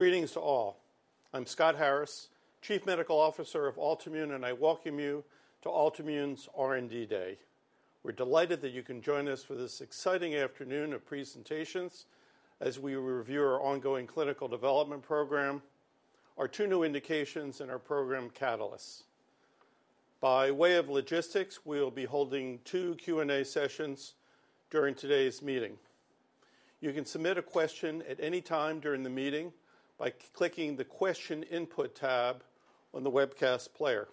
Greetings to all. I'm Scott Harris, Chief Medical Officer of Altimmune, and I welcome you to Altimmune's R&D Day. We're delighted that you can join us for this exciting afternoon of presentations as we review our ongoing clinical development program, our two new indications, and our program catalysts. By way of logistics, we will be holding two Q&A sessions during today's meeting. You can submit a question at any time during the meeting by clicking the Question Input tab on the webcast player.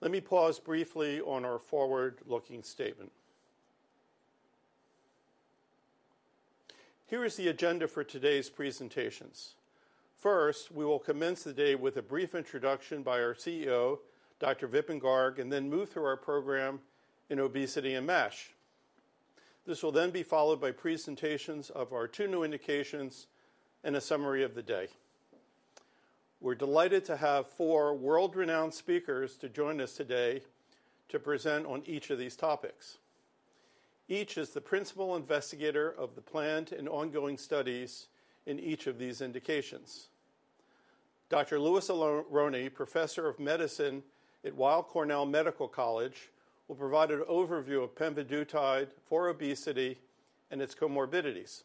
Let me pause briefly on our forward-looking statement. Here is the agenda for today's presentations. First, we will commence the day with a brief introduction by our CEO, Dr. Vipin Garg, and then move through our program in obesity and MASH. This will then be followed by presentations of our two new indications and a summary of the day. We're delighted to have four world-renowned speakers to join us today to present on each of these topics. Each is the principal investigator of the planned and ongoing studies in each of these indications. Dr. Louis Aronne, Professor of Medicine at Weill Cornell Medical College, will provide an overview of pemvidutide for obesity and its comorbidities.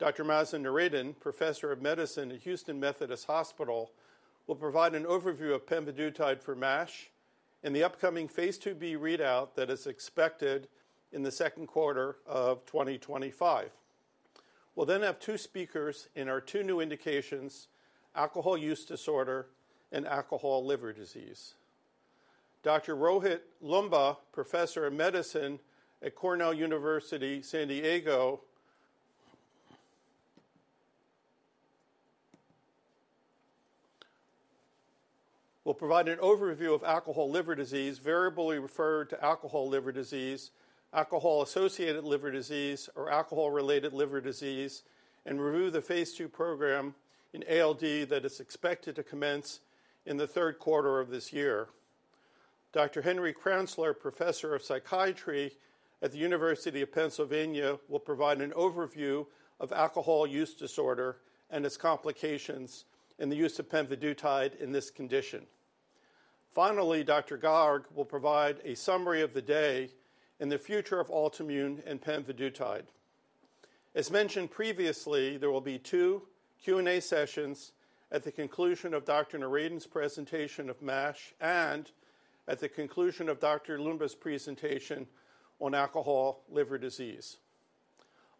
Dr. Mazen Noureddin, Professor of Medicine at Houston Methodist Hospital, will provide an overview of pemvidutide for MASH and the upcoming phase IIb readout that is expected in the second quarter of 2025. We'll then have two speakers in our two new indications: alcohol use disorder and alcohol liver disease. Dr. Rohit Loomba, Professor of Medicine at University of California San Diego, will provide an overview of alcohol liver disease, variably referred to as alcohol liver disease, alcohol-associated liver disease, or alcohol-related liver disease, and review the phase II program in ALD that is expected to commence in the third quarter of this year. Dr. Henry Kranzler, Professor of Psychiatry at the University of Pennsylvania, will provide an overview of alcohol use disorder and its complications and the use of pemvidutide in this condition. Finally, Dr. Garg will provide a summary of the day and the future of Altimmune and pemvidutide. As mentioned previously, there will be two Q&A sessions at the conclusion of Dr. Noureddin's presentation of MASH and at the conclusion of Dr. Loomba's presentation on alcohol liver disease.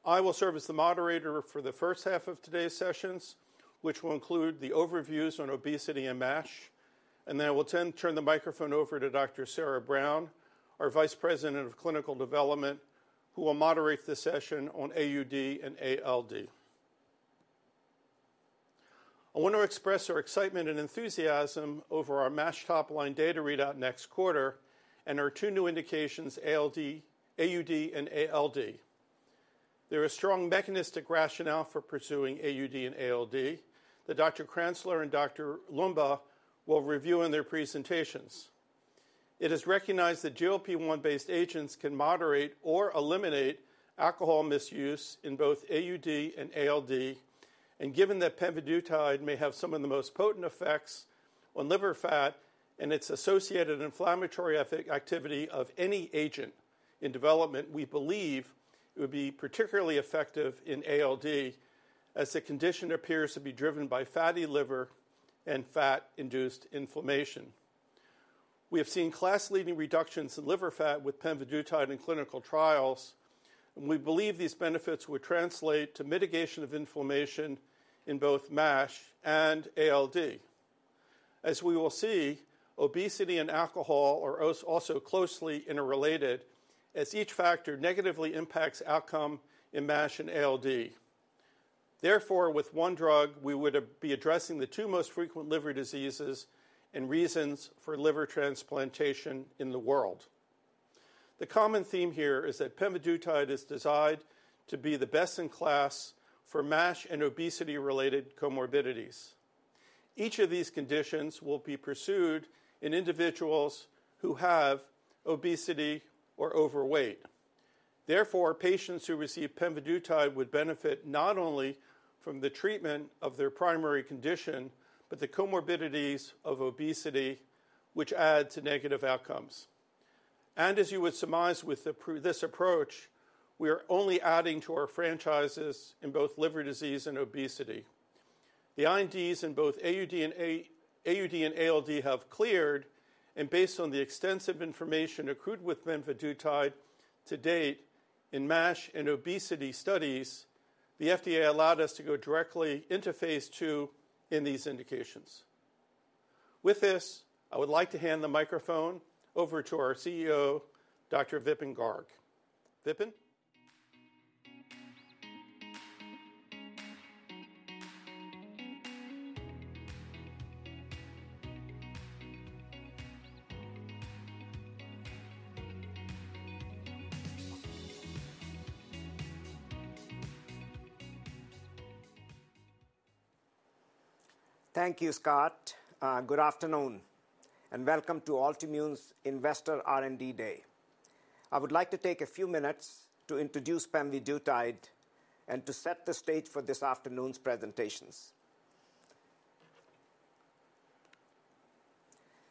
I will serve as the moderator for the first half of today's sessions, which will include the overviews on obesity and MASH, and then I will turn the microphone over to Dr. Sarah Browne, our Vice President of Clinical Development, who will moderate the session on AUD and ALD. I want to express our excitement and enthusiasm over our MASH top-line data readout next quarter and our two new indications, AUD and ALD. There is a strong mechanistic rationale for pursuing AUD and ALD that Dr. Kranzler and Dr. Loomba will review in their presentations. It is recognized that GLP-1-based agents can moderate or eliminate alcohol misuse in both AUD and ALD, and given that pemvidutide may have some of the most potent effects on liver fat and its associated inflammatory activity of any agent in development, we believe it would be particularly effective in ALD as the condition appears to be driven by fatty liver and fat-induced inflammation. We have seen class-leading reductions in liver fat with pemvidutide in clinical trials, and we believe these benefits would translate to mitigation of inflammation in both MASH and ALD. As we will see, obesity and alcohol are also closely interrelated as each factor negatively impacts outcome in MASH and ALD. Therefore, with one drug, we would be addressing the two most frequent liver diseases and reasons for liver transplantation in the world. The common theme here is that pemvidutide is designed to be the best in class for MASH and obesity-related comorbidities. Each of these conditions will be pursued in individuals who have obesity or overweight. Therefore, patients who receive pemvidutide would benefit not only from the treatment of their primary condition, but the comorbidities of obesity, which add to negative outcomes. As you would surmise with this approach, we are only adding to our franchises in both liver disease and obesity. The INDs in both AUD and ALD have cleared, and based on the extensive information accrued with pemvidutide to date in MASH and obesity studies, the FDA allowed us to go directly into phase II in these indications. With this, I would like to hand the microphone over to our CEO, Dr. Vipin Garg. Vipin? Thank you, Scott. Good afternoon, and welcome to Altimmune's Investor R&D Day. I would like to take a few minutes to introduce pemvidutide and to set the stage for this afternoon's presentations.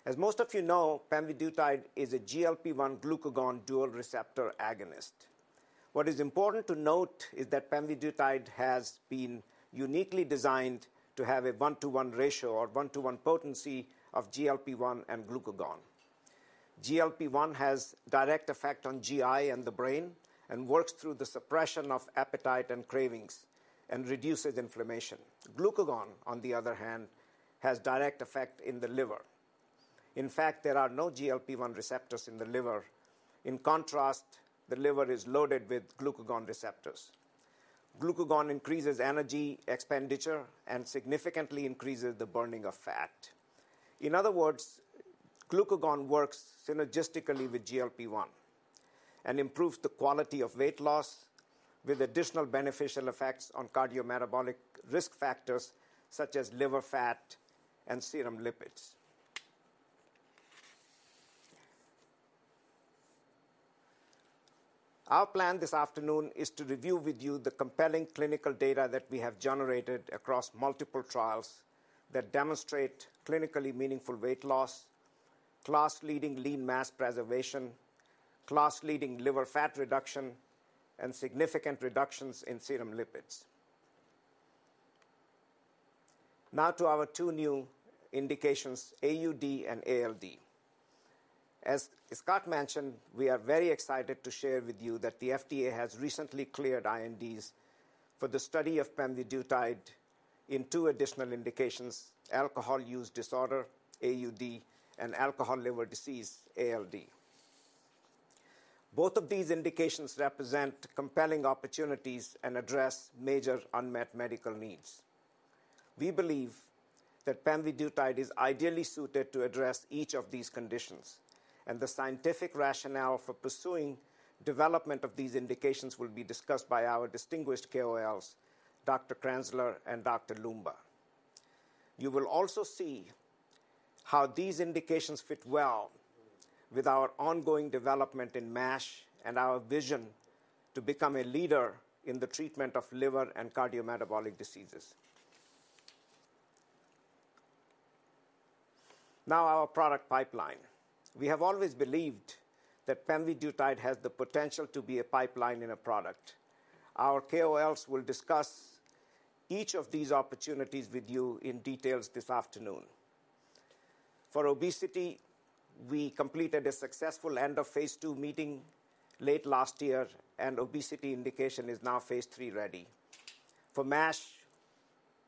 As most of you know, pemvidutide is a GLP-1 glucagon dual receptor agonist. What is important to note is that pemvidutide has been uniquely designed to have a one-to-one ratio or one-to-one potency of GLP-1 and glucagon. GLP-1 has a direct effect on GI and the brain and works through the suppression of appetite and cravings and reduces inflammation. Glucagon, on the other hand, has a direct effect in the liver. In fact, there are no GLP-1 receptors in the liver. In contrast, the liver is loaded with glucagon receptors. Glucagon increases energy expenditure and significantly increases the burning of fat. In other words, glucagon works synergistically with GLP-1 and improves the quality of weight loss with additional beneficial effects on cardiometabolic risk factors such as liver fat and serum lipids. Our plan this afternoon is to review with you the compelling clinical data that we have generated across multiple trials that demonstrate clinically meaningful weight loss, class-leading lean mass preservation, class-leading liver fat reduction, and significant reductions in serum lipids. Now to our two new indications, AUD and ALD. As Scott mentioned, we are very excited to share with you that the FDA has recently cleared INDs for the study of pemvidutide in two additional indications: alcohol use disorder, AUD, and alcohol liver disease, ALD. Both of these indications represent compelling opportunities and address major unmet medical needs. We believe that pemvidutide is ideally suited to address each of these conditions, and the scientific rationale for pursuing the development of these indications will be discussed by our distinguished KOLs, Dr. Kranzler and Dr. Loomba. You will also see how these indications fit well with our ongoing development in MASH and our vision to become a leader in the treatment of liver and cardiometabolic diseases. Now, our product pipeline. We have always believed that pemvidutide has the potential to be a pipeline in a product. Our KOLs will discuss each of these opportunities with you in detail this afternoon. For obesity, we completed a successful end-of-phase II meeting late last year, and obesity indication is now phase III ready. For MASH,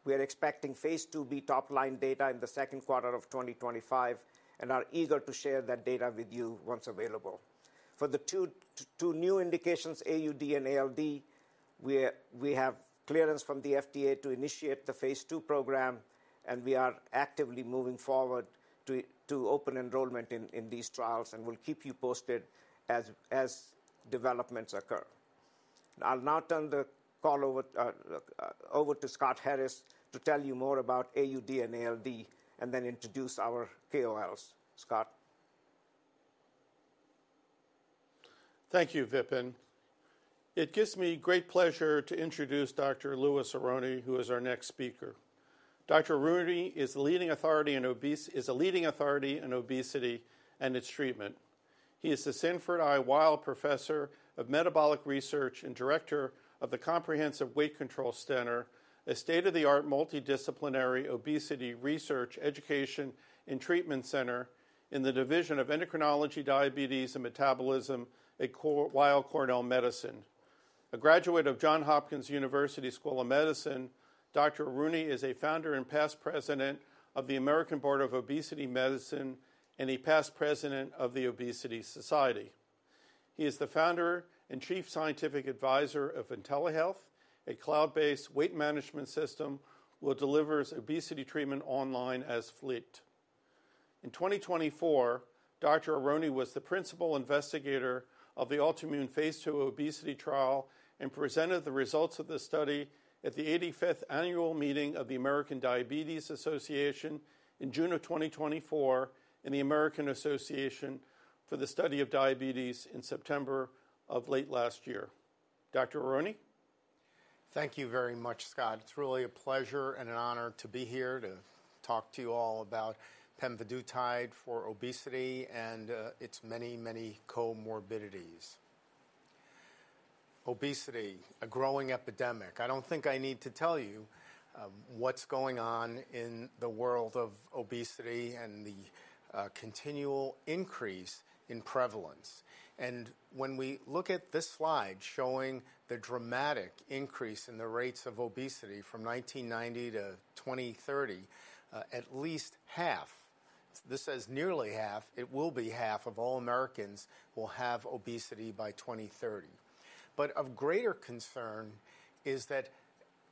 we are expecting phase IIb top-line data in the second quarter of 2025 and are eager to share that data with you once available. For the two new indications, AUD and ALD, we have clearance from the FDA to initiate the phase II program, and we are actively moving forward to open enrollment in these trials and will keep you posted as developments occur. I'll now turn the call over to Scott Harris to tell you more about AUD and ALD and then introduce our KOLs. Scott. Thank you, Vipin. It gives me great pleasure to introduce Dr. Louis Aronne, who is our next speaker. Dr. Aronne is a leading authority in obesity and its treatment. He is the Sanford I. Weill Professor of Metabolic Research and Director of the Comprehensive Weight Control Center, a state-of-the-art multidisciplinary obesity research, education, and treatment center in the Division of Endocrinology, Diabetes, and Metabolism at Weill Cornell Medicine. A graduate of Jons Hopkins University School of Medicine, Dr. Aronne is a founder and past president of the American Board of Obesity Medicine and a past president of the Obesity Society. He is the founder and chief scientific advisor of Intellihealth, a cloud-based weight management system that delivers obesity treatment online as Fleet. In 2024, Dr. Aronne was the principal investigator of the Altimmune phase II obesity trial and presented the results of the study at the 85th Annual Meeting of the American Diabetes Association in June of 2024 and the American Association for the Study of Diabetes in September of late last year. Dr. Aronne? Thank you very much, Scott. It's really a pleasure and an honor to be here to talk to you all about pemvidutide for obesity and its many, many comorbidities. Obesity, a growing epidemic. I don't think I need to tell you what's going on in the world of obesity and the continual increase in prevalence. When we look at this slide showing the dramatic increase in the rates of obesity from 1990 to 2030, at least half, this says nearly half, it will be half of all Americans will have obesity by 2030. Of greater concern is that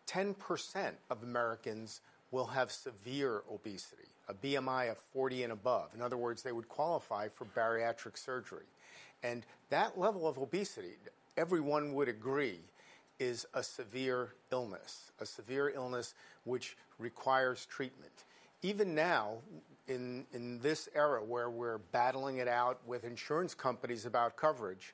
10% of Americans will have severe obesity, a BMI of 40 and above. In other words, they would qualify for bariatric surgery. That level of obesity, everyone would agree, is a severe illness, a severe illness which requires treatment. Even now, in this era where we're battling it out with insurance companies about coverage,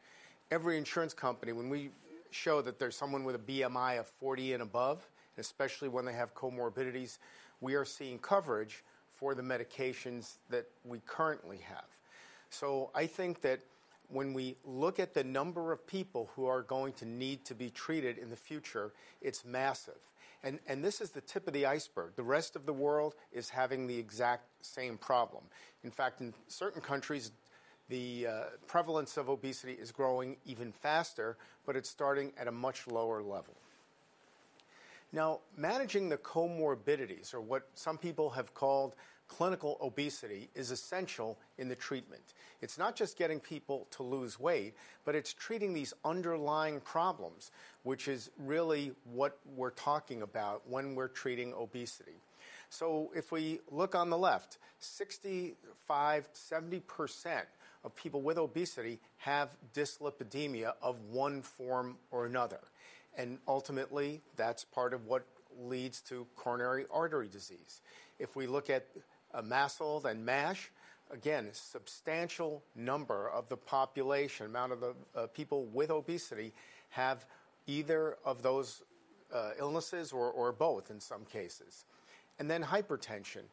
every insurance company, when we show that there's someone with a BMI of 40 and above, especially when they have comorbidities, we are seeing coverage for the medications that we currently have. I think that when we look at the number of people who are going to need to be treated in the future, it's massive. This is the tip of the iceberg. The rest of the world is having the exact same problem. In fact, in certain countries, the prevalence of obesity is growing even faster, but it's starting at a much lower level. Now, managing the comorbidities, or what some people have called clinical obesity, is essential in the treatment. It's not just getting people to lose weight, but it's treating these underlying problems, which is really what we're talking about when we're treating obesity. If we look on the left, 65%-70% of people with obesity have dyslipidemia of one form or another. Ultimately, that's part of what leads to coronary artery disease. If we look at MASLD and MASH, again, a substantial number of the population, the amount of people with obesity have either of those illnesses or both in some cases. Hypertension: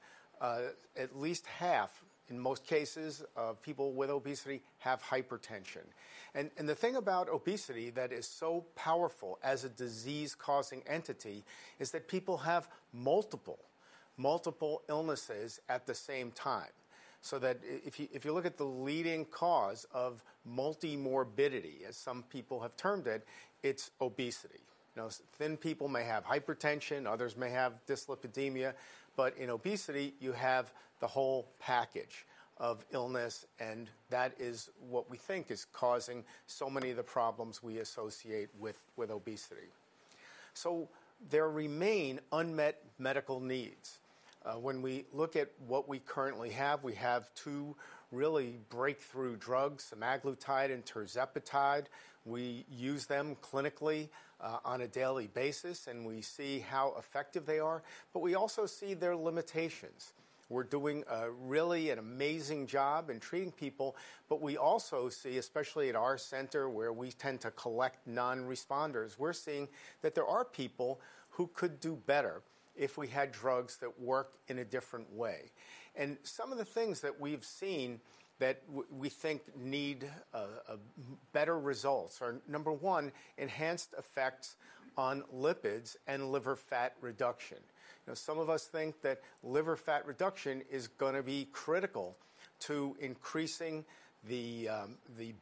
at least half, in most cases, of people with obesity have hypertension. The thing about obesity that is so powerful as a disease-causing entity is that people have multiple, multiple illnesses at the same time. If you look at the leading cause of multimorbidity, as some people have termed it, it's obesity. Thin people may have hypertension, others may have dyslipidemia, but in obesity, you have the whole package of illness, and that is what we think is causing so many of the problems we associate with obesity. There remain unmet medical needs. When we look at what we currently have, we have two really breakthrough drugs, semaglutide and tirzepatide. We use them clinically on a daily basis, and we see how effective they are, but we also see their limitations. We're doing really an amazing job in treating people, but we also see, especially at our center where we tend to collect non-responders, we're seeing that there are people who could do better if we had drugs that worked in a different way. Some of the things that we've seen that we think need better results are, number one, enhanced effects on lipids and liver fat reduction. Some of us think that liver fat reduction is going to be critical to increasing the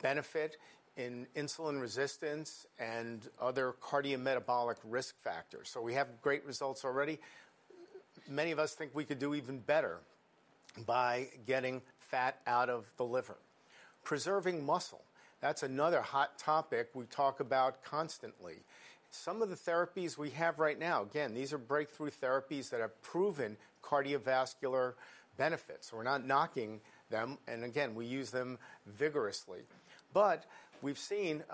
benefit in insulin resistance and other cardiometabolic risk factors. We have great results already. Many of us think we could do even better by getting fat out of the liver. Preserving muscle, that's another hot topic we talk about constantly. Some of the therapies we have right now, again, these are breakthrough therapies that have proven cardiovascular benefits. We're not knocking them, and again, we use them vigorously. We've seen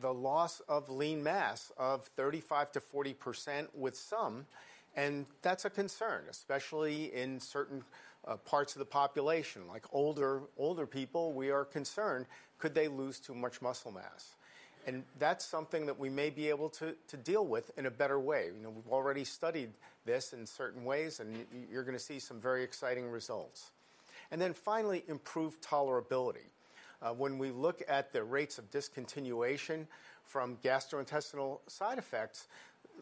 the loss of lean mass of 35%-40% with some, and that's a concern, especially in certain parts of the population, like older people. We are concerned, could they lose too much muscle mass? That's something that we may be able to deal with in a better way. We've already studied this in certain ways, and you're going to see some very exciting results. Finally, improved tolerability. When we look at the rates of discontinuation from gastrointestinal side effects,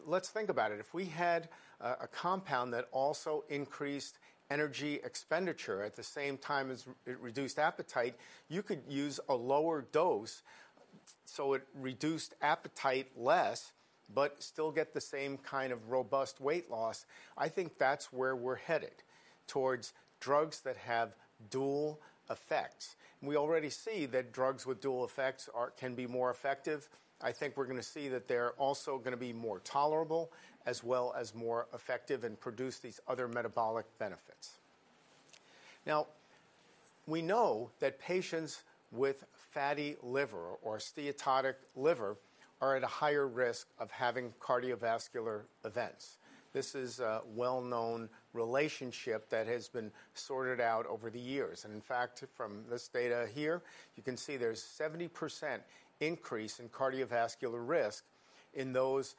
let's think about it. If we had a compound that also increased energy expenditure at the same time as it reduced appetite, you could use a lower dose so it reduced appetite less, but still get the same kind of robust weight loss. I think that's where we're headed, towards drugs that have dual effects. We already see that drugs with dual effects can be more effective. I think we're going to see that they're also going to be more tolerable as well as more effective and produce these other metabolic benefits. Now, we know that patients with fatty liver or steatotic liver are at a higher risk of having cardiovascular events. This is a well-known relationship that has been sorted out over the years. In fact, from this data here, you can see there's a 70% increase in cardiovascular risk in those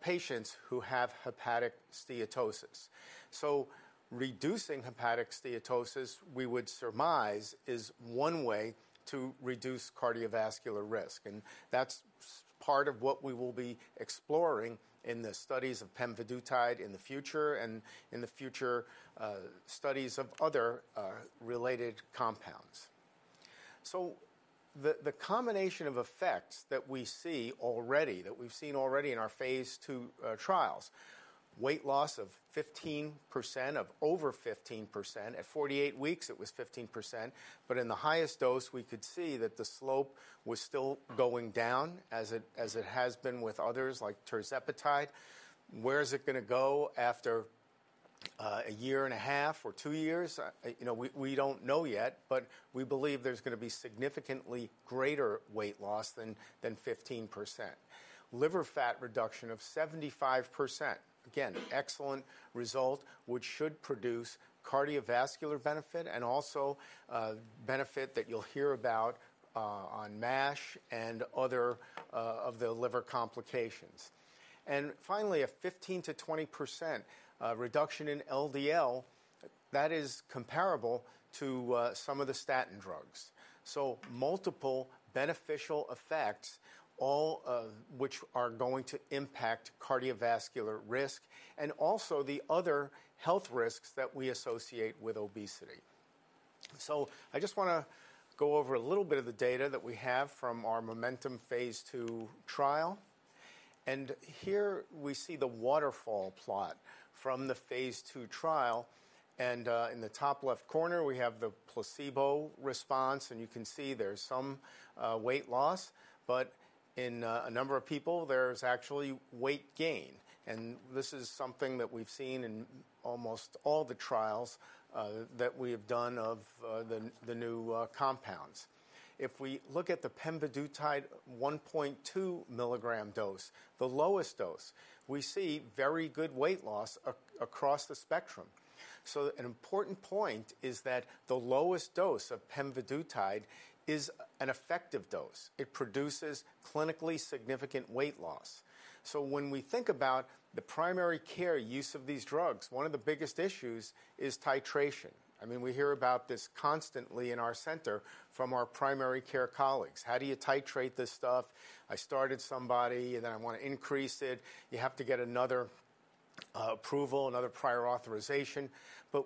patients who have hepatic steatosis. Reducing hepatic steatosis, we would surmise, is one way to reduce cardiovascular risk. That is part of what we will be exploring in the studies of pemvidutide in the future and in the future studies of other related compounds. The combination of effects that we see already, that we've seen already in our phase II trials, weight loss of 15%, of over 15%. At 48 weeks, it was 15%, but in the highest dose, we could see that the slope was still going down as it has been with others like tirzepatide. Where is it going to go after a year and a half or two years? We don't know yet, but we believe there's going to be significantly greater weight loss than 15%. Liver fat reduction of 75%, again, excellent result, which should produce cardiovascular benefit and also benefit that you'll hear about on MASH and other of the liver complications. Finally, a 15%-20% reduction in LDL, that is comparable to some of the statin drugs. Multiple beneficial effects, all of which are going to impact cardiovascular risk and also the other health risks that we associate with obesity. I just want to go over a little bit of the data that we have from our Momentum phase II trial. Here we see the waterfall plot from the phase II trial. In the top left corner, we have the placebo response, and you can see there's some weight loss, but in a number of people, there's actually weight gain. This is something that we've seen in almost all the trials that we have done of the new compounds. If we look at the pemvidutide 1.2 mg dose, the lowest dose, we see very good weight loss across the spectrum. An important point is that the lowest dose of pemvidutide is an effective dose. It produces clinically significant weight loss. When we think about the primary care use of these drugs, one of the biggest issues is titration. I mean, we hear about this constantly in our center from our primary care colleagues. How do you titrate this stuff? I started somebody, and then I want to increase it. You have to get another approval, another prior authorization.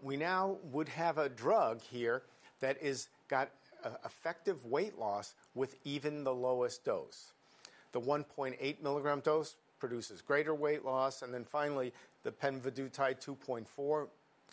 We now would have a drug here that has got effective weight loss with even the lowest dose. The 1.8 mg dose produces greater weight loss. Finally, the pemvidutide 2.4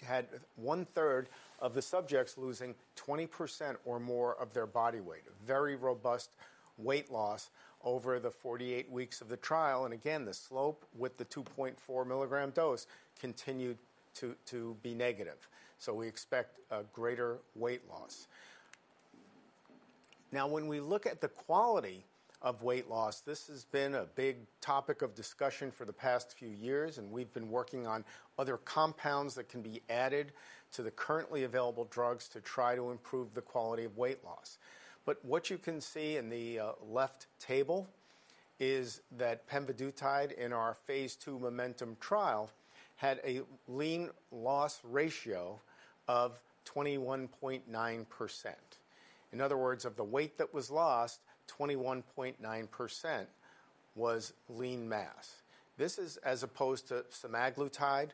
had 1/3 of the subjects losing 20% or more of their body weight, a very robust weight loss over the 48 weeks of the trial. Again, the slope with the 2.4 mg dose continued to be negative. We expect greater weight loss. Now, when we look at the quality of weight loss, this has been a big topic of discussion for the past few years, and we've been working on other compounds that can be added to the currently available drugs to try to improve the quality of weight loss. What you can see in the left table is that pemvidutide in our phase II Momentum trial had a lean loss ratio of 21.9%. In other words, of the weight that was lost, 21.9% was lean mass. This is as opposed to semaglutide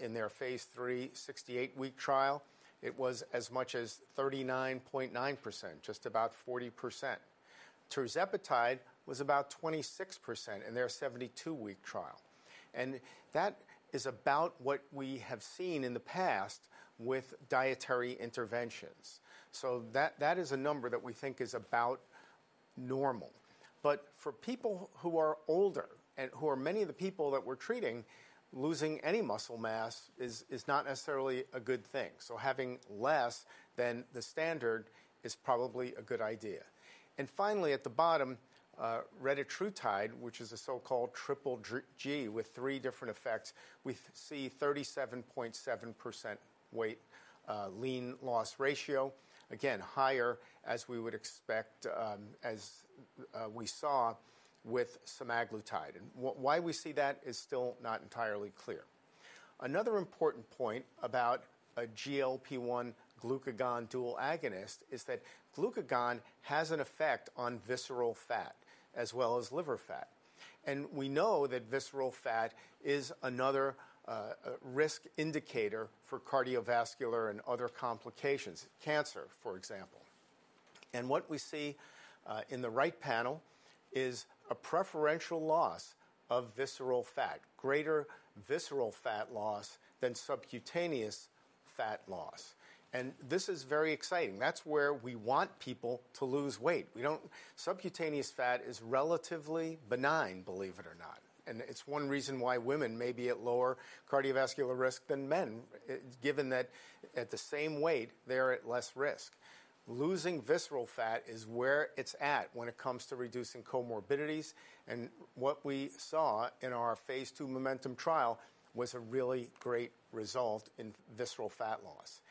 in their phase III, 68-week trial. It was as much as 39.9%, just about 40%. Tirzepatide was about 26% in their 72-week trial. That is about what we have seen in the past with dietary interventions. That is a number that we think is about normal. For people who are older and who are many of the people that we're treating, losing any muscle mass is not necessarily a good thing. Having less than the standard is probably a good idea. Finally, at the bottom, retatrutide, which is a so-called Triple G with three different effects, we see 37.7% weight lean loss ratio. Again, higher as we would expect, as we saw with semaglutide. Why we see that is still not entirely clear. Another important point about a GLP-1 glucagon dual agonist is that glucagon has an effect on visceral fat as well as liver fat. We know that visceral fat is another risk indicator for cardiovascular and other complications, cancer, for example. What we see in the right panel is a preferential loss of visceral fat, greater visceral fat loss than subcutaneous fat loss. This is very exciting. That's where we want people to lose weight. Subcutaneous fat is relatively benign, believe it or not. It's one reason why women may be at lower cardiovascular risk than men, given that at the same weight, they're at less risk. Losing visceral fat is where it's at when it comes to reducing comorbidities. What we saw in our phase II Momentum trial was a really great result in visceral fat loss.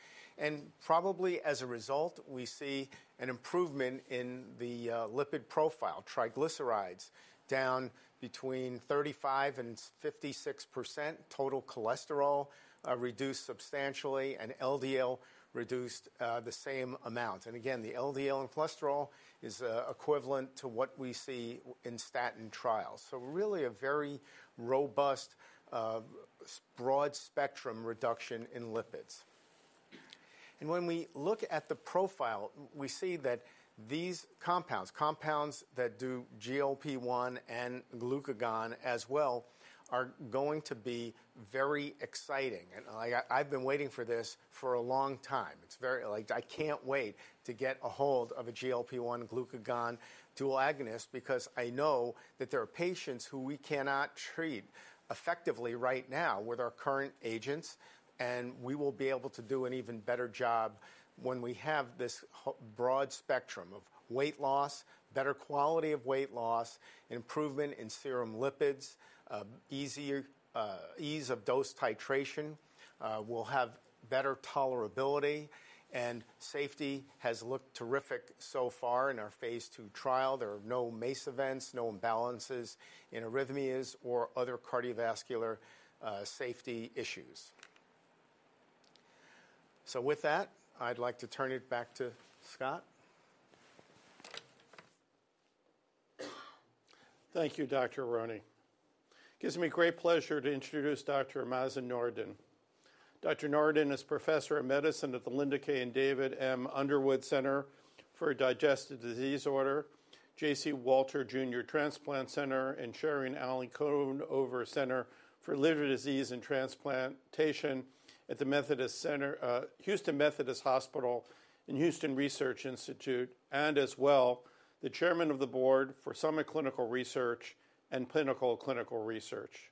Probably as a result, we see an improvement in the lipid profile, triglycerides, down between 35%-56%. Total cholesterol reduced substantially, and LDL reduced the same amount. The LDL and cholesterol is equivalent to what we see in statin trials. Really a very robust, broad spectrum reduction in lipids. When we look at the profile, we see that these compounds, compounds that do GLP-1 and glucagon as well, are going to be very exciting. I have been waiting for this for a long time. It's very like, I can't wait to get a hold of a GLP-1 glucagon dual agonist because I know that there are patients who we cannot treat effectively right now with our current agents. We will be able to do an even better job when we have this broad spectrum of weight loss, better quality of weight loss, improvement in serum lipids, ease of dose titration. We'll have better tolerability. Safety has looked terrific so far in our phase II trial. There are no MACE events, no imbalances in arrhythmias or other cardiovascular safety issues. With that, I'd like to turn it back to Scott. Thank you, Dr. Aronne. It gives me great pleasure to introduce Dr. Mazen Noureddin. Dr. Noureddin is Professor of Medicine at the Linda K. and David M. Underwood Center for Digestive Disorders, J.C. Walter Jr. Transplant Center, and Sherrie and Alan Conover Center for Liver Disease and Transplantation at the Houston Methodist Hospital and Houston Research Institute, and as well, the Chairman of the Board for Summit Clinical Research and Pinnacle Clinical Research.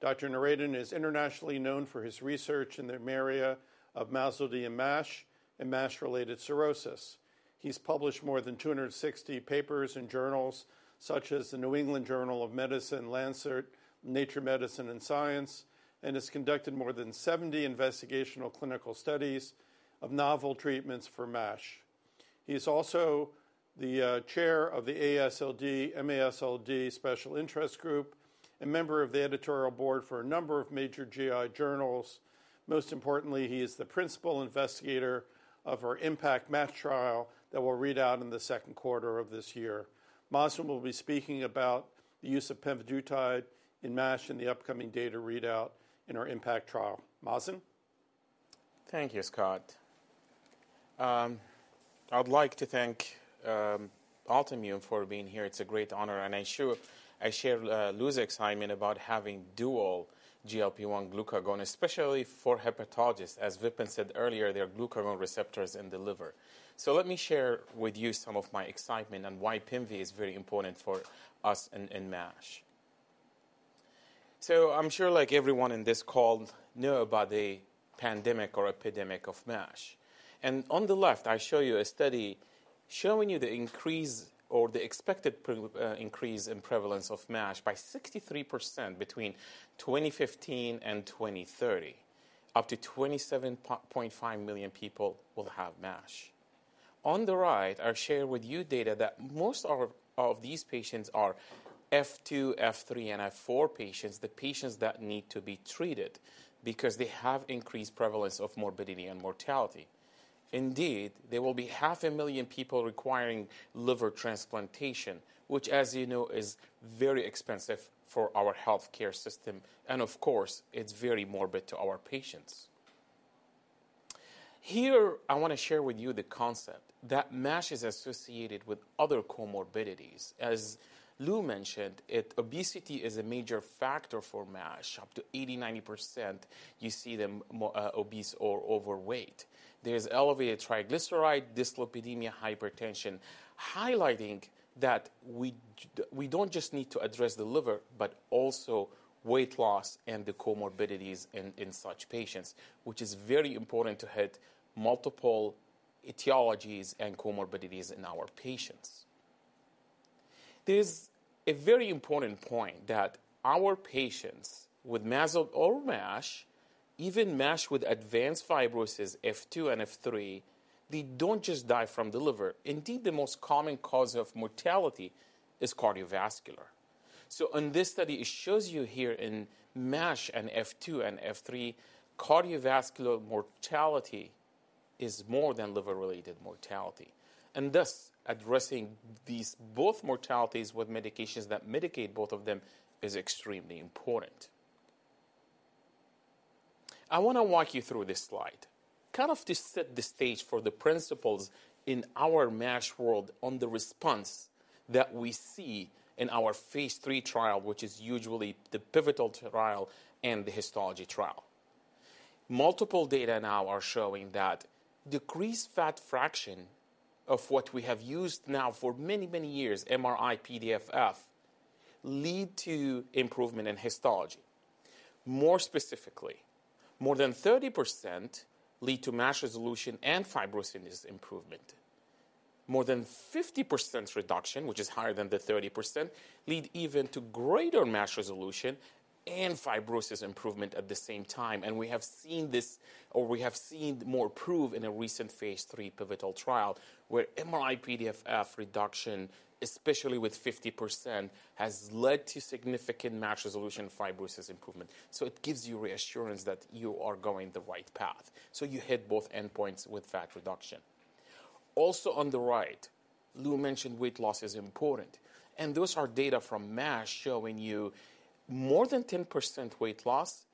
Dr. Noureddin is internationally known for his research in the area of MASLD and MASH and MASH-related cirrhosis. He's published more than 260 papers in journals such as the New England Journal of Medicine, Lancet, Nature Medicine and Science, and has conducted more than 70 investigational clinical studies of novel treatments for MASH. He is also the Chair of the AASLD MASLD Special Interest Group, a member of the editorial board for a number of major GI journals. Most importantly, he is the principal investigator of our IMPACT MASH trial that we'll read out in the second quarter of this year. Mazen will be speaking about the use of pemvidutide in MASH in the upcoming data readout in our IMPACT trial. Mazen? Thank you, Scott. I'd like to thank Altimmune for being here. It's a great honor. I share Louis's excitement about having dual GLP-1 glucagon, especially for hepatologists. As Vipin said earlier, there are glucagon receptors in the liver. Let me share with you some of my excitement and why PIMV is very important for us in MASH. I'm sure like everyone in this call, know about the pandemic or epidemic of MASH. On the left, I show you a study showing you the increase or the expected increase in prevalence of MASH by 63% between 2015 and 2030. Up to 27.5 million people will have MASH. On the right, I'll share with you data that most of these patients are F2, F3, and F4 patients, the patients that need to be treated because they have increased prevalence of morbidity and mortality. Indeed, there will be 500,000 people requiring liver transplantation, which, as you know, is very expensive for our healthcare system. Of course, it's very morbid to our patients. Here, I want to share with you the concept that MASH is associated with other comorbidities. As Lou mentioned, obesity is a major factor for MASH, up to 80%, 90%, you see them obese or overweight. There is elevated triglyceride, dyslipidemia, hypertension, highlighting that we do not just need to address the liver, but also weight loss and the comorbidities in such patients, which is very important to hit multiple etiologies and comorbidities in our patients. There is a very important point that our patients with MASLD or MASH, even MASH with advanced fibrosis, F2 and F3, they do not just die from the liver. Indeed, the most common cause of mortality is cardiovascular. In this study, it shows you here in MASH and F2 and F3, cardiovascular mortality is more than liver-related mortality. Thus, addressing these both mortalities with medications that mitigate both of them is extremely important. I want to walk you through this slide, kind of to set the stage for the principles in our MASH world on the response that we see in our phase III trial, which is usually the pivotal trial and the histology trial. Multiple data now are showing that decreased fat fraction of what we have used now for many, many years, MRI-PDFF, lead to improvement in histology. More specifically, more than 30% lead to MASH resolution and fibrosis improvement. More than 50% reduction, which is higher than the 30%, lead even to greater MASH resolution and fibrosis improvement at the same time. We have seen this, or we have seen more proof in a recent phase III pivotal trial where MRI-PDFF reduction, especially with 50%, has led to significant MASH resolution and fibrosis improvement. It gives you reassurance that you are going the right path. So you hit both endpoints with fat reduction. Also on the right, Lou mentioned weight loss is important. Those are data from MASH showing you more than 10% weight loss,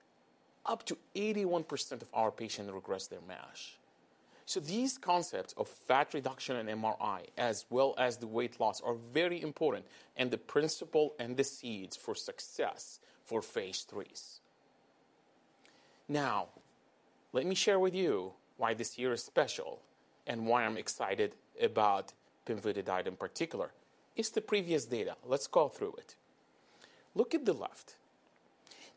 up to 81% of our patients regress their MASH. These concepts of fat reduction and MRI, as well as the weight loss, are very important and the principal and the seeds for success for phase IIIs. Now, let me share with you why this year is special and why I'm excited about pemvidutide in particular. It's the previous data. Let's go through it. Look at the left.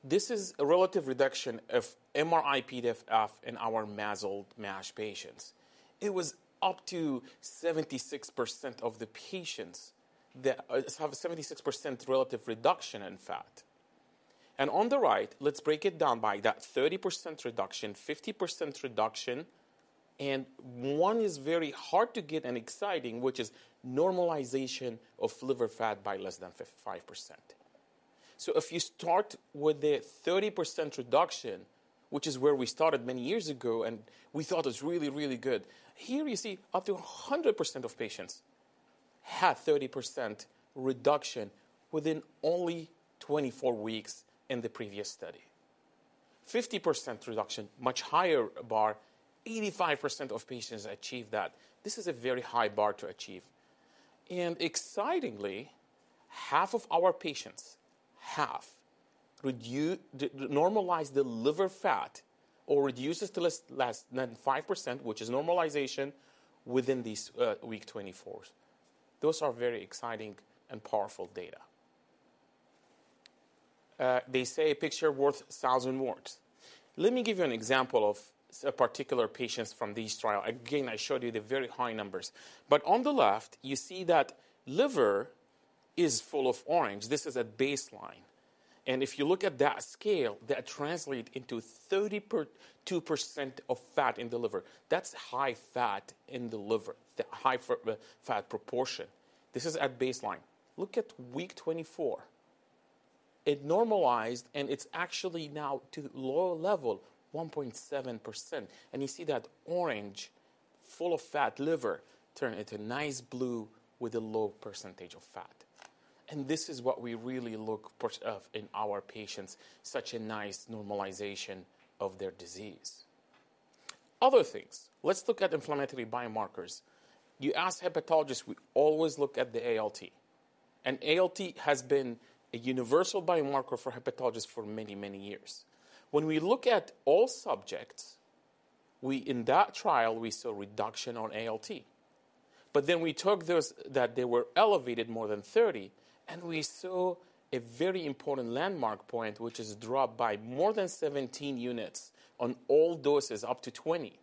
This is a relative reduction of MRI-PDFF in our MASLD, MASH patients. It was up to 76% of the patients that have a 76% relative reduction in fat. On the right, let's break it down by that 30% reduction, 50% reduction, and one is very hard to get and exciting, which is normalization of liver fat by less than 5%. If you start with the 30% reduction, which is where we started many years ago and we thought it was really, really good, here you see up to 100% of patients had 30% reduction within only 24 weeks in the previous study. 50% reduction, much higher bar, 85% of patients achieved that. This is a very high bar to achieve. Excitingly, half of our patients have normalized the liver fat or reduced it to less than 5%, which is normalization within these week 24. Those are very exciting and powerful data. They say a picture is worth a thousand words. Let me give you an example of a particular patient from these trials. Again, I showed you the very high numbers. On the left, you see that liver is full of orange. This is at baseline. If you look at that scale, that translates into 32% of fat in the liver. That is high fat in the liver, high fat proportion. This is at baseline. Look at week 24. It normalized and it is actually now to low level, 1.7%. You see that orange full of fat liver turned into nice blue with a low percentage of fat. This is what we really look in our patients, such a nice normalization of their disease. Other things, let's look at inflammatory biomarkers. You ask hepatologists, we always look at the ALT. ALT has been a universal biomarker for hepatologists for many, many years. When we look at all subjects in that trial, we saw reduction on ALT. Then we took those that they were elevated more than 30, and we saw a very important landmark point, which is dropped by more than 17 units on all doses, up to 20.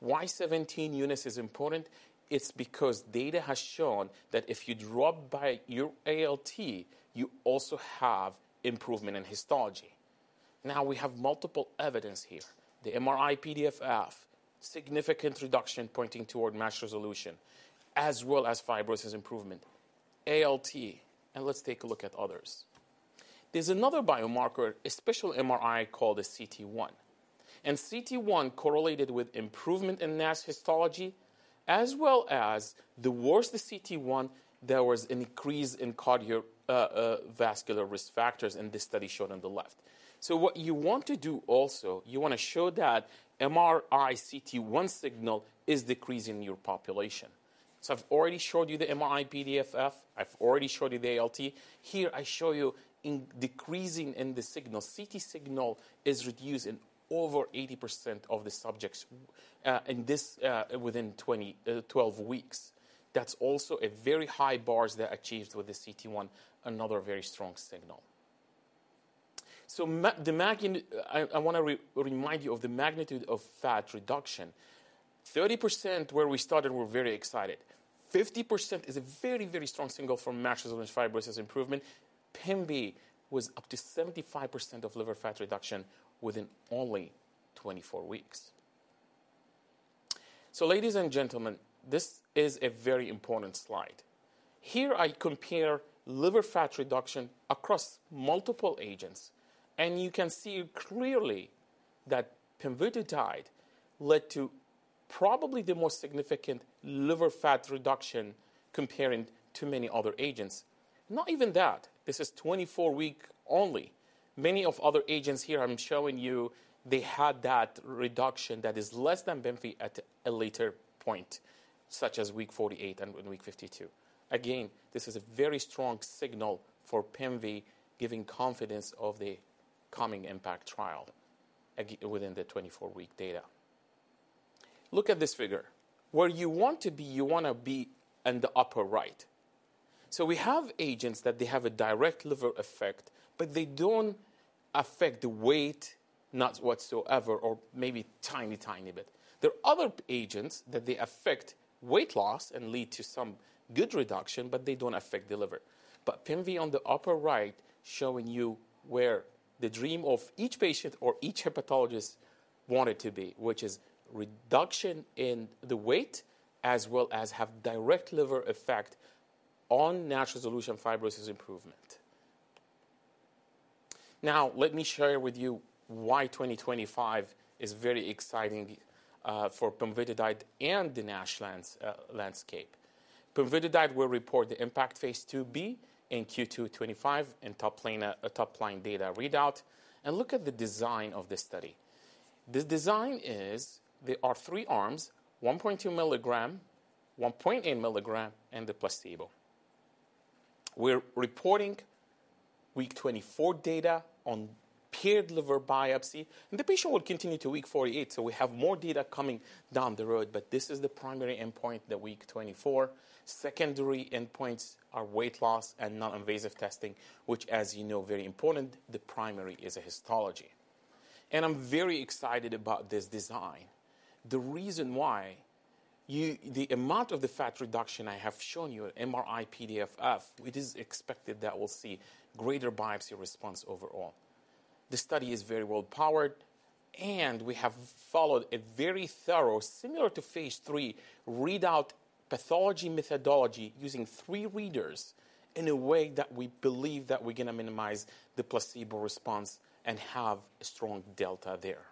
Why 17 units is important? It's because data has shown that if you drop by your ALT, you also have improvement in histology. Now we have multiple evidence here. The MRI-PDFF, significant reduction pointing toward MASH resolution, as well as fibrosis improvement. ALT, and let's take a look at others. There's another biomarker, a special MRI called the cT1. And cT1 correlated with improvement in MASH histology, as well as the worst of cT1, there was an increase in cardiovascular risk factors in this study shown on the left. What you want to do also, you want to show that MRI cT1 signal is decreasing in your population. I've already showed you the MRI-PDFF. I've already showed you the ALT. Here, I show you decreasing in the signal. cT1 signal is reduced in over 80% of the subjects within 12 weeks. That's also a very high bar that achieved with the cT1, another very strong signal. I want to remind you of the magnitude of fat reduction. 30% where we started, we're very excited, 50% is a very, very strong signal for MASH resolution fibrosis improvement. Pemvidutide was up to 75% of liver fat reduction within only 24 weeks. Ladies and gentlemen, this is a very important slide. Here I compare liver fat reduction across multiple agents. You can see clearly that pemvidutide led to probably the most significant liver fat reduction comparing to many other agents. Not even that. This is 24 weeks only. Many of other agents here I'm showing you, they had that reduction that is less than PIMV at a later point, such as week 48 and week 52. Again, this is a very strong signal for PIMV, giving confidence of the coming IMPACT trial within the 24-week data. Look at this figure. Where you want to be, you want to be in the upper right. We have agents that they have a direct liver effect, but they don't affect the weight, not whatsoever, or maybe tiny, tiny bit. There are other agents that they affect weight loss and lead to some good reduction, but they don't affect the liver. PIMV on the upper right showing you where the dream of each patient or each hepatologist wanted to be, which is reduction in the weight, as well as have direct liver effect on MASH resolution fibrosis improvement. Now, let me share with you why 2025 is very exciting for pemvidutide and the MASH landscape. Pemvidutide will report the IMPACT phase IIb in Q2 2025 and top line data readout. Look at the design of this study. The design is there are three arms, 1.2 mg, 1.8 mg, and the placebo. We're reporting week 24 data on paired liver biopsy. The patient will continue to week 48. We have more data coming down the road. This is the primary endpoint at week 24. Secondary endpoints are weight loss and non-invasive testing, which, as you know, very important, the primary is a histology. I'm very excited about this design. The reason why the amount of the fat reduction I have shown you, MRI-PDFF, it is expected that we'll see greater biopsy response overall. The study is very well powered. We have followed a very thorough, similar to phase III, readout pathology methodology using three readers in a way that we believe that we're going to minimize the placebo response and have a strong delta there.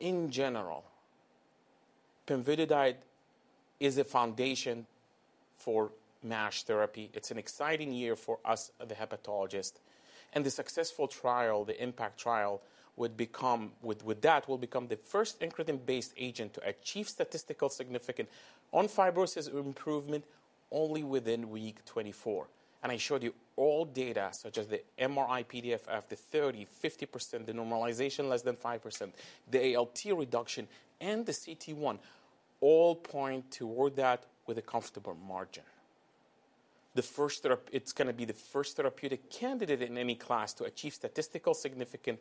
In general, pemvidutide is a foundation for MASH therapy. It's an exciting year for us as the hepatologists. The successful trial, the IMPACT trial, with that, will become the first increment-based agent to achieve statistical significance on fibrosis improvement only within week 24. I showed you all data, such as the MRI-PDFF, the 30%, 50%, the normalization less than 5%, the ALT reduction, and the cT1, all point toward that with a comfortable margin. It's going to be the first therapeutic candidate in any class to achieve statistical significance,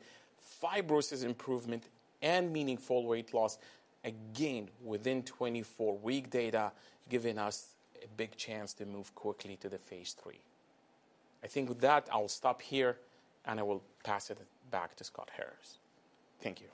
fibrosis improvement, and meaningful weight loss, again, within 24-week data, giving us a big chance to move quickly to the phase III. I think with that, I'll stop here, and I will pass it back to Scott Harris. Thank you.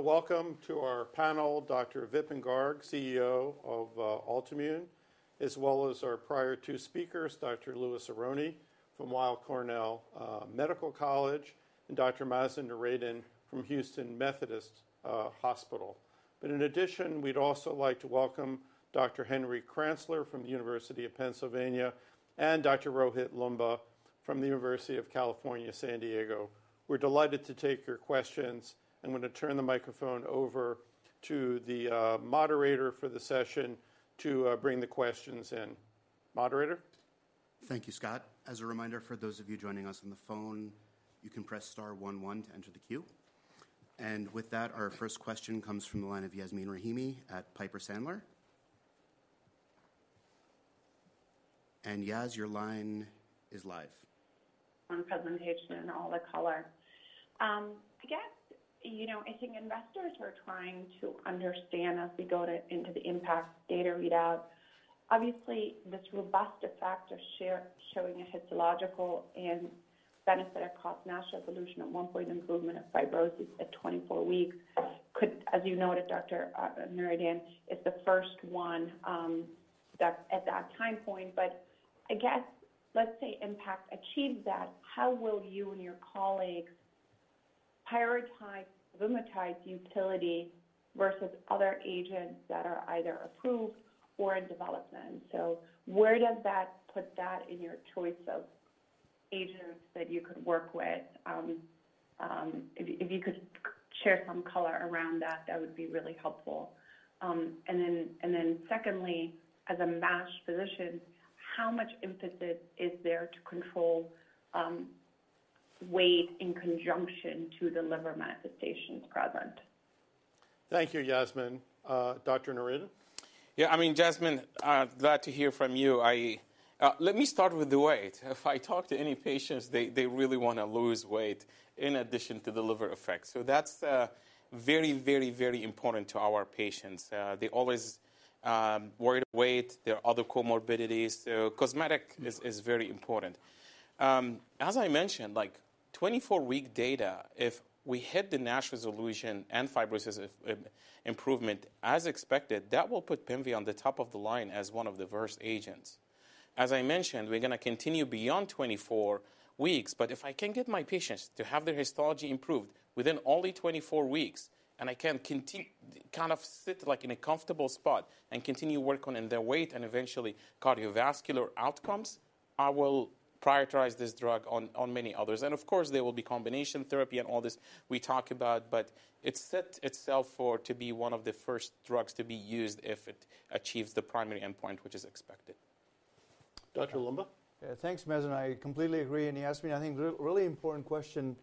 I want to welcome to our panel, Dr. Vipin Garg, CEO of Altimmune, as well as our prior two speakers, Dr. Louis Aronne from Weill Cornell Medical College, and Dr. Mazen Noureddin from Houston Methodist Hospital. In addition, we'd also like to welcome Dr. Henry Kranzler from the University of Pennsylvania and Dr. Rohit Loomba from the University of California, San Diego. We're delighted to take your questions. I'm going to turn the microphone over to the moderator for the session to bring the questions in. Moderator? Thank you, Scott. As a reminder, for those of you joining us on the phone, you can press star one one to enter the queue. With that, our first question comes from the line of Yasmeen Rahimi at Piper Sandler. Yas, your line is live. On presentation and all the color. I guess, you know, I think investors are trying to understand as we go into the IMPACT data readout. Obviously, this robust effect of showing a histological and benefit of cost MASH resolution at one point improvement of fibrosis at 24 weeks could, as you noted, Dr. Noureddin, is the first one at that time point. I guess, let's say IMPACT achieves that, how will you and your colleagues prioritize pemvidutide's utility versus other agents that are either approved or in development? Where does that put that in your choice of agents that you could work with? If you could share some color around that, that would be really helpful. Secondly, as a MASH physician, how much emphasis is there to control weight in conjunction to the liver manifestations present? Thank you, Yasmeen. Dr. Noureddin? Yeah, I mean, Yasmeen, glad to hear from you. Let me start with the weight. If I talk to any patients, they really want to lose weight in addition to the liver effects. That is very, very, very important to our patients. They always worry about weight. There are other comorbidities. Cosmetic is very important. As I mentioned, like 24-week data, if we hit the MASH resolution and fibrosis improvement as expected, that will put pemvidutide on the top of the line as one of the first agents. As I mentioned, we are going to continue beyond 24 weeks. If I can get my patients to have their histology improved within only 24 weeks, and I can kind of sit like in a comfortable spot and continue working on their weight and eventually cardiovascular outcomes, I will prioritize this drug on many others. Of course, there will be combination therapy and all this we talk about. It set itself to be one of the first drugs to be used if it achieves the primary endpoint, which is expected. Dr. Loomba? Yeah, thanks, Mazen. I completely agree. Yasmeen, I think really important question.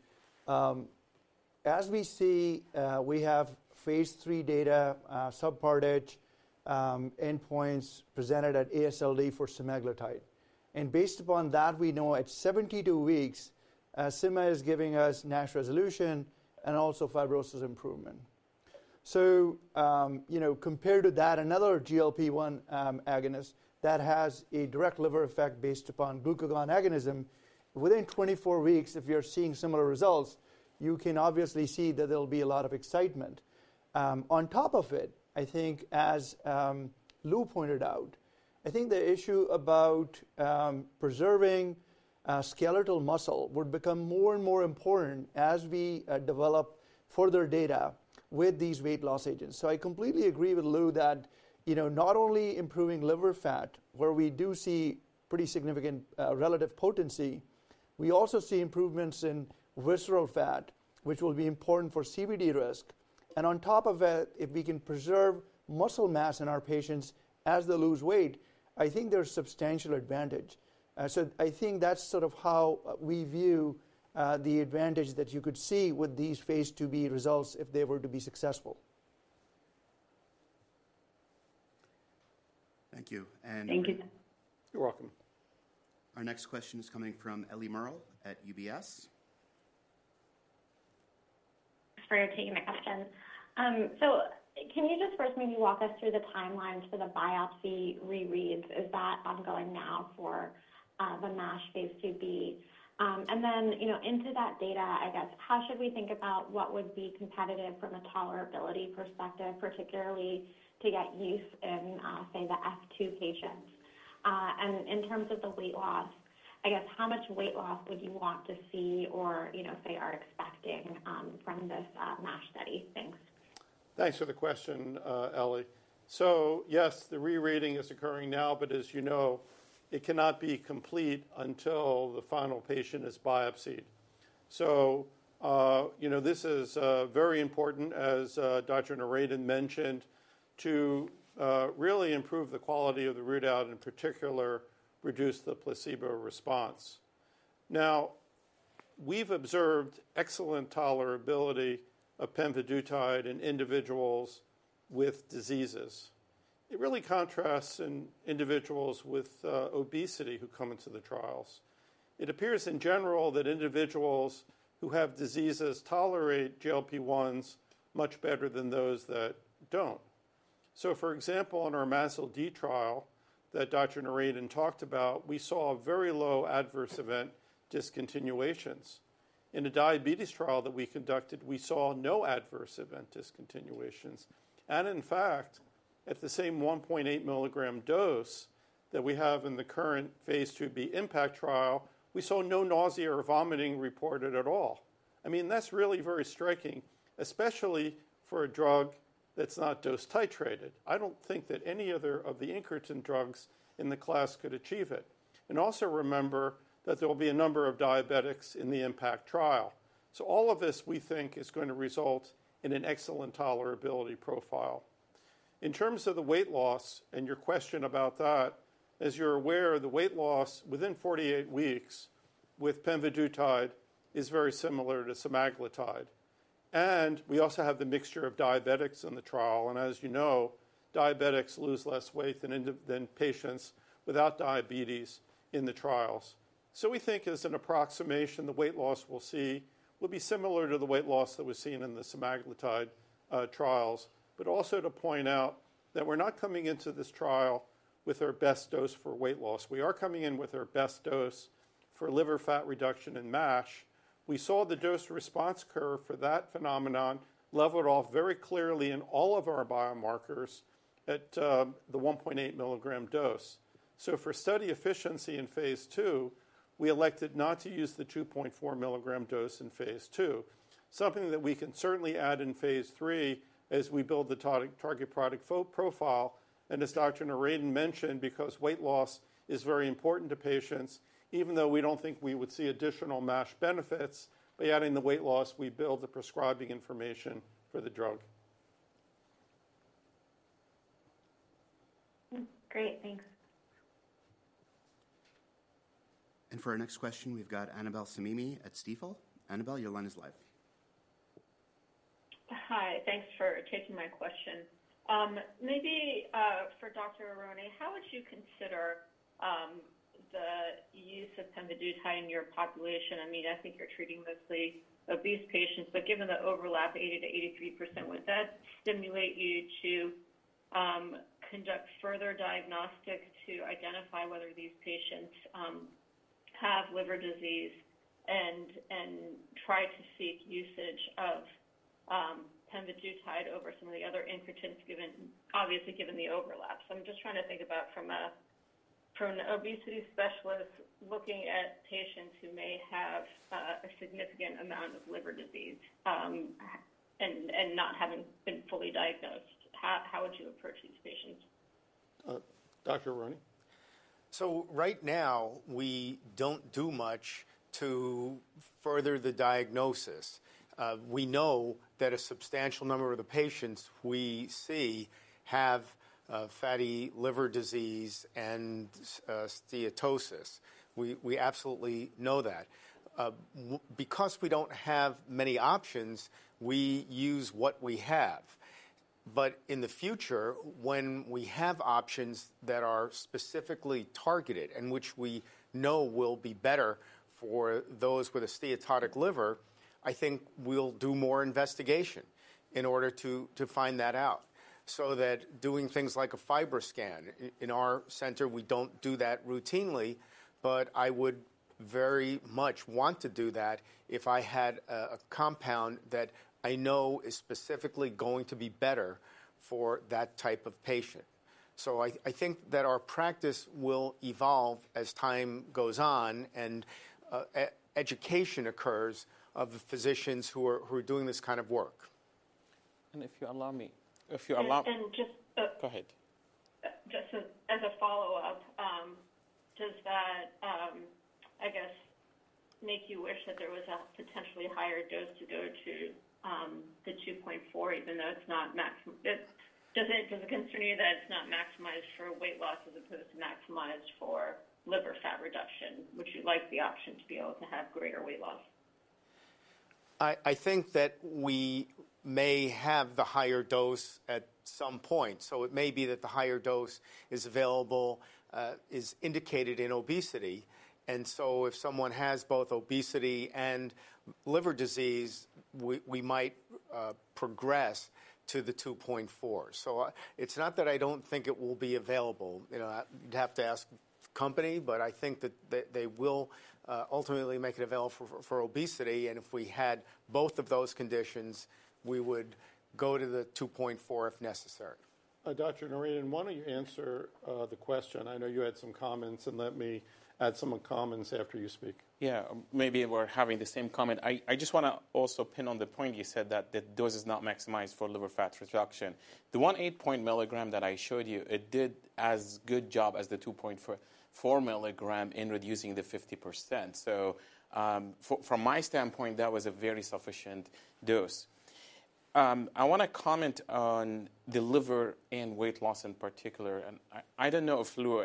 As we see, we have phase III data, subpar edge endpoints presented at AASLD for semaglutide. Based upon that, we know at 72 weeks, sema is giving us MASH resolution and also fibrosis improvement. Compared to that, another GLP-1 agonist that has a direct liver effect based upon glucagon agonism, within 24 weeks, if you're seeing similar results, you can obviously see that there'll be a lot of excitement. On top of it, I think, as Lou pointed out, I think the issue about preserving skeletal muscle would become more and more important as we develop further data with these weight loss agents. I completely agree with Lou that not only improving liver fat, where we do see pretty significant relative potency, we also see improvements in visceral fat, which will be important for CVD risk. On top of that, if we can preserve muscle mass in our patients as they lose weight, I think there's substantial advantage. I think that's sort of how we view the advantage that you could see with these phase IIb results if they were to be successful. Thank you. Thank you. You're welcome. Our next question is coming from Ellie Merle at UBS. Thanks for taking the question. Can you just first maybe walk us through the timeline for the biopsy rereads? Is that ongoing now for the MASH phase IIb? Into that data, I guess, how should we think about what would be competitive from a tolerability perspective, particularly to get use in, say, the F2 patients? In terms of the weight loss, I guess, how much weight loss would you want to see or, say, are expecting from this MASH study? Thanks. Thanks for the question, Ellie. Yes, the rereading is occurring now. As you know, it cannot be complete until the final patient is biopsied. This is very important, as Dr. Noureddin mentioned, to really improve the quality of the readout and, in particular, reduce the placebo response. Now, we've observed excellent tolerability of pemvidutide in individuals with diseases. It really contrasts in individuals with obesity who come into the trials. It appears, in general, that individuals who have diseases tolerate GLP-1s much better than those that do not. For example, in our MASLD trial that Dr. Noureddin talked about, we saw very low adverse event discontinuations. In a diabetes trial that we conducted, we saw no adverse event discontinuations. In fact, at the same 1.8 mg dose that we have in the current phase IIb IMPACT trial, we saw no nausea or vomiting reported at all. I mean, that's really very striking, especially for a drug that's not dose titrated. I don't think that any other of the incretin drugs in the class could achieve it. Also remember that there will be a number of diabetics in the IMPACT trial. All of this, we think, is going to result in an excellent tolerability profile. In terms of the weight loss and your question about that, as you're aware, the weight loss within 48 weeks with pemvidutide is very similar to semaglutide. We also have the mixture of diabetics in the trial. As you know, diabetics lose less weight than patients without diabetes in the trials. We think, as an approximation, the weight loss we'll see will be similar to the weight loss that was seen in the semaglutide trials. Also to point out that we're not coming into this trial with our best dose for weight loss. We are coming in with our best dose for liver fat reduction in MASH. We saw the dose response curve for that phenomenon leveled off very clearly in all of our biomarkers at the 1.8 mg dose. For study efficiency in phase II, we elected not to use the 2.4 mg dose in phase II, something that we can certainly add in phase III as we build the target product profile. As Dr. Noureddin mentioned, because weight loss is very important to patients, even though we don't think we would see additional MASH benefits by adding the weight loss, we build the prescribing information for the drug. Great. Thanks. For our next question, we've got Annabel Semimy at Stifel. Annabel, your line is live. Hi. Thanks for taking my question. Maybe for Dr. Noureddin, how would you consider the use of pemvidutide in your population? I mean, I think you're treating mostly obese patients. Given the overlap, 80%-83%, would that stimulate you to conduct further diagnostics to identify whether these patients have liver disease and try to seek usage of pemvidutide over some of the other incretins, obviously given the overlap? I am just trying to think about from an obesity specialist looking at patients who may have a significant amount of liver disease and not having been fully diagnosed. How would you approach these patients? Dr. Aronne. Right now, we do not do much to further the diagnosis. We know that a substantial number of the patients we see have fatty liver disease and steatosis. We absolutely know that. Because we do not have many options, we use what we have. In the future, when we have options that are specifically targeted and which we know will be better for those with a steatotic liver, I think we'll do more investigation in order to find that out. Doing things like a FibroScan in our center, we don't do that routinely. I would very much want to do that if I had a compound that I know is specifically going to be better for that type of patient. I think that our practice will evolve as time goes on and education occurs of the physicians who are doing this kind of work. Go ahead. Just as a follow-up, does that, I guess, make you wish that there was a potentially higher dose to go to the 2.4, even though it's not maximized? Does it concern you that it's not maximized for weight loss as opposed to maximized for liver fat reduction? Would you like the option to be able to have greater weight loss? I think that we may have the higher dose at some point. It may be that the higher dose is indicated in obesity. If someone has both obesity and liver disease, we might progress to the 2.4. It's not that I don't think it will be available. You'd have to ask the company. I think that they will ultimately make it available for obesity. If we had both of those conditions, we would go to the 2.4 if necessary. Dr. Noureddin, why don't you answer the question? I know you had some comments. Let me add some comments after you speak. Yeah, maybe we're having the same comment. I just want to also pin on the point you said that the dose is not maximized for liver fat reduction. The 1.8 mg that I showed you, it did as good a job as the 2.4 mg in reducing the 50%. From my standpoint, that was a very sufficient dose. I want to comment on the liver and weight loss in particular. I don't know if Lou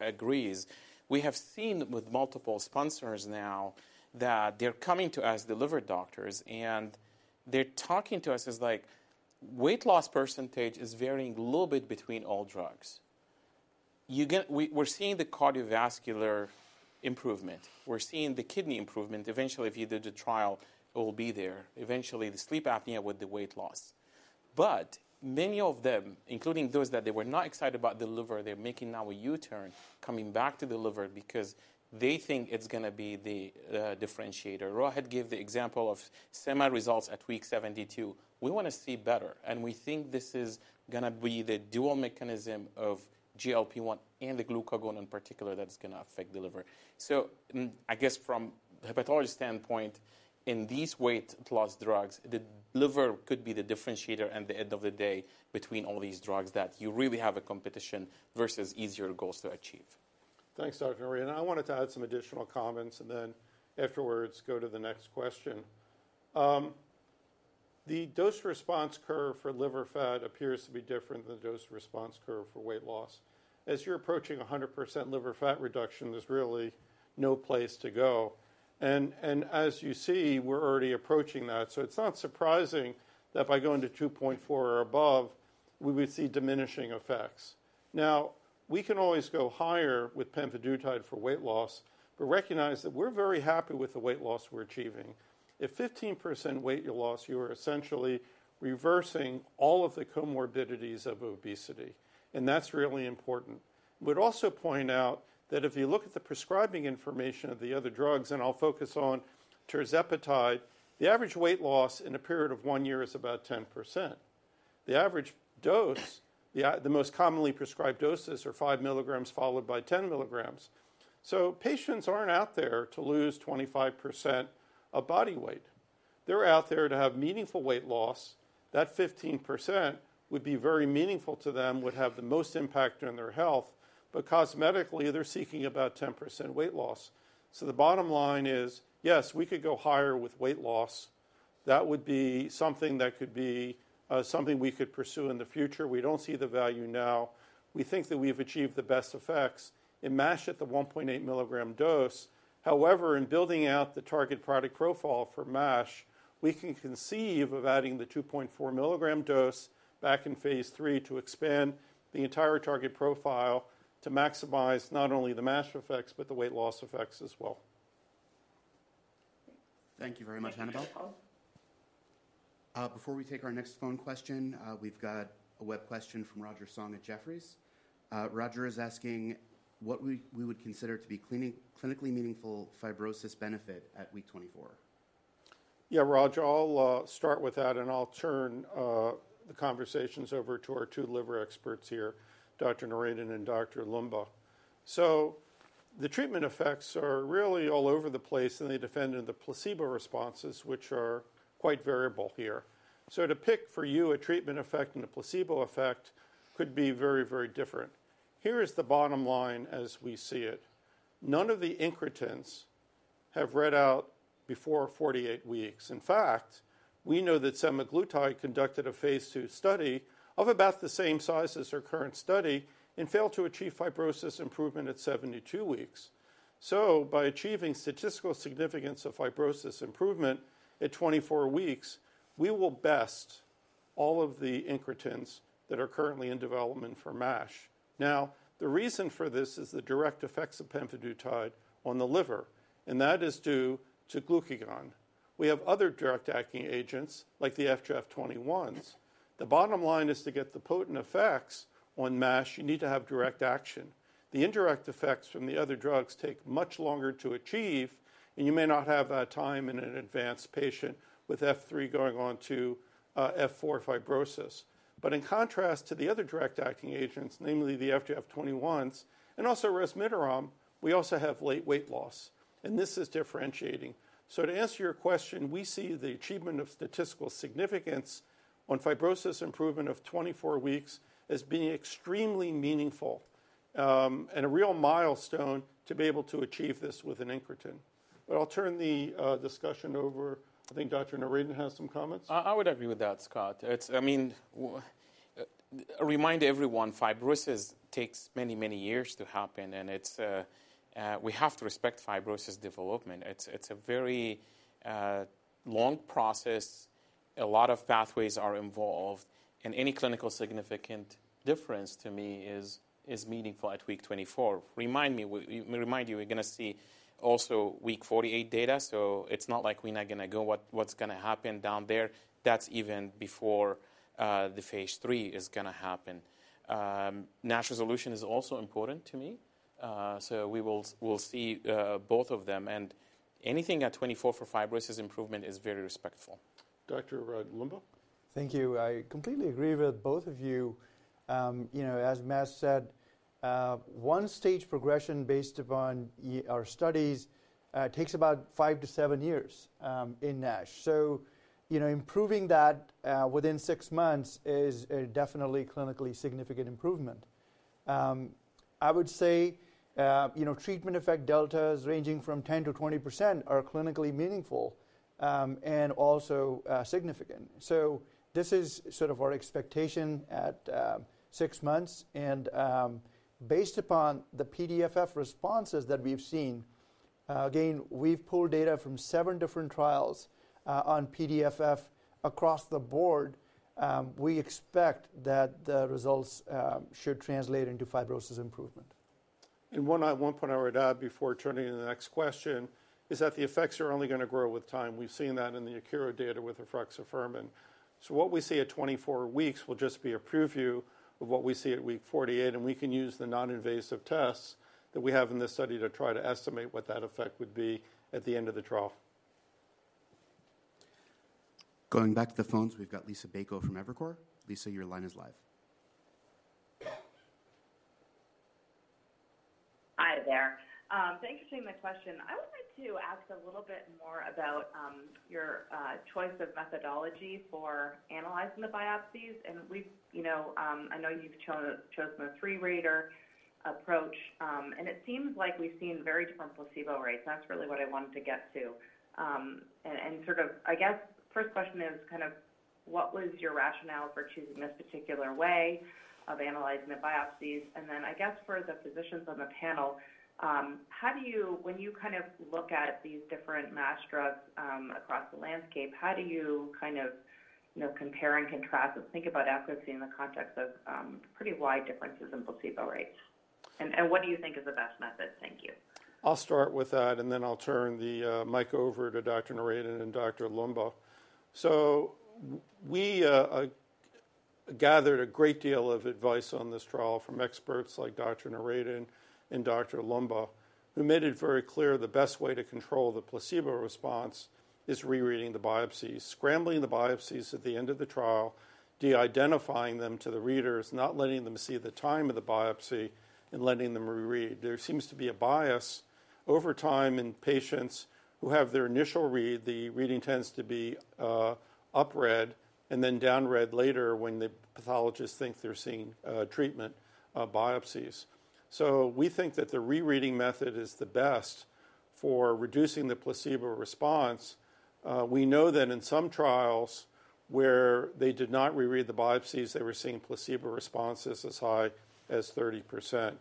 agrees. We have seen with multiple sponsors now that they're coming to us, the liver doctors. They're talking to us as like, weight loss percentage is varying a little bit between all drugs. We're seeing the cardiovascular improvement. We're seeing the kidney improvement. Eventually, if you did the trial, it will be there. Eventually, the sleep apnea with the weight loss. Many of them, including those that they were not excited about the liver, they're making now a U-turn, coming back to the liver because they think it's going to be the differentiator. Rohit gave the example of sema results at week 72. We want to see better. We think this is going to be the dual mechanism of GLP-1 and the glucagon in particular that's going to affect the liver. I guess from a hepatology standpoint, in these weight loss drugs, the liver could be the differentiator at the end of the day between all these drugs that you really have a competition versus easier goals to achieve. Thanks, Dr. Noureddin. I wanted to add some additional comments. Afterwards, go to the next question. The dose response curve for liver fat appears to be different than the dose response curve for weight loss. As you're approaching 100% liver fat reduction, there's really no place to go. As you see, we're already approaching that. It's not surprising that by going to 2.4 or above, we would see diminishing effects. We can always go higher with pemvidutide for weight loss. Recognize that we're very happy with the weight loss we're achieving. At 15% weight loss, you are essentially reversing all of the comorbidities of obesity. That's really important. We'd also point out that if you look at the prescribing information of the other drugs, and I'll focus on tirzepatide, the average weight loss in a period of one year is about 10%. The average dose, the most commonly prescribed doses, are 5 mgs followed by 10 mgs. Patients aren't out there to lose 25% of body weight. They're out there to have meaningful weight loss. That 15% would be very meaningful to them, would have the most impact on their health. Cosmetically, they're seeking about 10% weight loss. The bottom line is, yes, we could go higher with weight loss. That would be something that could be something we could pursue in the future. We don't see the value now. We think that we've achieved the best effects in MASH at the 1.8 mg dose. However, in building out the target product profile for MASH, we can conceive of adding the 2.4 mg dose back in phase III to expand the entire target profile to maximize not only the MASH effects but the weight loss effects as well. Thank you very much, Annabel. Before we take our next phone question, we've got a web question from Roger Song at Jefferies. Roger is asking what we would consider to be clinically meaningful fibrosis benefit at week 24. Yeah, Roger, I'll start with that. I'll turn the conversations over to our two liver experts here, Dr. Noureddin and Dr. Loomba. The treatment effects are really all over the place. They depend on the placebo responses, which are quite variable here. To pick for you a treatment effect and a placebo effect could be very, very different. Here is the bottom line as we see it. None of the incretins have read out before 48 weeks. In fact, we know that semaglutide conducted a phase II study of about the same size as our current study and failed to achieve fibrosis improvement at 72 weeks. By achieving statistical significance of fibrosis improvement at 24 weeks, we will best all of the incretins that are currently in development for MASH. The reason for this is the direct effects of pemvidutide on the liver. That is due to glucagon. We have other direct-acting agents like the FGF21s. The bottom line is to get the potent effects on MASH, you need to have direct action. The indirect effects from the other drugs take much longer to achieve. You may not have that time in an advanced patient with F3 going on to F4 fibrosis. In contrast to the other direct-acting agents, namely the FGF21s and also resmetirom, we also have late weight loss. This is differentiating. To answer your question, we see the achievement of statistical significance on fibrosis improvement at 24 weeks as being extremely meaningful and a real milestone to be able to achieve this with an incretin. I'll turn the discussion over. I think Dr. Noureddin has some comments. I would agree with that, Scott. I mean, remind everyone, fibrosis takes many, many years to happen. We have to respect fibrosis development. It's a very long process. A lot of pathways are involved. Any clinical significant difference, to me, is meaningful at week 24. Remind you, we're going to see also week 48 data. It's not like we're not going to know what's going to happen down there. That's even before the phase III is going to happen. NASH resolution is also important to me. We will see both of them. Anything at 24% for fibrosis improvement is very respectful. Dr. Loomba thank you. I completely agree with both of you. As Mazen said, one-stage progression based upon our studies takes about five to seven years in NASH. Improving that within six months is definitely clinically significant improvement. I would say treatment effect deltas ranging from 10%-20% are clinically meaningful and also significant. This is sort of our expectation at six months. Based upon the PDFF responses that we've seen, again, we've pulled data from seven different trials on PDFF across the board. We expect that the results should translate into fibrosis improvement. One point I wanted to add before turning to the next question is that the effects are only going to grow with time. We've seen that in the AKERO data with refractory FGF21. What we see at 24 weeks will just be a preview of what we see at week 48. We can use the non-invasive tests that we have in this study to try to estimate what that effect would be at the end of the trial. Going back to the phones, we've got Liisa Bayko from Evercore. Lisa, your line is live. Hi there. Thanks for taking the question. I would like to ask a little bit more about your choice of methodology for analyzing the biopsies. I know you've chosen a three-rater approach. It seems like we've seen very different placebo rates. That's really what I wanted to get to. First question is kind of what was your rationale for choosing this particular way of analyzing the biopsies? I guess for the physicians on the panel, when you kind of look at these different MASH drugs across the landscape, how do you kind of compare and contrast and think about efficacy in the context of pretty wide differences in placebo rates? What do you think is the best method? Thank you. I'll start with that. I'll turn the mic over to Dr. Noureddin and Dr. Loomba. We gathered a great deal of advice on this trial from experts like Dr. Noureddin and Dr. Loomba, who made it very clear the best way to control the placebo response is rereading the biopsies, scrambling the biopsies at the end of the trial, de-identifying them to the readers, not letting them see the time of the biopsy, and letting them reread. There seems to be a bias over time in patients who have their initial read. The reading tends to be up-read and then down-read later when the pathologist thinks they're seeing treatment biopsies. We think that the rereading method is the best for reducing the placebo response. We know that in some trials where they did not reread the biopsies, they were seeing placebo responses as high as 30%.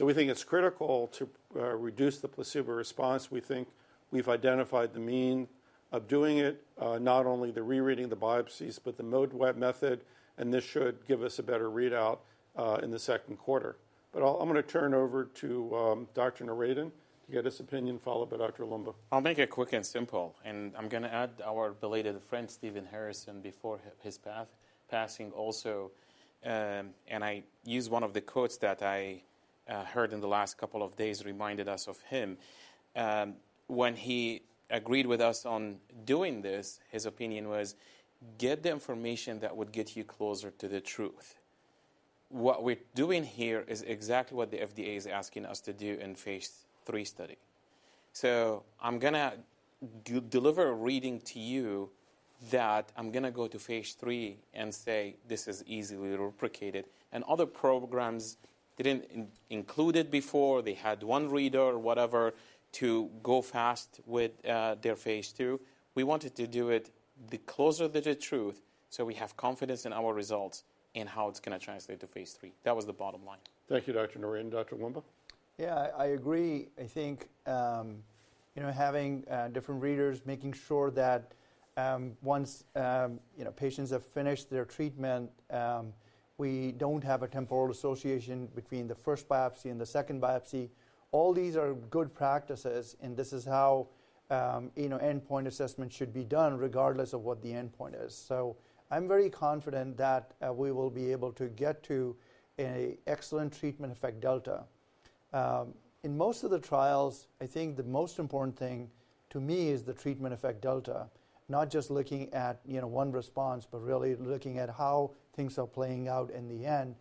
We think it's critical to reduce the placebo response. We think we've identified the mean of doing it, not only the rereading of the biopsies but the mode web method. This should give us a better readout in the second quarter. I'm going to turn over to Dr. Noureddin to get his opinion followed by Dr. Loomba. I'll make it quick and simple. I'm going to add our belated friend, Stephen Harrison, before his passing also. I use one of the quotes that I heard in the last couple of days reminded us of him. When he agreed with us on doing this, his opinion was, get the information that would get you closer to the truth. What we're doing here is exactly what the FDA is asking us to do in phase III study. I am going to deliver a reading to you that I am going to go to phase III and say, this is easily replicated. Other programs did not include it before. They had one reader or whatever to go fast with their phase II. We wanted to do it closer to the truth so we have confidence in our results and how it is going to translate to phase III. That was the bottom line. Thank you, Dr. Noureddin. Dr. Loomba. Yeah, I agree. I think having different readers, making sure that once patients have finished their treatment, we don't have a temporal association between the first biopsy and the second biopsy. All these are good practices. This is how endpoint assessment should be done regardless of what the endpoint is. I'm very confident that we will be able to get to an excellent treatment effect delta. In most of the trials, I think the most important thing to me is the treatment effect delta, not just looking at one response but really looking at how things are playing out in the end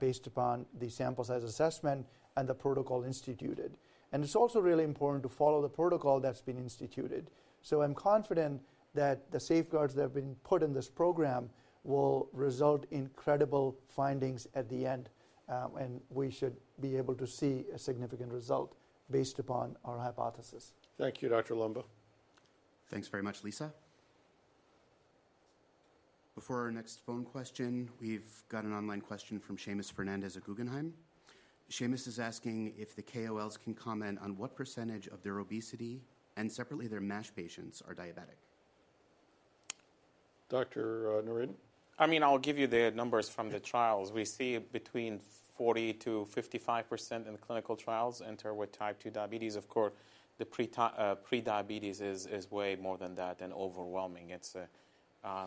based upon the sample size assessment and the protocol instituted. It's also really important to follow the protocol that's been instituted. I'm confident that the safeguards that have been put in this program will result in credible findings at the end. We should be able to see a significant result based upon our hypothesis. Thank you, Dr. Loomba. Thanks very much, Liisa. Before our next phone question, we've got an online question from Seamus Fernandez at Guggenheim. Seamus is asking if the KOLs can comment on what percentage of their obesity and separately their MASH patients are diabetic. Dr. Noureddin. I mean, I'll give you the numbers from the trials. We see between 40%-55% in clinical trials enter with type II diabetes. Of course, the prediabetes is way more than that and overwhelming. It's a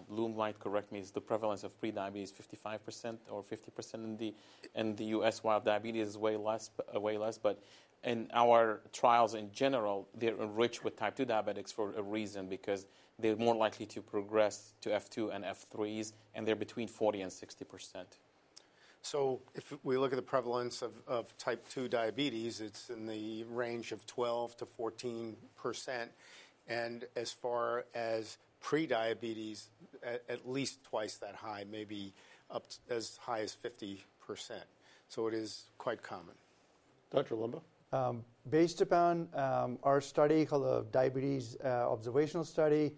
Lou, correct me. Is the prevalence of prediabetes 55% or 50% in the U.S. while diabetes is way less? In our trials in general, they're enriched with type 2 diabetics for a reason because they're more likely to progress to F2 and F3s. They're between 40% and 60%. If we look at the prevalence of type 2 diabetes, it's in the range of 12%-14%. As far as prediabetes, at least twice that high, maybe up as high as 50%. It is quite common. Dr. Loomba. Based upon our study called the Diabetes Observational Study,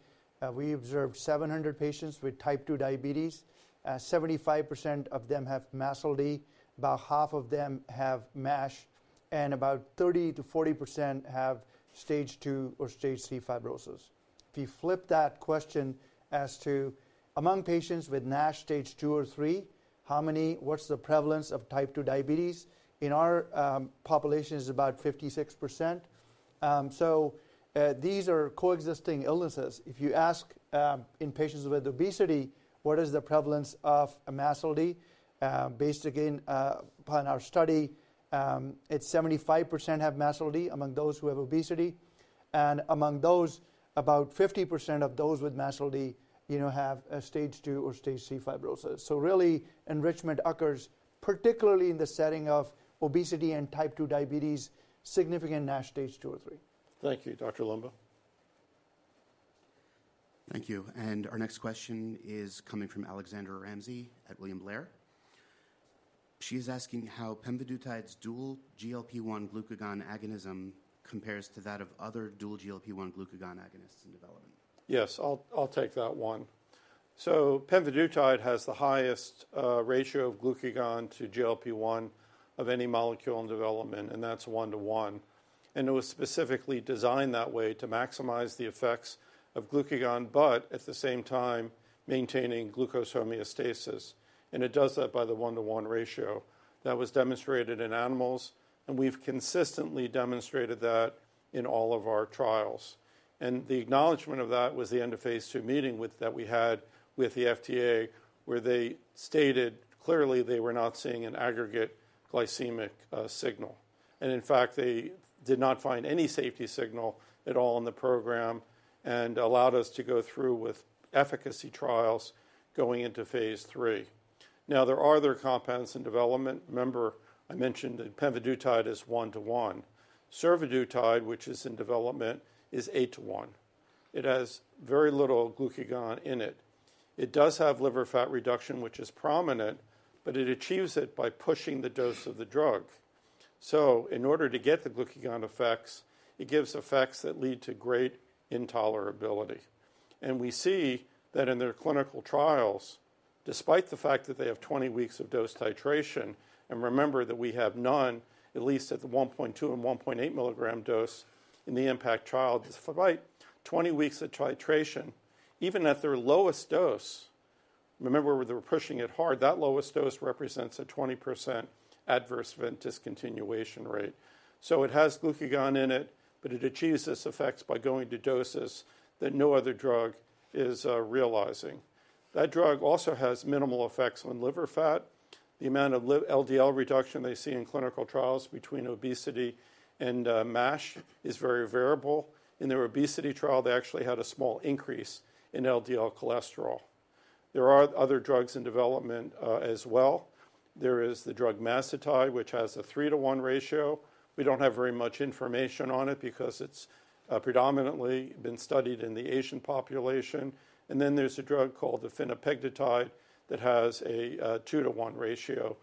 we observed 700 patients with type II diabetes and 75% of them have MASLD. About half of them have MASH and about 30%-40% have stage 2 or stage 3 fibrosis. If you flip that question as to among patients with MASH stage 2 or 3, what's the prevalence of type 2 diabetes? In our population, it's about 56%. These are coexisting illnesses. If you ask in patients with obesity, what is the prevalence of MASLD? Based again upon our study, 75% have MASLD among those who have obesity. Among those, about 50% of those with MASLD have stage 2 or stage 3 fibrosis. Really, enrichment occurs particularly in the setting of obesity and type II diabetes, significant NASH stage 2 or 3. Thank you, Dr. Loomba. Thank you. Our next question is coming from Alexandra Ramsey at William Blair. She is asking how pemvidutide's dual GLP-1 glucagon agonism compares to that of other dual GLP-1 glucagon agonists in development. Yes, I'll take that one. Pemvidutide has the highest ratio of glucagon to GLP-1 of any molecule in development. That is one to one. It was specifically designed that way to maximize the effects of glucagon but at the same time maintaining glucose homeostasis. It does that by the one to one ratio. That was demonstrated in animals. We have consistently demonstrated that in all of our trials. The acknowledgment of that was the end of phase II meeting that we had with the FDA where they stated clearly they were not seeing an aggregate glycemic signal. In fact, they did not find any safety signal at all in the program and allowed us to go through with efficacy trials going into phase III. There are other compounds in development. Remember, I mentioned that pemvidutide is one to one. Survodutide, which is in development, is eight to one. It has very little glucagon in it. It does have liver fat reduction, which is prominent. It achieves it by pushing the dose of the drug. In order to get the glucagon effects, it gives effects that lead to great intolerability. We see that in their clinical trials, despite the fact that they have 20 weeks of dose titration and remember that we have none, at least at the 1.2 mg and 1.8 mg dose in the IMPACT trial, despite 20 weeks of titration, even at their lowest dose, remember, they were pushing it hard. That lowest dose represents a 20% adverse event discontinuation rate. It has glucagon in it. It achieves its effects by going to doses that no other drug is realizing. That drug also has minimal effects on liver fat. The amount of LDL reduction they see in clinical trials between obesity and MASH is very variable. In their obesity trial, they actually had a small increase in LDL cholesterol. There are other drugs in development as well. There is the drug macetide, which has a 3:1 ratio. We do not have very much information on it because it has predominantly been studied in the Asian population. There is a drug called fenopegdetide that has a 2:1 ratio.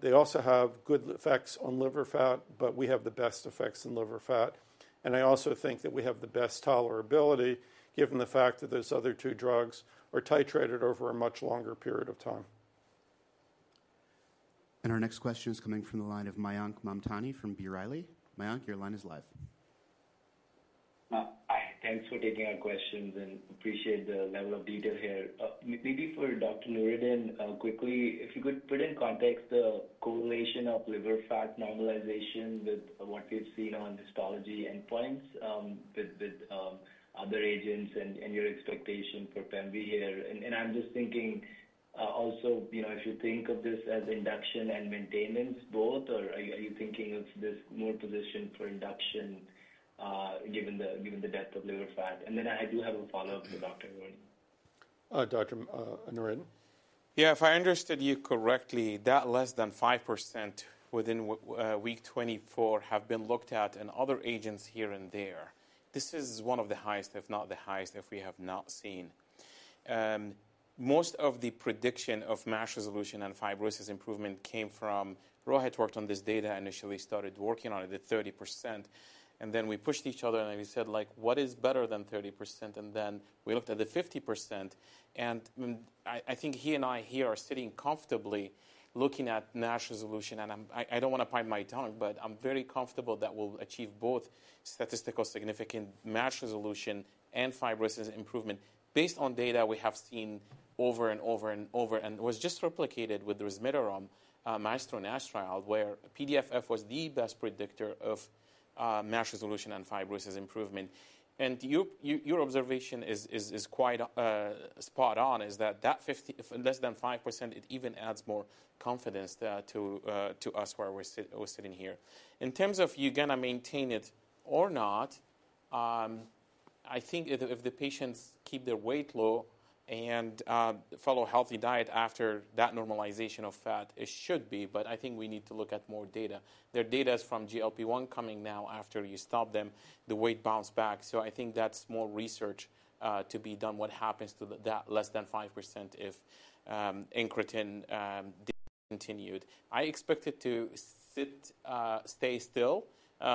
They also have good effects on liver fat. We have the best effects in liver fat. I also think that we have the best tolerability given the fact that those other two drugs are titrated over a much longer period of time. Our next question is coming from the line of Mayank Mamtani from B. Riley. Mayank, your line is live. Hi, thanks for taking our questions. Appreciate the level of detail here. Maybe for Dr. Noureddin, quickly, if you could put in context the correlation of liver fat normalization with what we have seen on histology endpoints with other agents and your expectation for PEMV here. I'm just thinking also, if you think of this as induction and maintenance both, or are you thinking of this more positioned for induction given the depth of liver fat? I do have a follow-up for Dr. Noureddin. Dr. Noureddin. If I understood you correctly, that less than 5% within week 24 have been looked at in other agents here and there. This is one of the highest, if not the highest, we have seen. Most of the prediction of MASH resolution and fibrosis improvement came from Rohit worked on this data initially, started working on it at 30%. We pushed each other and we said, like, what is better than 30%? Then we looked at the 50%, I think he and I here are sitting comfortably looking at MASH resolution. I don't want to bite my tongue. I'm very comfortable that we'll achieve both statistical significant MASH resolution and fibrosis improvement based on data we have seen over and over and over. It was just replicated with the resmetirom MASH to NASH trial where PDFF was the best predictor of MASH resolution and fibrosis improvement. Your observation is quite spot on is that that less than 5%, it even adds more confidence to us where we're sitting here. In terms of you're going to maintain it or not, I think if the patients keep their weight low and follow a healthy diet after that normalization of fat, it should be. I think we need to look at more data. Their data is from GLP-1 coming now after you stop them. The weight bounced back. I think that's more research to be done what happens to that less than 5% if incretin discontinued. I expect it to stay still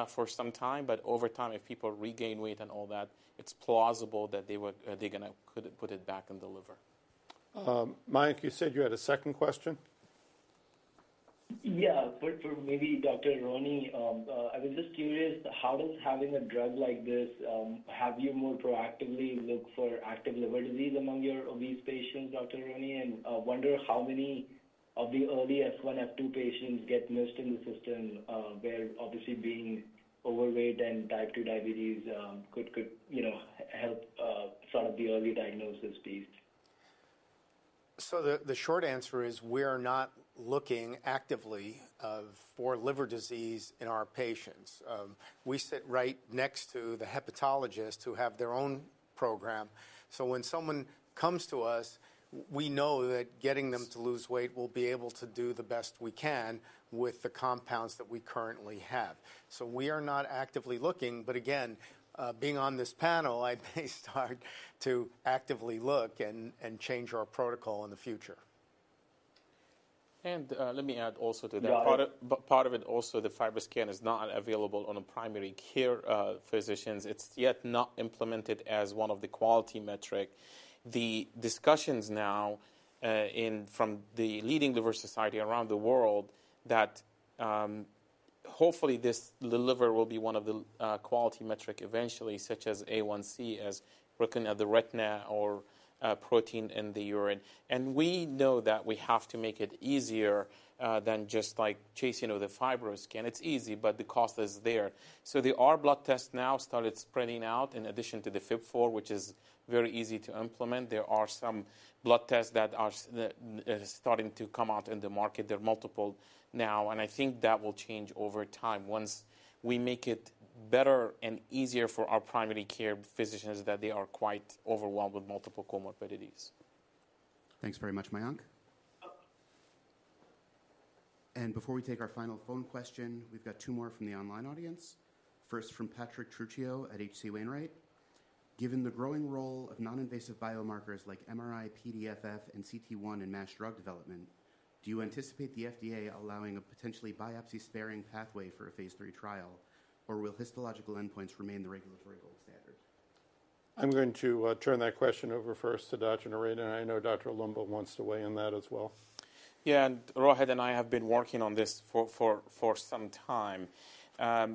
for some time. Over time, if people regain weight and all that, it's plausible that they're going to put it back in the liver. Mayank, you said you had a second question. Yeah, for maybe Dr. Aronne, I was just curious how does having a drug like this have you more proactively look for active liver disease among your obese patients, Dr. Aronne. I wonder how many of the early S1, S2 patients get missed in the system where obviously being overweight and type 2 diabetes could help sort of the early diagnosis piece. The short answer is we are not looking actively for liver disease in our patients. We sit right next to the hepatologists who have their own program. When someone comes to us, we know that getting them to lose weight, we'll be able to do the best we can with the compounds that we currently have. We are not actively looking. Again, being on this panel, I'd be starting to actively look and change our protocol in the future. Let me add also to that. Part of it also, the FibroScan is not available on primary care physicians. It's yet not implemented as one of the quality metrics. The discussions now from the leading liver society around the world are that hopefully this liver will be one of the quality metrics eventually, such as A1C, as we're looking at the retina or protein in the urine. We know that we have to make it easier than just like chasing with the FibroScan. It's easy, but the cost is there. There are blood tests now started spreading out in addition to the FIP4, which is very easy to implement. There are some blood tests that are starting to come out in the market. There are multiple now. I think that will change over time once we make it better and easier for our primary care physicians that they are quite overwhelmed with multiple comorbidities. Thanks very much, Mayank. Before we take our final phone question, we've got two more from the online audience. First, from Patrick Trucchio at HC Wainwright. Given the growing role of noninvasive biomarkers like MRI-PDFF and cT1 in MASH drug development, do you anticipate the FDA allowing a potentially biopsy-sparing pathway for a phase III trial? Or will histological endpoints remain the regulatory gold standard? I'm going to turn that question over first to Dr. Noureddin. I know Dr. Loomba wants to weigh in that as well. Yeah, and Rohit and I have been working on this for some time. I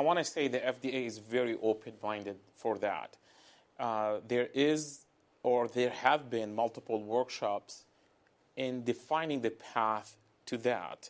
want to say the FDA is very open-minded for that. There is or there have been multiple workshops in defining the path to that,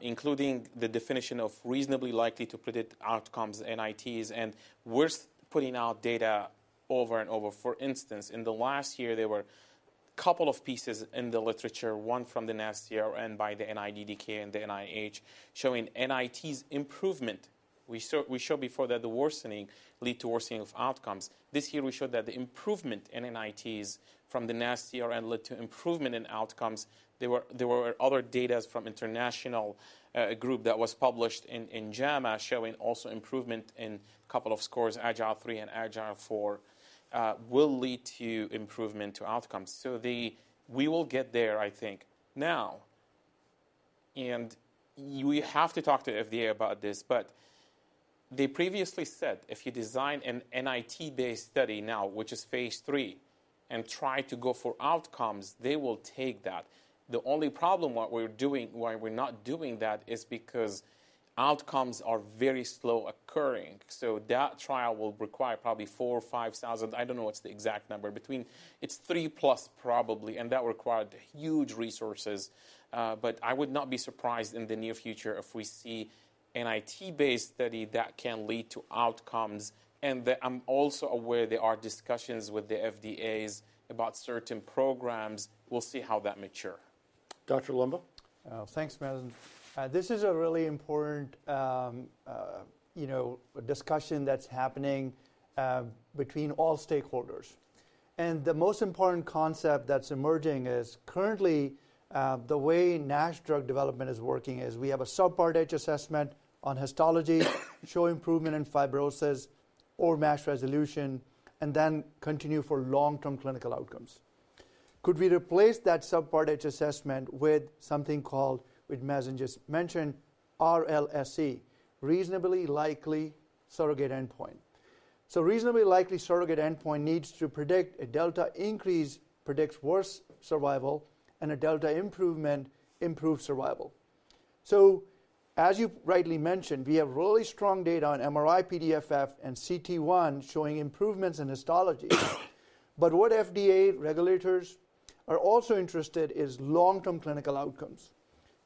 including the definition of reasonably likely to predict outcomes NITs. And we're putting out data over and over. For instance, in the last year, there were a couple of pieces in the literature, one from the NASCRN and by the NIDDK and the NIH showing NITs improvement. We showed before that the worsening led to worsening of outcomes. This year, we showed that the improvement in NITs from the NASCRN led to improvement in outcomes. There were other data from an international group that was published in JAMA showing also improvement in a couple of scores, Agile 3 and Agile 4, will lead to improvement to outcomes. I think we will get there. Now, we have to talk to the FDA about this. They previously said if you design an NIT-based study now, which is phase III, and try to go for outcomes, they will take that. The only problem why we're not doing that is because outcomes are very slow occurring. That trial will require probably 4,000 or 5,000. I don't know what's the exact number. It's 3,000+ probably. That required huge resources. I would not be surprised in the near future if we see an NIT-based study that can lead to outcomes. I'm also aware there are discussions with the FDA about certain programs. We'll see how that matures. Dr. Loomba. Thanks, Mazen. This is a really important discussion that's happening between all stakeholders. The most important concept that's emerging is currently the way MASH drug development is working is we have a subpart H assessment on histology showing improvement in fibrosis or MASH resolution and then continue for long-term clinical outcomes. Could we replace that subpart H assessment with something called, which Mazen just mentioned, RLSE, reasonably likely surrogate endpoint? Reasonably likely surrogate endpoint needs to predict a delta increase predicts worse survival and a delta improvement improves survival. As you rightly mentioned, we have really strong data on MRI-PDFF and cT1 showing improvements in histology. What FDA regulators are also interested in is long-term clinical outcomes.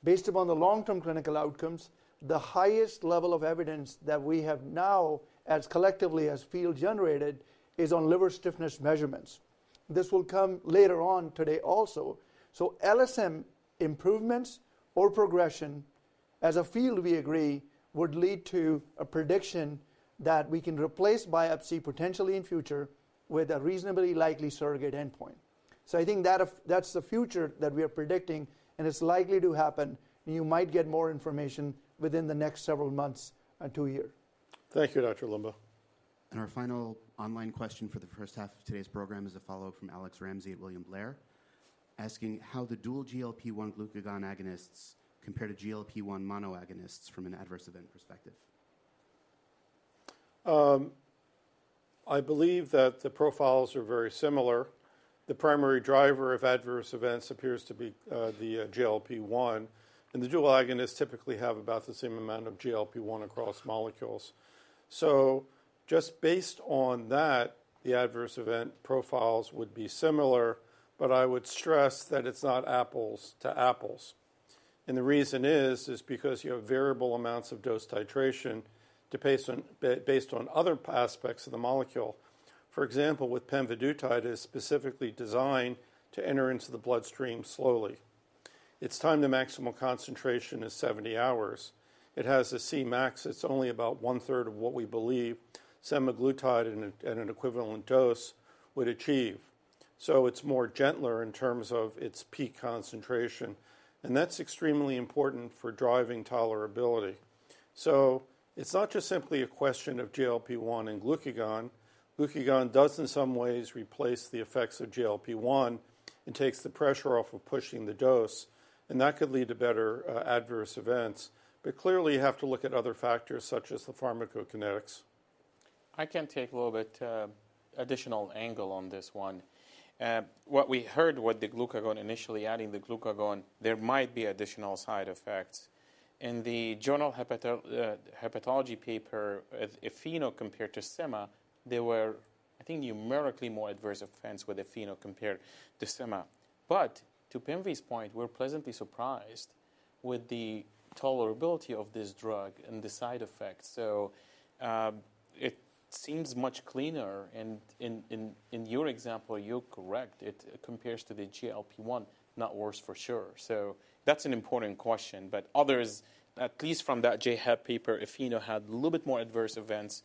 Based upon the long-term clinical outcomes, the highest level of evidence that we have now as collectively as field-generated is on liver stiffness measurements. This will come later on today also. LSM improvements or progression as a field, we agree, would lead to a prediction that we can replace biopsy potentially in future with a reasonably likely surrogate endpoint. I think that's the future that we are predicting. It's likely to happen. You might get more information within the next several months or two years. Thank you, Dr. Loomba. Our final online question for the first half of today's program is a follow-up from Alex Ramsey at William Blair asking how the dual GLP-1 glucagon agonists compare to GLP-1 monoagonists from an adverse event perspective. I believe that the profiles are very similar. The primary driver of adverse events appears to be the GLP-1. The dual agonists typically have about the same amount of GLP-1 across molecules. Just based on that, the adverse event profiles would be similar. I would stress that it's not apples to apples. The reason is because you have variable amounts of dose titration based on other aspects of the molecule. For example, with pemvidutide, it is specifically designed to enter into the bloodstream slowly. Its time to maximum concentration is 70 hours. It has a Cmax. It's only about one-third of what we believe semaglutide at an equivalent dose would achieve. It's more gentle in terms of its peak concentration. That's extremely important for driving tolerability. It's not just simply a question of GLP-1 and glucagon. Glucagon does in some ways replace the effects of GLP-1 and takes the pressure off of pushing the dose. That could lead to better adverse events. Clearly, you have to look at other factors such as the pharmacokinetics. I can take a little bit additional angle on this one. What we heard with the glucagon, initially adding the glucagon, there might be additional side effects. In the journal Hepatology paper, if phenol compared to sema, there were, I think, numerically more adverse events with the phenol compared to sema. To pemv's point, we're pleasantly surprised with the tolerability of this drug and the side effects. It seems much cleaner. In your example, you're correct. It compares to the GLP-1, not worse for sure. That's an important question. Others, at least from that JHEP paper, if phenol had a little bit more adverse events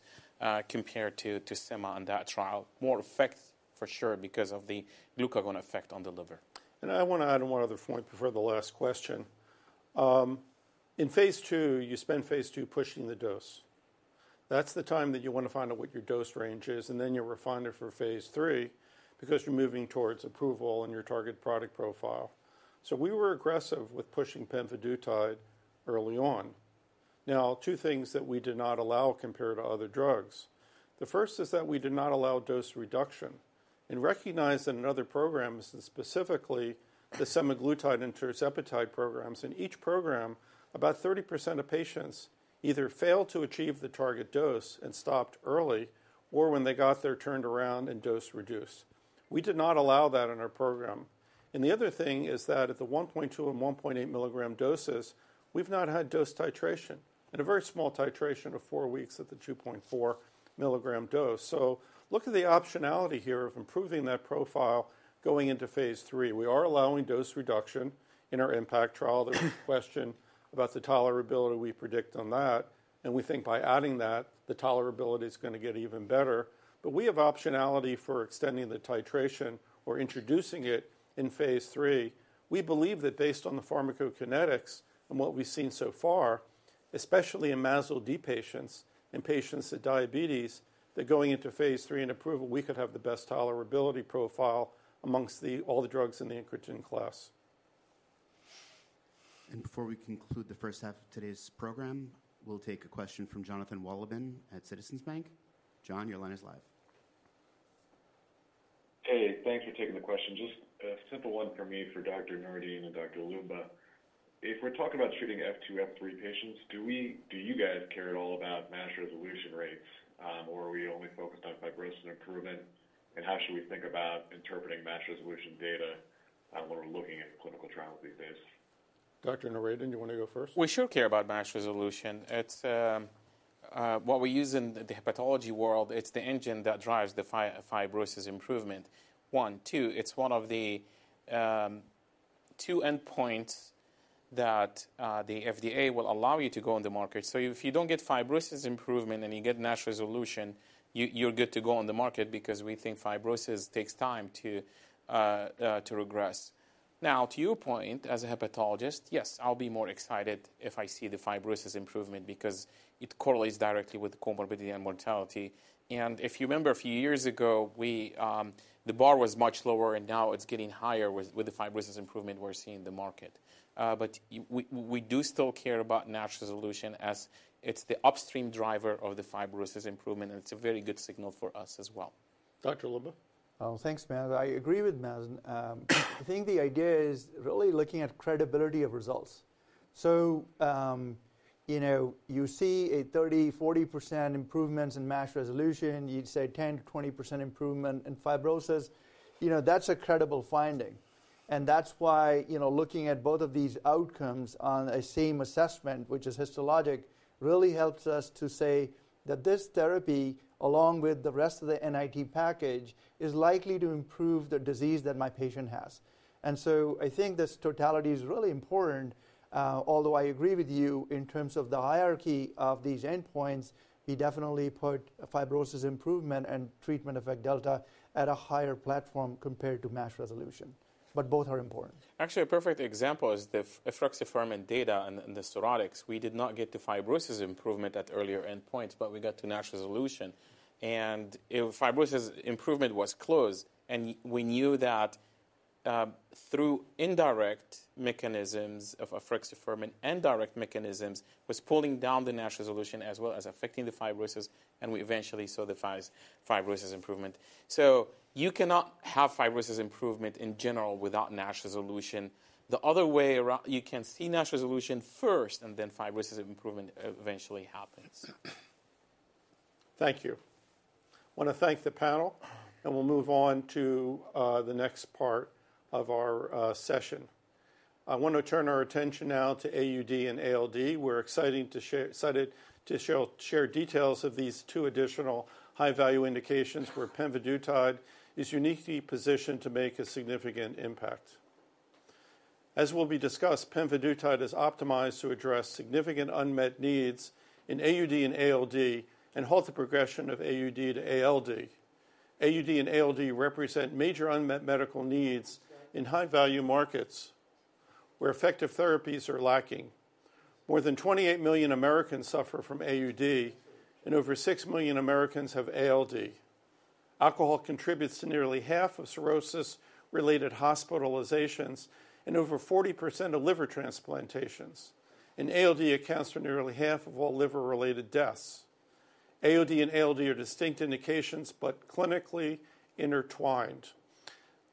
compared to sema on that trial, more effect for sure because of the glucagon effect on the liver. I want to add one other point before the last question. In phase II, you spend phase II pushing the dose. That's the time that you want to find out what your dose range is. You refine it for phase III because you're moving towards approval and your target product profile. We were aggressive with pushing pemvidutide early on. Now, two things that we did not allow compared to other drugs. The first is that we did not allow dose reduction. Recognize that in other programs, specifically the semaglutide and tirzepatide programs, in each program, about 30% of patients either failed to achieve the target dose and stopped early or when they got there, turned around and dose reduced. We did not allow that in our program. At the 1.2 mg and 1.8 mg doses, we've not had dose titration and a very small titration of four weeks at the 2.4 mg dose. Look at the optionality here of improving that profile going into phase III. We are allowing dose reduction in our IMPACT trial. There was a question about the tolerability we predict on that. We think by adding that, the tolerability is going to get even better. We have optionality for extending the titration or introducing it in phase III. We believe that based on the pharmacokinetics and what we've seen so far, especially in MASLD patients and patients with diabetes, that going into phase III and approval, we could have the best tolerability profile amongst all the drugs in the incretin class. Before we conclude the first half of today's program, we'll take a question from Jonathan Wolleben at Citizens Bank. Jon, your line is live. Hey, thanks for taking the question. Just a simple one from me for Dr. Noureddin and Dr. Loomba. If we're talking about treating F2, F3 patients, do you guys care at all about MASH resolution rates? Or are we only focused on fibrosis improvement? And how should we think about interpreting MASH resolution data when we're looking at clinical trials these days? Dr. Noureddin, you want to go first? We sure care about MASH resolution. What we use in the hepatology world, it's the engine that drives the fibrosis improvement, one. Two, it's one of the two endpoints that the FDA will allow you to go on the market. If you don't get fibrosis improvement and you get MASH resolution, you're good to go on the market because we think fibrosis takes time to regress. Now, to your point as a hepatologist, yes, I'll be more excited if I see the fibrosis improvement because it correlates directly with comorbidity and mortality. If you remember a few years ago, the bar was much lower. Now it's getting higher with the fibrosis improvement we're seeing in the market. We do still care about MASH resolution as it's the upstream driver of the fibrosis improvement. It's a very good signal for us as well. Dr. Loomba. Oh, thanks, Mazen. I agree with Mazen. I think the idea is really looking at credibility of results. You see a 30%-40% improvement in MASH resolution. You'd say 10%-20% improvement in fibrosis. That's a credible finding. That is why looking at both of these outcomes on a same assessment, which is histologic, really helps us to say that this therapy, along with the rest of the NIT package, is likely to improve the disease that my patient has. I think this totality is really important. Although I agree with you in terms of the hierarchy of these endpoints, we definitely put fibrosis improvement and treatment effect delta at a higher platform compared to MASH resolution. Both are important. Actually, a perfect example is the efruxifermin data and the cirrhotic. We did not get to fibrosis improvement at earlier endpoints. We got to MASH resolution. Fibrosis improvement was close. We knew that through indirect mechanisms of efruxifermin and indirect mechanisms was pulling down the MASH resolution as well as affecting the fibrosis. We eventually saw the fibrosis improvement. You cannot have fibrosis improvement in general without MASH resolution. The other way around, you can see MASH resolution first and then fibrosis improvement eventually happens. Thank you. I want to thank the panel. We will move on to the next part of our session. I want to turn our attention now to AUD and ALD. We are excited to share details of these two additional high-value indications where pemvidutide is uniquely positioned to make a significant impact. As will be discussed, pemvidutide is optimized to address significant unmet needs in AUD and ALD and halt the progression of AUD to ALD. AUD and ALD represent major unmet medical needs in high-value markets where effective therapies are lacking. More than 28 million Americans suffer from AUD, and over 6 million Americans have ALD. Alcohol contributes to nearly half of cirrhosis-related hospitalizations and over 40% of liver transplantations. ALD accounts for nearly half of all liver-related deaths. AUD and ALD are distinct indications but clinically intertwined.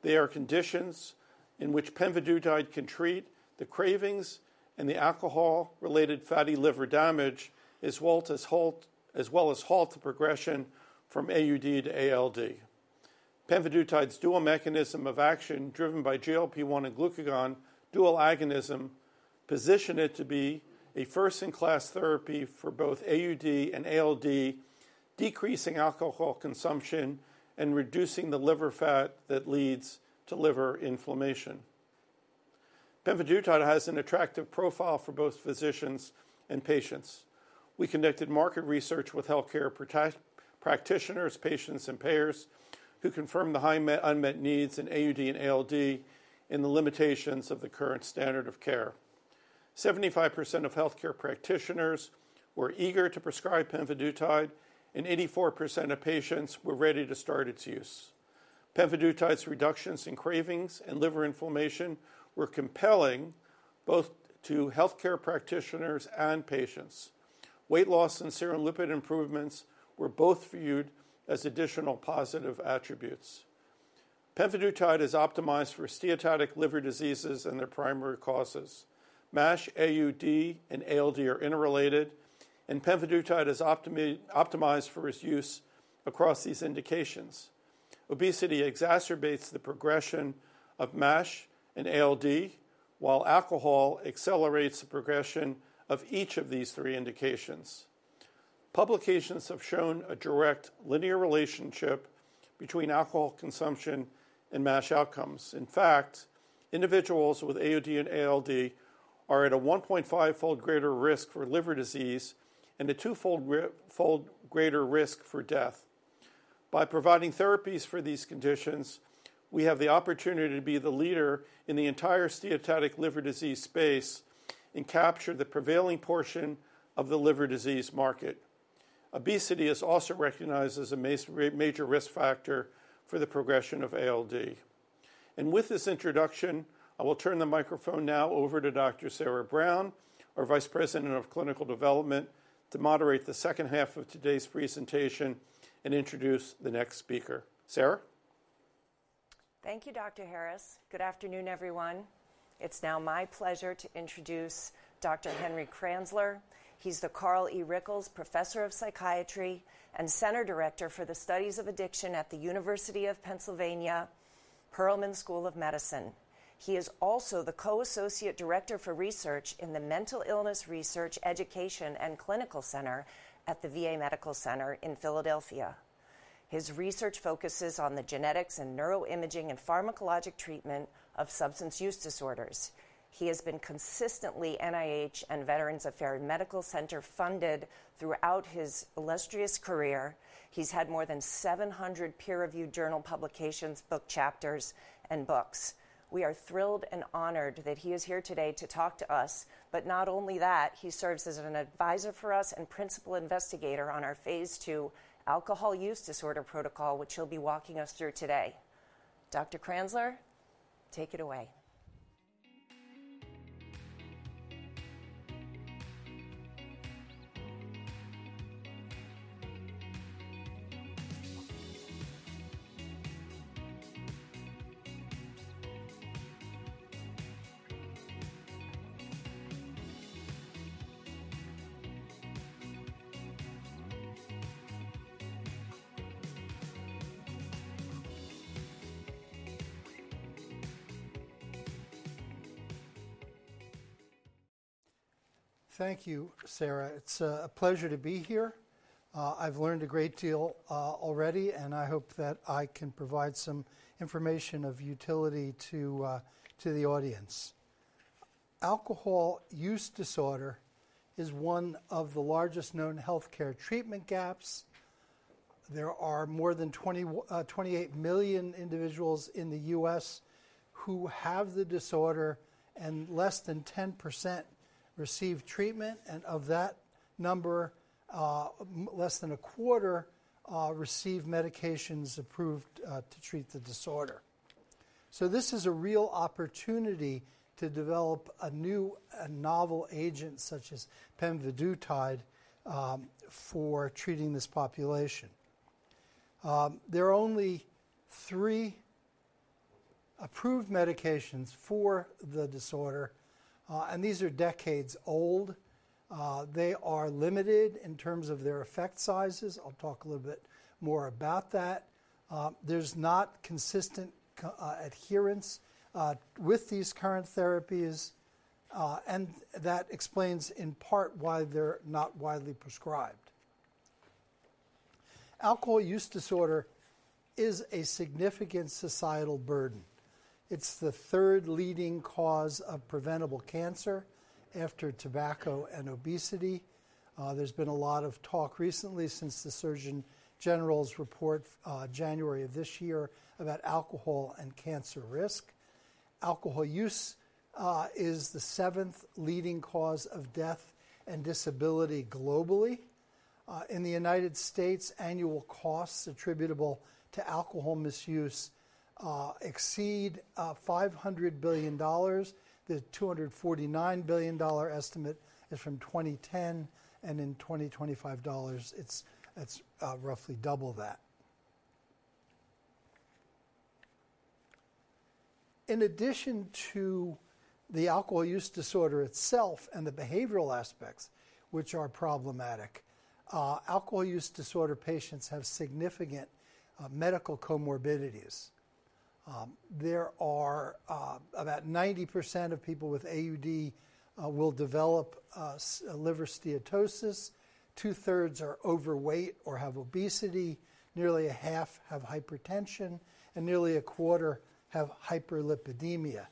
They are conditions in which pemvidutide can treat the cravings and the alcohol-related fatty liver damage as well as halt the progression from AUD to ALD. Pemvidutide's dual mechanism of action driven by GLP-1 and glucagon dual agonism position it to be a first-in-class therapy for both AUD and ALD, decreasing alcohol consumption and reducing the liver fat that leads to liver inflammation. Pemvidutide has an attractive profile for both physicians and patients. We conducted market research with health care practitioners, patients, and payers who confirmed the high unmet needs in AUD and ALD and the limitations of the current standard of care. 75% of health care practitioners were eager to prescribe pemvidutide and 84% of patients were ready to start its use. Pemvidutide's reductions in cravings and liver inflammation were compelling both to health care practitioners and patients. Weight loss and serum lipid improvements were both viewed as additional positive attributes. Pemvidutide is optimized for steatotic liver diseases and their primary causes. MASH, AUD, and ALD are interrelated. Pemvidutide is optimized for its use across these indications. Obesity exacerbates the progression of MASH and ALD, while alcohol accelerates the progression of each of these three indications. Publications have shown a direct linear relationship between alcohol consumption and MASH outcomes. In fact, individuals with AUD and ALD are at a 1.5-fold greater risk for liver disease and a 2-fold greater risk for death. By providing therapies for these conditions, we have the opportunity to be the leader in the entire steatotic liver disease space and capture the prevailing portion of the liver disease market. Obesity is also recognized as a major risk factor for the progression of ALD. With this introduction, I will turn the microphone now over to Dr. Sarah Browne, our Vice President of Clinical Development, to moderate the second half of today's presentation and introduce the next speaker. Sarah? Thank you, Dr. Harris. Good afternoon, everyone. It's now my pleasure to introduce Dr. Henry Kranzler. He's the Carl E. Rickles Professor of Psychiatry and Center Director for the Studies of Addiction at the University of Pennsylvania Perelman School of Medicine. He is also the Co-Associate Director for Research in the Mental Illness Research Education and Clinical Center at the VA Medical Center in Philadelphia. His research focuses on the genetics and neuroimaging and pharmacologic treatment of substance use disorders. He has been consistently NIH and Veterans Affairs Medical Center funded throughout his illustrious career. He's had more than 700 peer-reviewed journal publications, book chapters, and books. We are thrilled and honored that he is here today to talk to us. Not only that, he serves as an advisor for us and principal investigator on our phase II alcohol use disorder protocol, which he'll be walking us through today. Dr. Kranzler, take it away. Thank you, Sarah. It's a pleasure to be here. I've learned a great deal already. I hope that I can provide some information of utility to the audience. Alcohol use disorder is one of the largest known health care treatment gaps. There are more than 28 million individuals in the U.S. who have the disorder and Less than 10% receive treatment. Of that number, less than a quarter receive medications approved to treat the disorder. This is a real opportunity to develop a new and novel agent such as pemvidutide for treating this population. There are only three approved medications for the disorder. These are decades old. They are limited in terms of their effect sizes. I'll talk a little bit more about that. There's not consistent adherence with these current therapies. That explains in part why they're not widely prescribed. Alcohol use disorder is a significant societal burden. It's the third leading cause of preventable cancer after tobacco and obesity. There's been a lot of talk recently since the Surgeon General's report January of this year about alcohol and cancer risk. Alcohol use is the seventh leading cause of death and disability globally. In the United States, annual costs attributable to alcohol misuse exceed $500 billion. The $249 billion estimate is from 2010 and in 2025, it's roughly double that. In addition to the alcohol use disorder itself and the behavioral aspects, which are problematic, alcohol use disorder patients have significant medical comorbidities. About 90% of people with AUD will develop liver steatosis. Two-thirds are overweight or have obesity. Nearly a half have hypertension. And nearly a quarter have hyperlipidemia.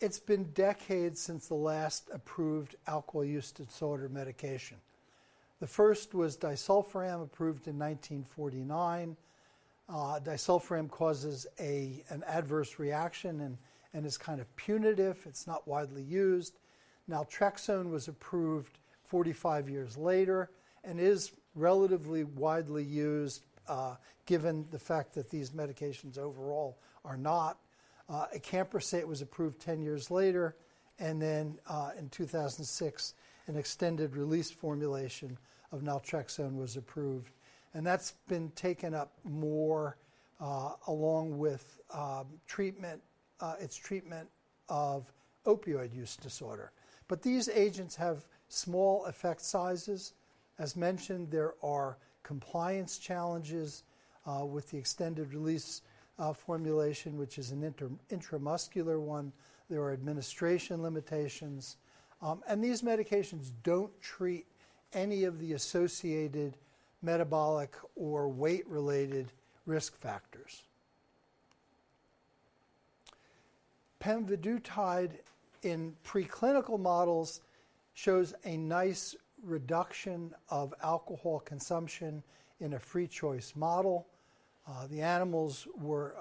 It's been decades since the last approved alcohol use disorder medication. The first was disulfiram, approved in 1949. Disulfiram causes an adverse reaction and is kind of punitive. It's not widely used. Naltrexone was approved 45 years later and is relatively widely used given the fact that these medications overall are not. Acamprosate was approved 10 years later. And then in 2006, an extended-release formulation of naltrexone was approved. And that's been taken up more along with its treatment of opioid use disorder. But these agents have small effect sizes. As mentioned, there are compliance challenges with the extended-release formulation, which is an intramuscular one. There are administration limitations. These medications do not treat any of the associated metabolic or weight-related risk factors. Pemvidutide in preclinical models shows a nice reduction of alcohol consumption in a free choice model. The animals were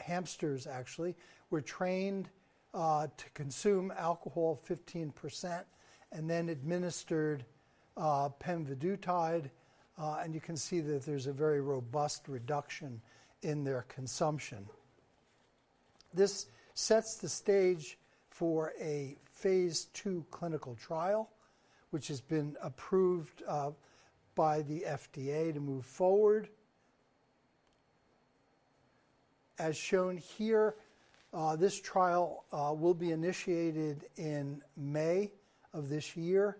hamsters, actually, were trained to consume alcohol 15% and then administered pemvidutide. You can see that there is a very robust reduction in their consumption. This sets the stage for a phase II clinical trial, which has been approved by the FDA to move forward. As shown here, this trial will be initiated in May of this year.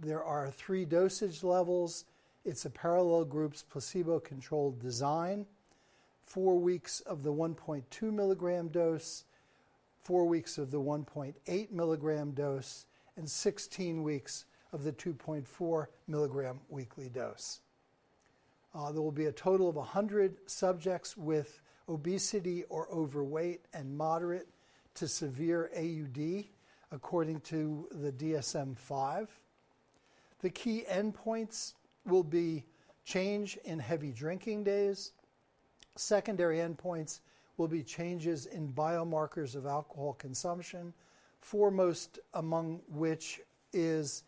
There are three dosage levels. It is a parallel groups placebo-controlled design: four weeks of the 1.2 mg dose, four weeks of the 1.8 mg dose, and 16 weeks of the 2.4 mg weekly dose. There will be a total of 100 subjects with obesity or overweight and moderate to severe AUD, according to the DSM-5. The key endpoints will be change in heavy drinking days. Secondary endpoints will be changes in biomarkers of alcohol consumption, foremost among which is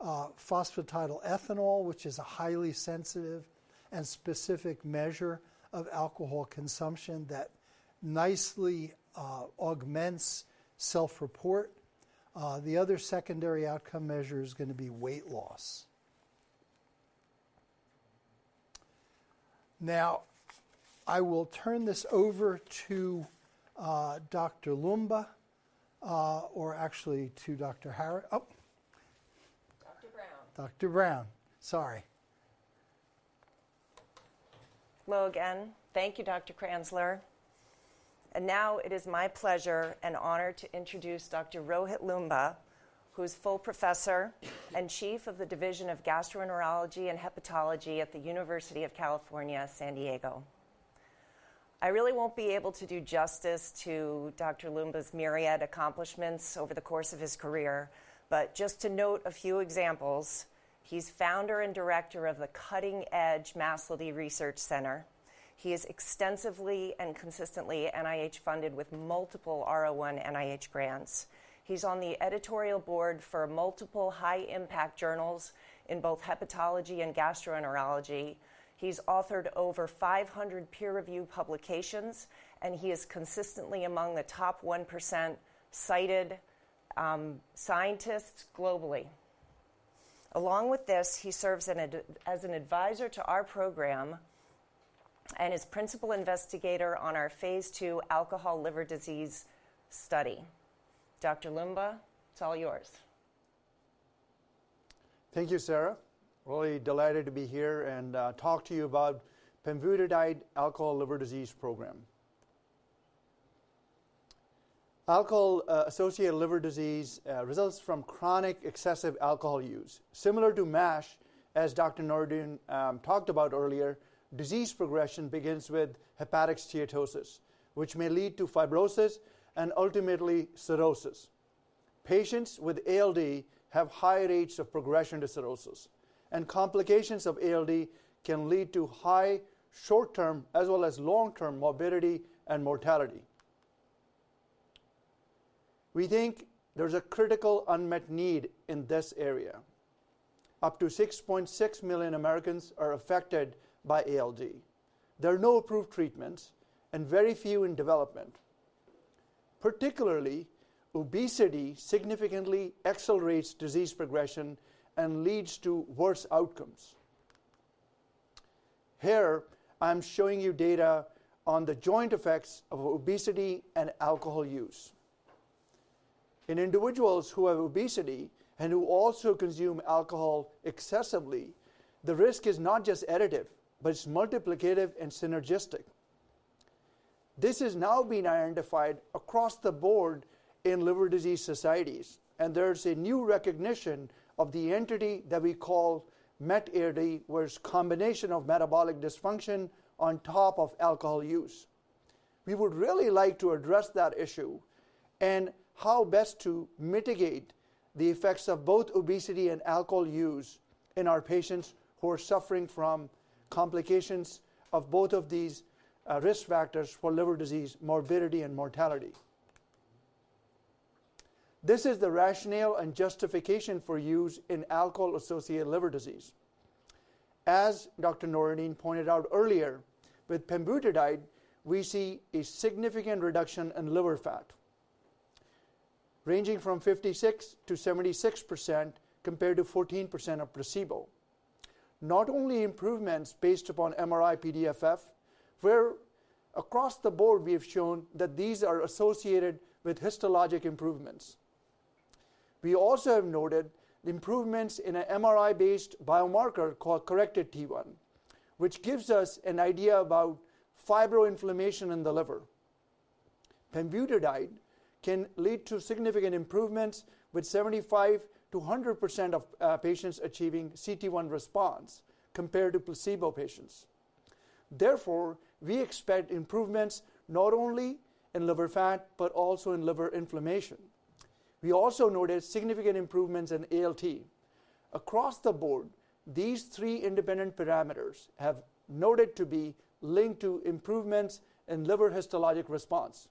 phosphatidylethanol, which is a highly sensitive and specific measure of alcohol consumption that nicely augments self-report. The other secondary outcome measure is going to be weight loss. Now, I will turn this over to Dr. Loomba, or actually to Der. Harris. Oh. Dr. Brown. Dr. Browne. Sorry. Hello again. Thank you, Dr. Kranzler. Now it is my pleasure and honor to introduce Dr. Rohit Loomba, who is Full Professor and Chief of the Division of Gastroenterology and Hepatology at the University of California, San Diego. I really won't be able to do justice to Dr. Loomba's myriad accomplishments over the course of his career. Just to note a few examples, he is founder and director of the Cutting Edge MASLD Research Center. He is extensively and consistently NIH-funded with multiple R01 NIH grants. He is on the editorial board for multiple high-impact journals in both hepatology and gastroenterology. He has authored over 500 peer-reviewed publications. He is consistently among the top 1% cited scientists globally. Along with this, he serves as an advisor to our program and is principal investigator on our phase II alcohol liver disease study. Dr. Loomba, it is all yours. Thank you, Sarah. Really delighted to be here and talk to you about pemvidutide, Alcohol Liver Disease Program. Alcohol-associated liver disease results from chronic excessive alcohol use. Similar to MASH, as Dr. Noureddin talked about earlier, disease progression begins with hepatic steatosis, which may lead to fibrosis and ultimately cirrhosis. Patients with ALD have high rates of progression to cirrhosis. Complications of ALD can lead to high short-term as well as long-term morbidity and mortality. We think there's a critical unmet need in this area. Up to 6.6 million Americans are affected by ALD. There are no approved treatments and very few in development. Particularly, obesity significantly accelerates disease progression and leads to worse outcomes. Here, I'm showing you data on the joint effects of obesity and alcohol use. In individuals who have obesity and who also consume alcohol excessively, the risk is not just additive, but it's multiplicative and synergistic. This has now been identified across the board in liver disease societies. There's a new recognition of the entity that we call met-ALD, where it's a combination of metabolic dysfunction on top of alcohol use. We would really like to address that issue and how best to mitigate the effects of both obesity and alcohol use in our patients who are suffering from complications of both of these risk factors for liver disease morbidity and mortality. This is the rationale and justification for use in alcohol-associated liver disease. As Dr. Noureddin pointed out earlier, with pemvidutide, we see a significant reduction in liver fat, ranging from 56%-76% compared to 14% with placebo. Not only improvements based upon MRI-PDFF, where across the board, we have shown that these are associated with histologic improvements. We also have noted improvements in an MRI-based biomarker called corrected T1, which gives us an idea about fibroinflammation in the liver. Pemvidutide can lead to significant improvements with 75%-100% of patients achieving cT1 response compared to placebo patients. Therefore, we expect improvements not only in liver fat, but also in liver inflammation. We also noticed significant improvements in ALT. Across the board, these three independent parameters have noted to be linked to improvements in liver histologic response.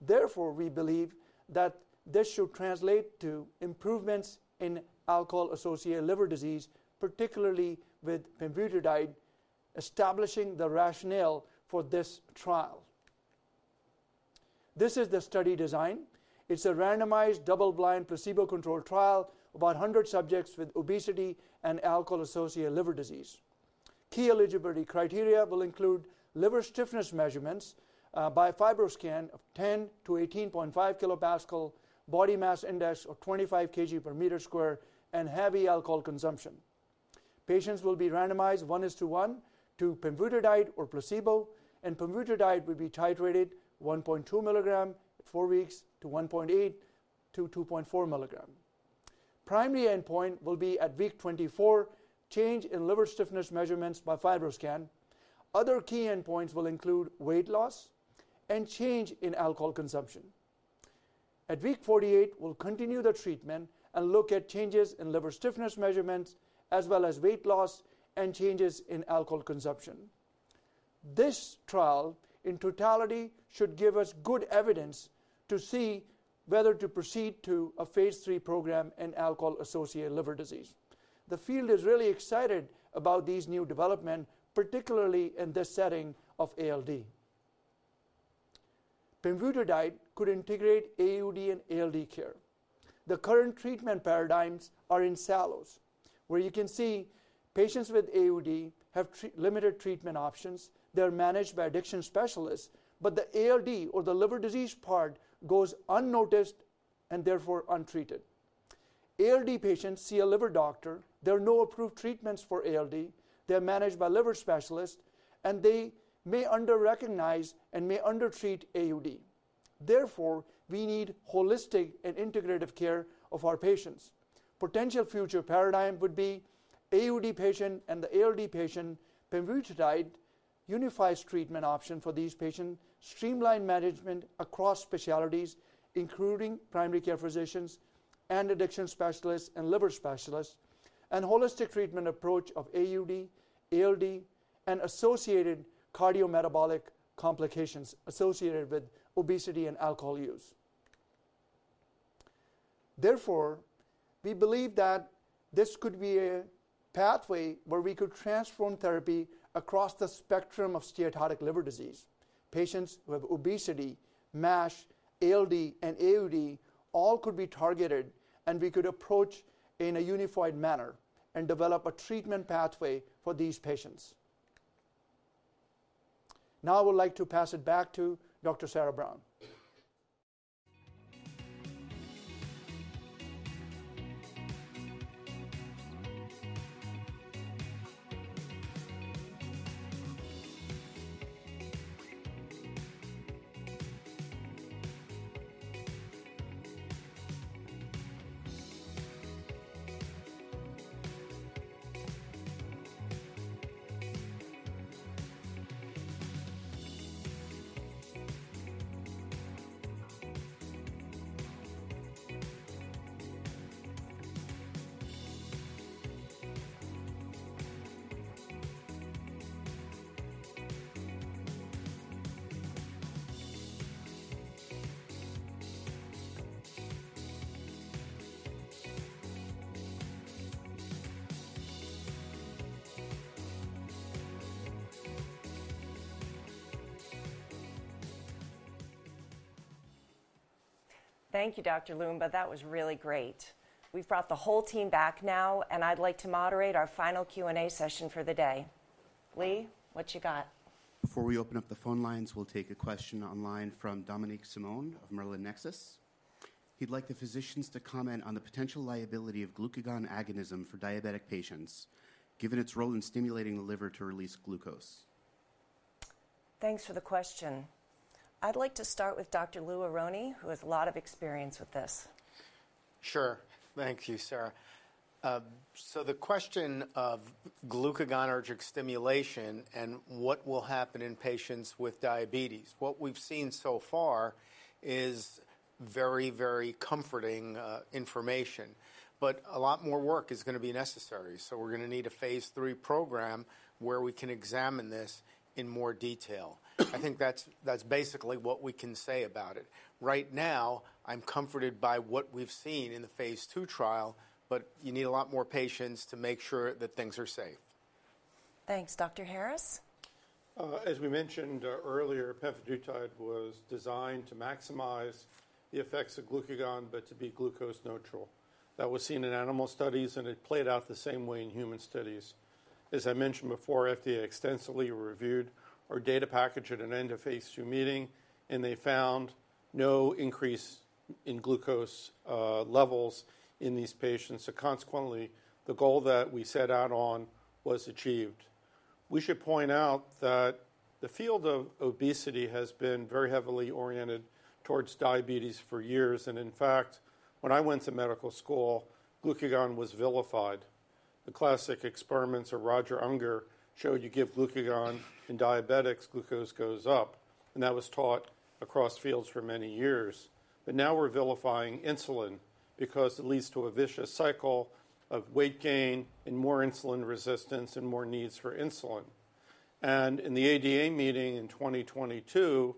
Therefore, we believe that this should translate to improvements in alcohol-associated liver disease, particularly with pemvidutide establishing the rationale for this trial. This is the study design. It is a randomized double-blind placebo-controlled trial of about 100 subjects with obesity and alcohol-associated liver disease. Key eligibility criteria will include liver stiffness measurements by FibroScan of 10-18.5 kilopascal, body mass index of 25 kg per meter square, and heavy alcohol consumption. Patients will be randomized 1:1 to pemvidutide or placebo. Pemvidutide will be titrated 1.2 mg at four weeks to 1.8 mg-2.4 mg. Primary endpoint will be at week 24, change in liver stiffness measurements by FibroScan. Other key endpoints will include weight loss and change in alcohol consumption. At week 48, we'll continue the treatment and look at changes in liver stiffness measurements as well as weight loss and changes in alcohol consumption. This trial in totality should give us good evidence to see whether to proceed to a phase III program in alcohol-associated liver disease. The field is really excited about these new developments, particularly in this setting of ALD. Pemvidutide could integrate AUD and ALD care. The current treatment paradigms are in silos, where you can see patients with AUD have limited treatment options. They're managed by addiction specialists. The ALD or the liver disease part goes unnoticed and therefore untreated. ALD patients see a liver doctor. There are no approved treatments for ALD. They're managed by liver specialists. They may under-recognize and may under-treat AUD. Therefore, we need holistic and integrative care of our patients. Potential future paradigm would be AUD patient and the ALD patient. Pemvidutide unifies treatment options for these patients, streamlined management across specialties, including primary care physicians and addiction specialists and liver specialists, and holistic treatment approach of AUD, ALD, and associated cardiometabolic complications associated with obesity and alcohol use. Therefore, we believe that this could be a pathway where we could transform therapy across the spectrum of steatotic liver disease. Patients who have obesity, MASH, ALD, and AUD all could be targeted. We could approach in a unified manner and develop a treatment pathway for these patients. Now, I would like to pass it back to Dr. Sarah Brown. Thank you, Dr. Loomba. That was really great. We've brought the whole team back now. I'd like to moderate our final Q&A session for the day. Lee, what you got? Before we open up the phone lines, we'll take a question online from Dominique Semon of Merlin Nexus. He'd like the physicians to comment on the potential liability of glucagon agonism for diabetic patients, given its role in stimulating the liver to release glucose. Thanks for the question. I'd like to start with Dr. Lou Aronne, who has a lot of experience with this. Sure. Thank you, Sarah. The question of glucagonergic stimulation and what will happen in patients with diabetes, what we've seen so far is very, very comforting information. A lot more work is going to be necessary. We're going to need a phase III program where we can examine this in more detail. I think that's basically what we can say about it. Right now, I'm comforted by what we've seen in the phase II trial. You need a lot more patients to make sure that things are safe. Thanks. Dr. Harris? As we mentioned earlier, pemvidutide was designed to maximize the effects of glucagon, but to be glucose neutral. That was seen in animal studies. It played out the same way in human studies. As I mentioned before, FDA extensively reviewed our data package at an end of phase II meeting. They found no increase in glucose levels in these patients. Consequently, the goal that we set out on was achieved. We should point out that the field of obesity has been very heavily oriented towards diabetes for years. In fact, when I went to medical school, glucagon was vilified. The classic experiments of Roger Unger showed you give glucagon in diabetics, glucose goes up. That was taught across fields for many years. Now we're vilifying insulin because it leads to a vicious cycle of weight gain and more insulin resistance and more needs for insulin. At the ADA meeting in 2022,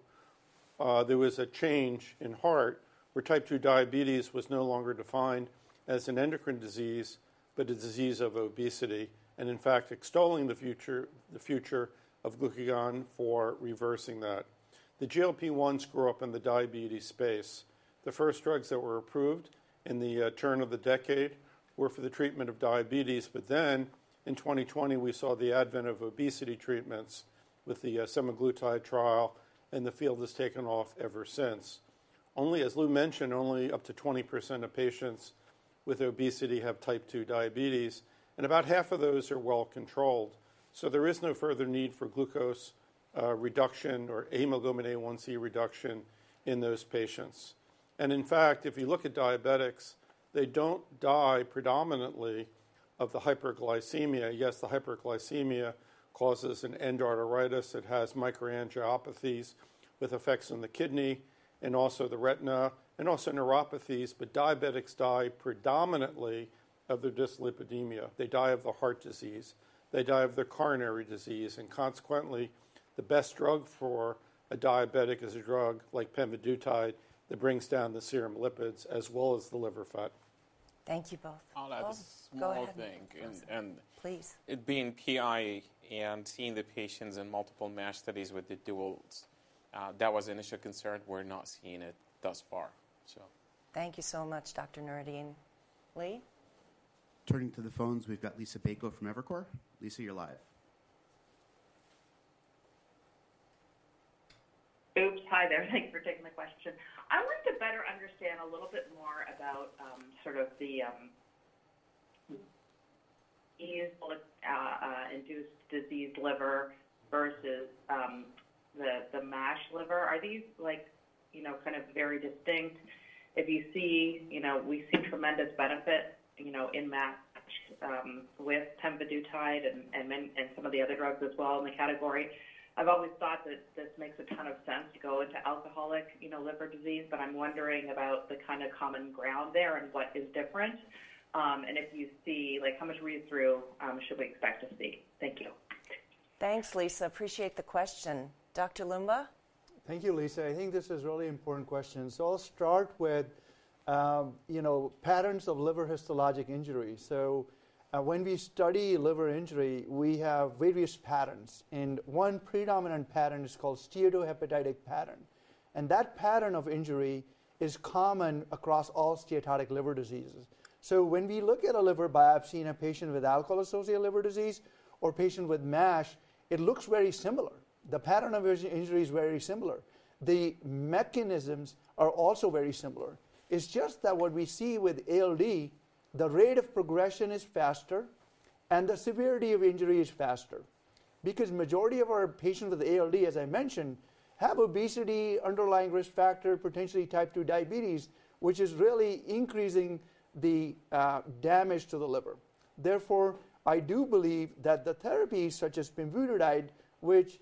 there was a change in heart where type 2 diabetes was no longer defined as an endocrine disease, but a disease of obesity and in fact, extolling the future of glucagon for reversing that. The GLP-1s grew up in the diabetes space. The first drugs that were approved in the turn of the decade were for the treatment of diabetes. In 2020, we saw the advent of obesity treatments with the semaglutide trial. The field has taken off ever since. Only, as Lou mentioned, only up to 20% of patients with obesity have type 2 diabetes. About half of those are well controlled. There is no further need for glucose reduction or hemoglobin A1c reduction in those patients. In fact, if you look at diabetics, they do not die predominantly of the hyperglycemia. Yes, the hyperglycemia causes an endarteritis. It has microangiopathies with effects on the kidney and also the retina and also neuropathies. Diabetics die predominantly of their dyslipidemia. They die of the heart disease. They die of their coronary disease. Consequently, the best drug for a diabetic is a drug like pemvidutide that brings down the serum lipids as well as the liver fat. Thank you both. I'll add this one more thing. Please. It being PI and seeing the patients in multiple MASH studies with the duals, that was the initial concern. We're not seeing it thus far, so thank you so much, Dr. Noureddin. Lee? Turning to the phones, we've got Liisa Bayko from Evercore. Liisa, you're live. Oops. Hi there. Thanks for taking the question. I'd like to better understand a little bit more about sort of the easily induced disease liver versus the MASH liver. Are these kind of very distinct? If you see we see tremendous benefit in MASH with pemvidutide and some of the other drugs as well in the category. I've always thought that this makes a ton of sense to go into alcoholic liver disease. I'm wondering about the kind of common ground there and what is different. If you see how much read-through should we expect to see? Thank you. Thanks, Liisa. Appreciate the question. Dr. Loomba? Thank you, Liisa. I think this is a really important question. I'll start with patterns of liver histologic injury. When we study liver injury, we have various patterns. One predominant pattern is called steatohepatitic pattern. That pattern of injury is common across all steatotic liver diseases. When we look at a liver biopsy in a patient with alcohol-associated liver disease or a patient with MASH, it looks very similar. The pattern of injury is very similar. The mechanisms are also very similar. It's just that what we see with ALD, the rate of progression is faster. The severity of injury is faster because the majority of our patients with ALD, as I mentioned, have obesity, underlying risk factor, potentially type 2 diabetes, which is really increasing the damage to the liver. Therefore, I do believe that the therapies such as pemvidutide, which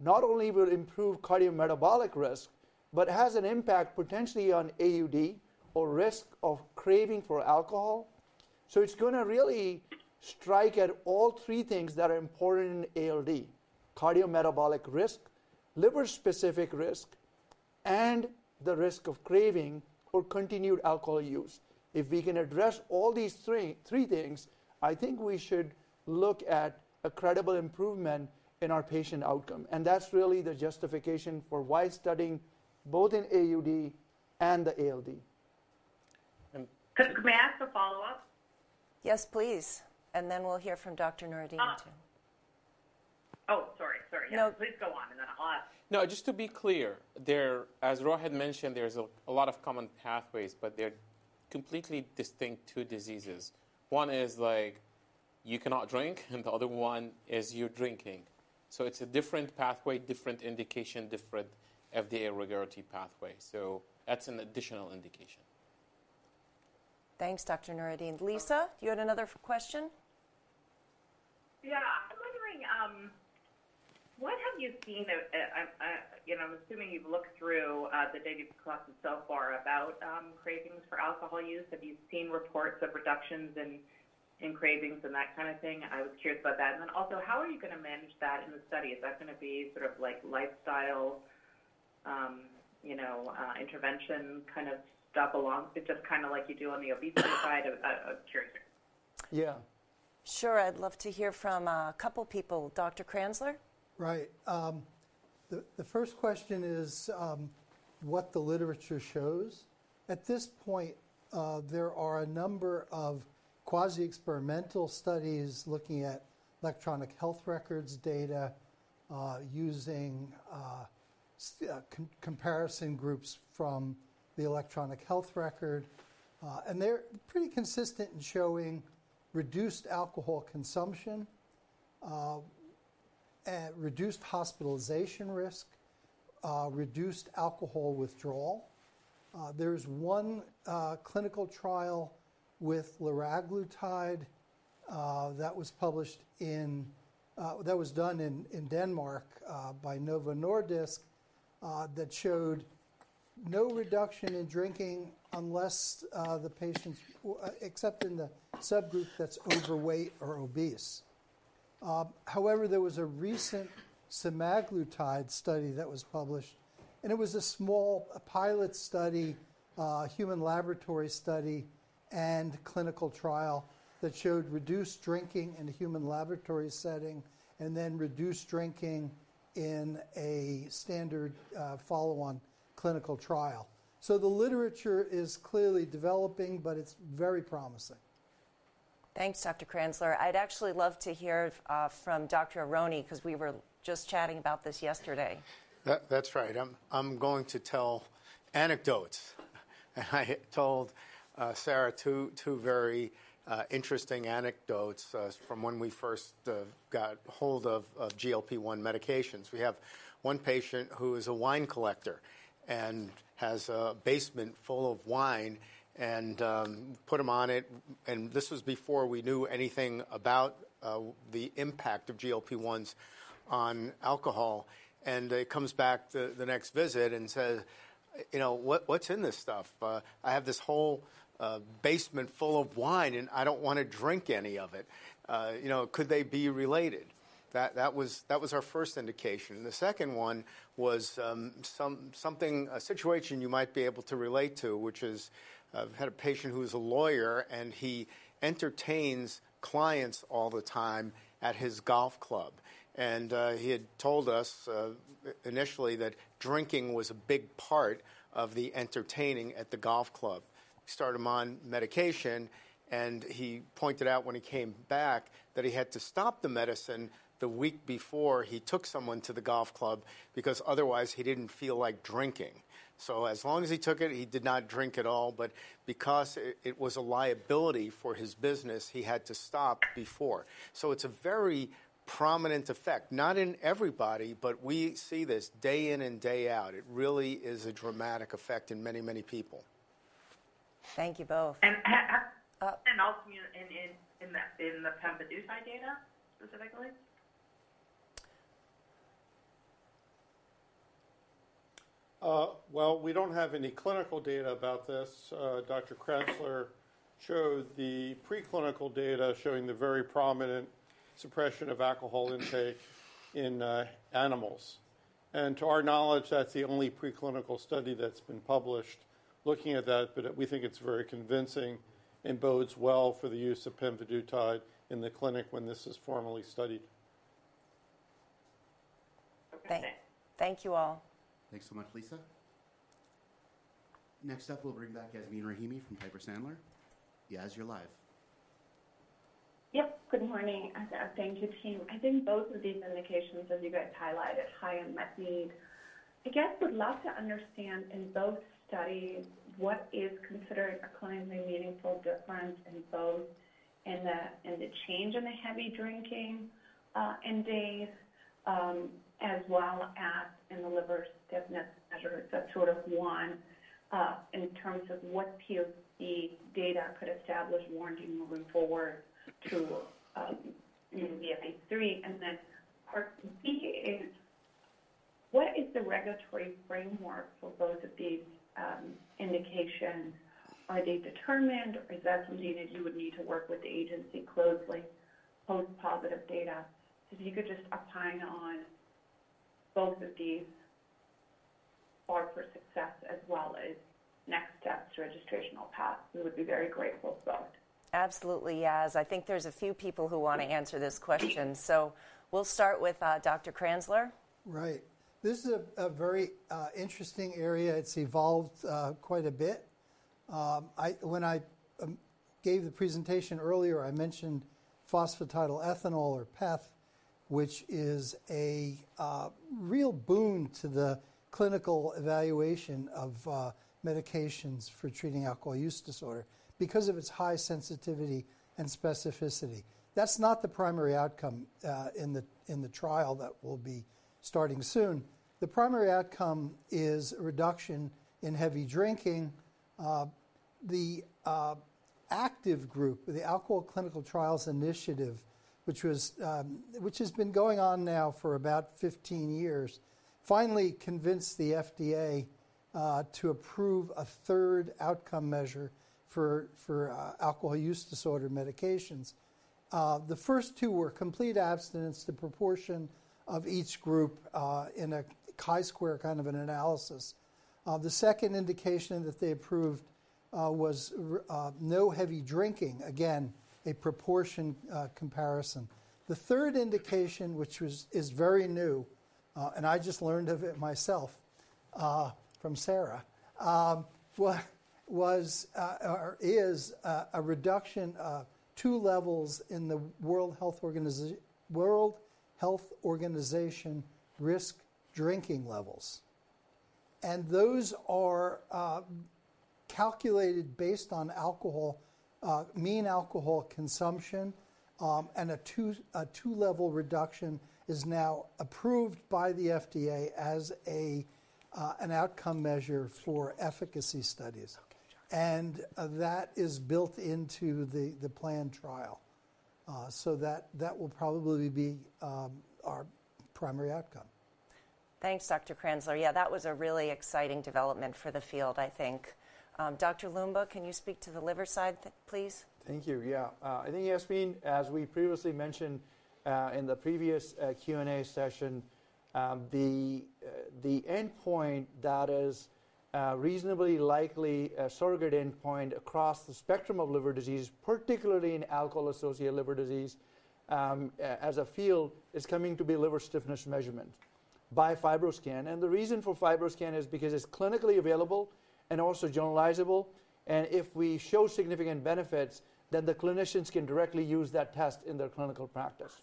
not only will improve cardiometabolic risk, but has an impact potentially on AUD or risk of craving for alcohol. It's going to really strike at all three things that are important in ALD: cardiometabolic risk, liver-specific risk, and the risk of craving or continued alcohol use. If we can address all these three things, I think we should look at a credible improvement in our patient outcome. That's really the justification for why studying both in AUD and the ALD. May I ask a follow-up? Yes, please. We'll hear from Dr. Noureddin too. Oh, sorry. Sorry. Please go on. I'll ask. Just to be clear, as Rohit had mentioned, there's a lot of common pathways. They're completely distinct two diseases. One is you cannot drink. The other one is you're drinking. It's a different pathway, different indication, different FDA regarding pathway. That's an additional indication. Thanks, Dr. Noureddin. Liisa, do you have another question? Yeah. Yeah. I'm wondering, what have you seen? I'm assuming you've looked through the data you've collected so far about cravings for alcohol use. Have you seen reports of reductions in cravings and that kind of thing? I was curious about that. Also, how are you going to manage that in the study? Is that going to be sort of lifestyle intervention kind of stuff along just kind of like you do on the obesity side? I'm curious. Yeah. Sure. I'd love to hear from a couple of people. Dr. Kranzler? Right. The first question is what the literature shows. At this point, there are a number of quasi-experimental studies looking at electronic health records data using comparison groups from the electronic health record. They're pretty consistent in showing reduced alcohol consumption, reduced hospitalization risk, reduced alcohol withdrawal. There is one clinical trial with liraglutide that was done in Denmark by Novo Nordisk that showed no reduction in drinking unless the patients, except in the subgroup that's overweight or obese. However, there was a recent semaglutide study that was published. It was a small pilot study, human laboratory study, and clinical trial that showed reduced drinking in a human laboratory setting and then reduced drinking in a standard follow-on clinical trial. The literature is clearly developing. It is very promising. Thanks, Dr. Kranzler. I'd actually love to hear from Dr. Aronne because we were just chatting about this yesterday. That's right. I'm going to tell anecdotes. I told Sarah two very interesting anecdotes from when we first got hold of GLP-1 medications. We have one patient who is a wine collector and has a basement full of wine and put them on it. This was before we knew anything about the impact of GLP-1s on alcohol. He comes back the next visit and says, "What's in this stuff? I have this whole basement full of wine. I don't want to drink any of it. Could they be related?" That was our first indication. The second one was something, a situation you might be able to relate to, which is I've had a patient who is a lawyer. He entertains clients all the time at his golf club. He had told us initially that drinking was a big part of the entertaining at the golf club. We started him on medication. He pointed out when he came back that he had to stop the medicine the week before he took someone to the golf club because otherwise he didn't feel like drinking. As long as he took it, he did not drink at all. Because it was a liability for his business, he had to stop before. It is a very prominent effect, not in everybody. We see this day in and day out. It really is a dramatic effect in many, many people. Thank you both. In the pemvidutide data specifically? We do not have any clinical data about this. Dr. Kranzler showed the preclinical data showing the very prominent suppression of alcohol intake in animals. To our knowledge, that is the only preclinical study that has been published looking at that. We think it is very convincing and bodes well for the use of pemvidutide in the clinic when this is formally studied. Thanks. Thank you all. Thanks so much, Liisa. Next up, we will bring back Yasmeen Rahimi from Piper Sandler. Yas, you are live. Good morning. Thank you, team. I think both of these indications, as you guys highlighted, high and met need. I guess would love to understand in both studies what is considered a clinically meaningful difference in both in the change in the heavy drinking in days as well as in the liver stiffness measure. That's sort of one in terms of what POC data could establish warranting moving forward to VFA-3. Part B is what is the regulatory framework for both of these indications? Are they determined? Is that something that you would need to work with the agency closely post-positive data? If you could just opine on both of these bar for success as well as next steps, registrational path, we would be very grateful for both. Absolutely, Yas. I think there's a few people who want to answer this question. We'll start with Dr. Kranzler. Right. This is a very interesting area. It's evolved quite a bit. When I gave the presentation earlier, I mentioned phosphatidylethanol or PEth, which is a real boon to the clinical evaluation of medications for treating alcohol use disorder because of its high sensitivity and specificity. That's not the primary outcome in the trial that we'll be starting soon. The primary outcome is a reduction in heavy drinking. The active group, the Alcohol Clinical Trials Initiative, which has been going on now for about 15 years, finally convinced the FDA to approve a third outcome measure for alcohol use disorder medications. The first two were complete abstinence to proportion of each group in a chi-square kind of an analysis. The second indication that they approved was no heavy drinking, again, a proportion comparison. The third indication, which is very new, and I just learned of it myself from Sarah, is a reduction of two levels in the World Health Organization risk drinking levels. Those are calculated based on mean alcohol consumption. A two-level reduction is now approved by the FDA as an outcome measure for efficacy studies. That is built into the planned trial. That will probably be our primary outcome. Thanks, Dr. Kranzler. Yeah, that was a really exciting development for the field, I think. Dr. Loomba, can you speak to the liver side, please? Thank you. Yeah. I think, Yasmeen, as we previously mentioned in the previous Q&A session, the endpoint that is reasonably likely a surrogate endpoint across the spectrum of liver disease, particularly in alcohol-associated liver disease as a field, is coming to be liver stiffness measurement by FibroScan. The reason for FibroScan is because it's clinically available and also generalizable. If we show significant benefits, then the clinicians can directly use that test in their clinical practice.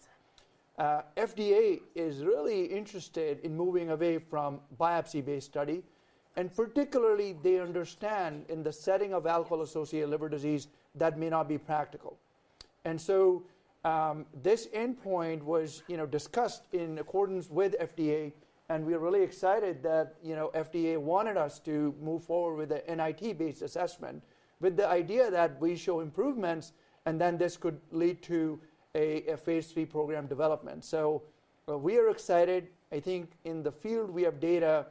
FDA is really interested in moving away from biopsy-based study. Particularly, they understand in the setting of alcohol-associated liver disease that may not be practical. This endpoint was discussed in accordance with FDA. We are really excited that FDA wanted us to move forward with an NIT-based assessment with the idea that we show improvements. This could lead to a phase III program development. We are excited. I think in the field, we have data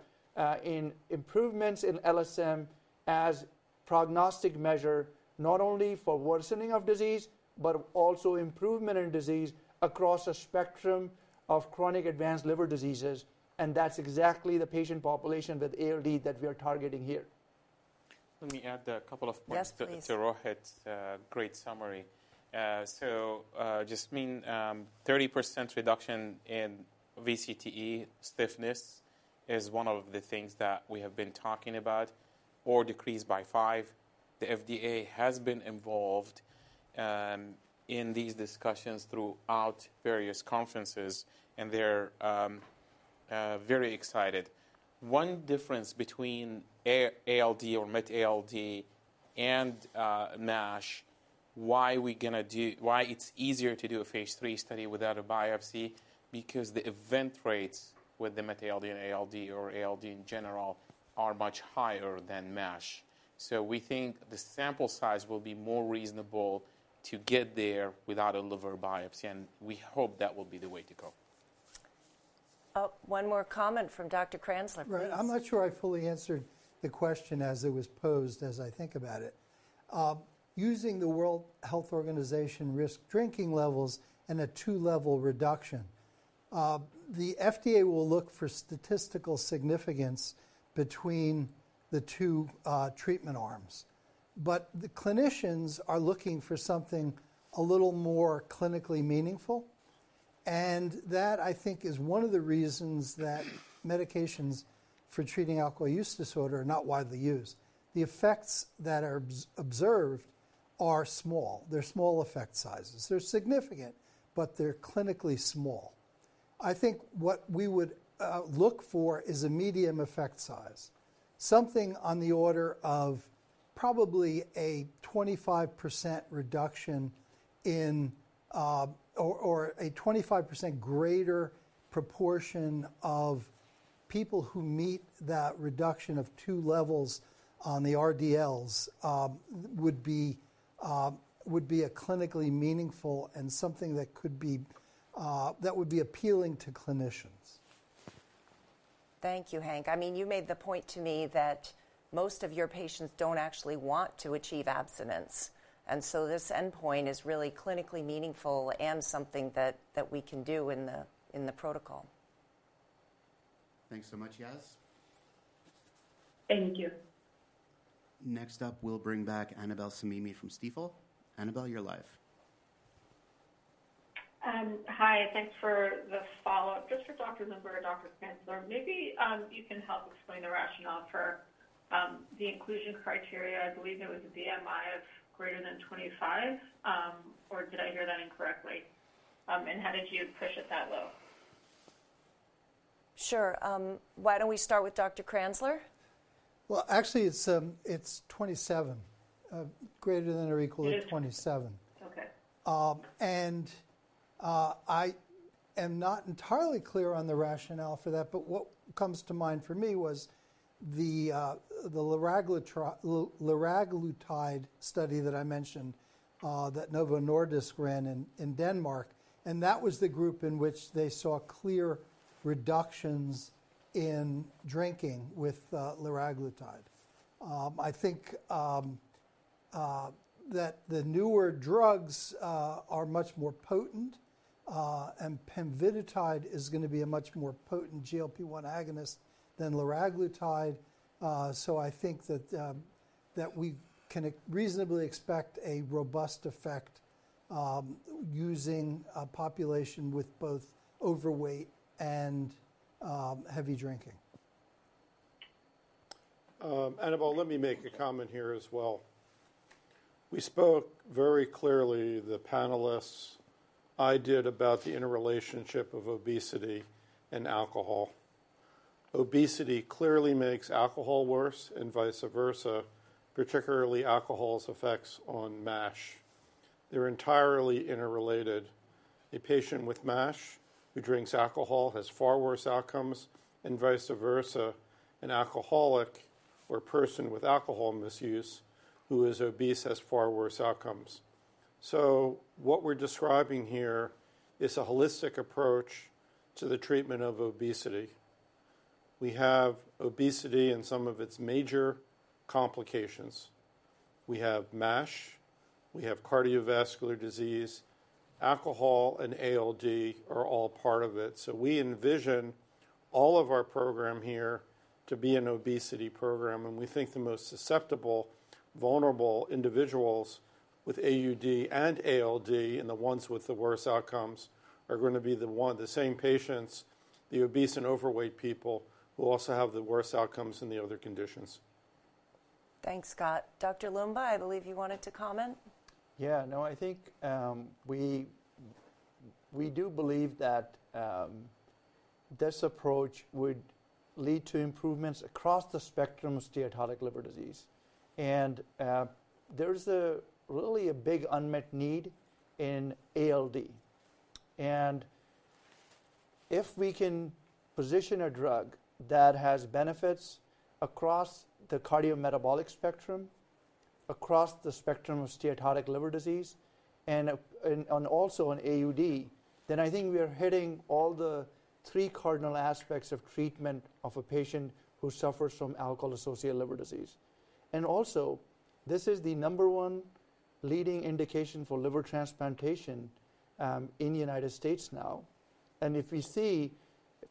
in improvements in LSM as prognostic measure, not only for worsening of disease, but also improvement in disease across a spectrum of chronic advanced liver diseases. That is exactly the patient population with ALD that we are targeting here. Let me add a couple of points to Roh's great summary. Yasmeen, 30% reduction in VCTE stiffness is one of the things that we have been talking about, or decrease by 5. The FDA has been involved in these discussions throughout various conferences. They are very excited. One difference between ALD or met ALD and NASH, why it is easier to do a phase III study without a biopsy, is because the event rates with the met ALD and ALD or ALD in general are much higher than NASH. We think the sample size will be more reasonable to get there without a liver biopsy. We hope that will be the way to go. One more comment from Dr. Kranzler. Right. I'm not sure I fully answered the question as it was posed as I think about it. Using the World Health Organization risk drinking levels and a two-level reduction, the FDA will look for statistical significance between the two treatment arms. The clinicians are looking for something a little more clinically meaningful. That, I think, is one of the reasons that medications for treating alcohol use disorder are not widely used. The effects that are observed are small. They're small effect sizes. They're significant. They're clinically small. I think what we would look for is a medium effect size, something on the order of probably a 25% reduction in or a 25% greater proportion of people who meet that reduction of two levels on the RDLs would be clinically meaningful and something that would be appealing to clinicians. Thank you, Hank. I mean, you made the point to me that most of your patients do not actually want to achieve abstinence. This endpoint is really clinically meaningful and something that we can do in the protocol. Thanks so much, Yaz. Thank you. Next up, we will bring back Annabel Semimy from Stifel. Annabel, you are live. Hi. Thanks for the follow-up. Just for Dr. Kranzler, maybe you can help explain the rationale for the inclusion criteria. I believe it was a BMI of greater than 25. Or did I hear that incorrectly? How did you push it that low? Sure. Why do we not start with Dr. Kranzler? Actually, it is 27. Greater than or equal to 27. It is. Okay. I am not entirely clear on the rationale for that. What comes to mind for me was the liraglutide study that I mentioned that Novo Nordisk ran in Denmark. That was the group in which they saw clear reductions in drinking with liraglutide. I think that the newer drugs are much more potent. Pemvidutide is going to be a much more potent GLP-1 agonist than liraglutide. I think that we can reasonably expect a robust effect using a population with both overweight and heavy drinking. Annabel, let me make a comment here as well. We spoke very clearly, the panelists, I did, about the interrelationship of obesity and alcohol. Obesity clearly makes alcohol worse and vice versa, particularly alcohol's effects on MASH. They are entirely interrelated. A patient with MASH who drinks alcohol has far worse outcomes and vice versa. An alcoholic or a person with alcohol misuse who is obese has far worse outcomes. What we're describing here is a holistic approach to the treatment of obesity. We have obesity and some of its major complications. We have MASH. We have cardiovascular disease. Alcohol and ALD are all part of it. We envision all of our program here to be an obesity program. We think the most susceptible, vulnerable individuals with AUD and ALD and the ones with the worst outcomes are going to be the same patients, the obese and overweight people who also have the worst outcomes in the other conditions. Thanks, Scott. Dr. Loomba, I believe you wanted to comment. Yeah. No, I think we do believe that this approach would lead to improvements across the spectrum of steatotic liver disease. There is really a big unmet need in ALD. If we can position a drug that has benefits across the cardiometabolic spectrum, across the spectrum of steatotic liver disease, and also in AUD, then I think we are hitting all the three cardinal aspects of treatment of a patient who suffers from alcohol-associated liver disease. Also, this is the number one leading indication for liver transplantation in the United States now. If we see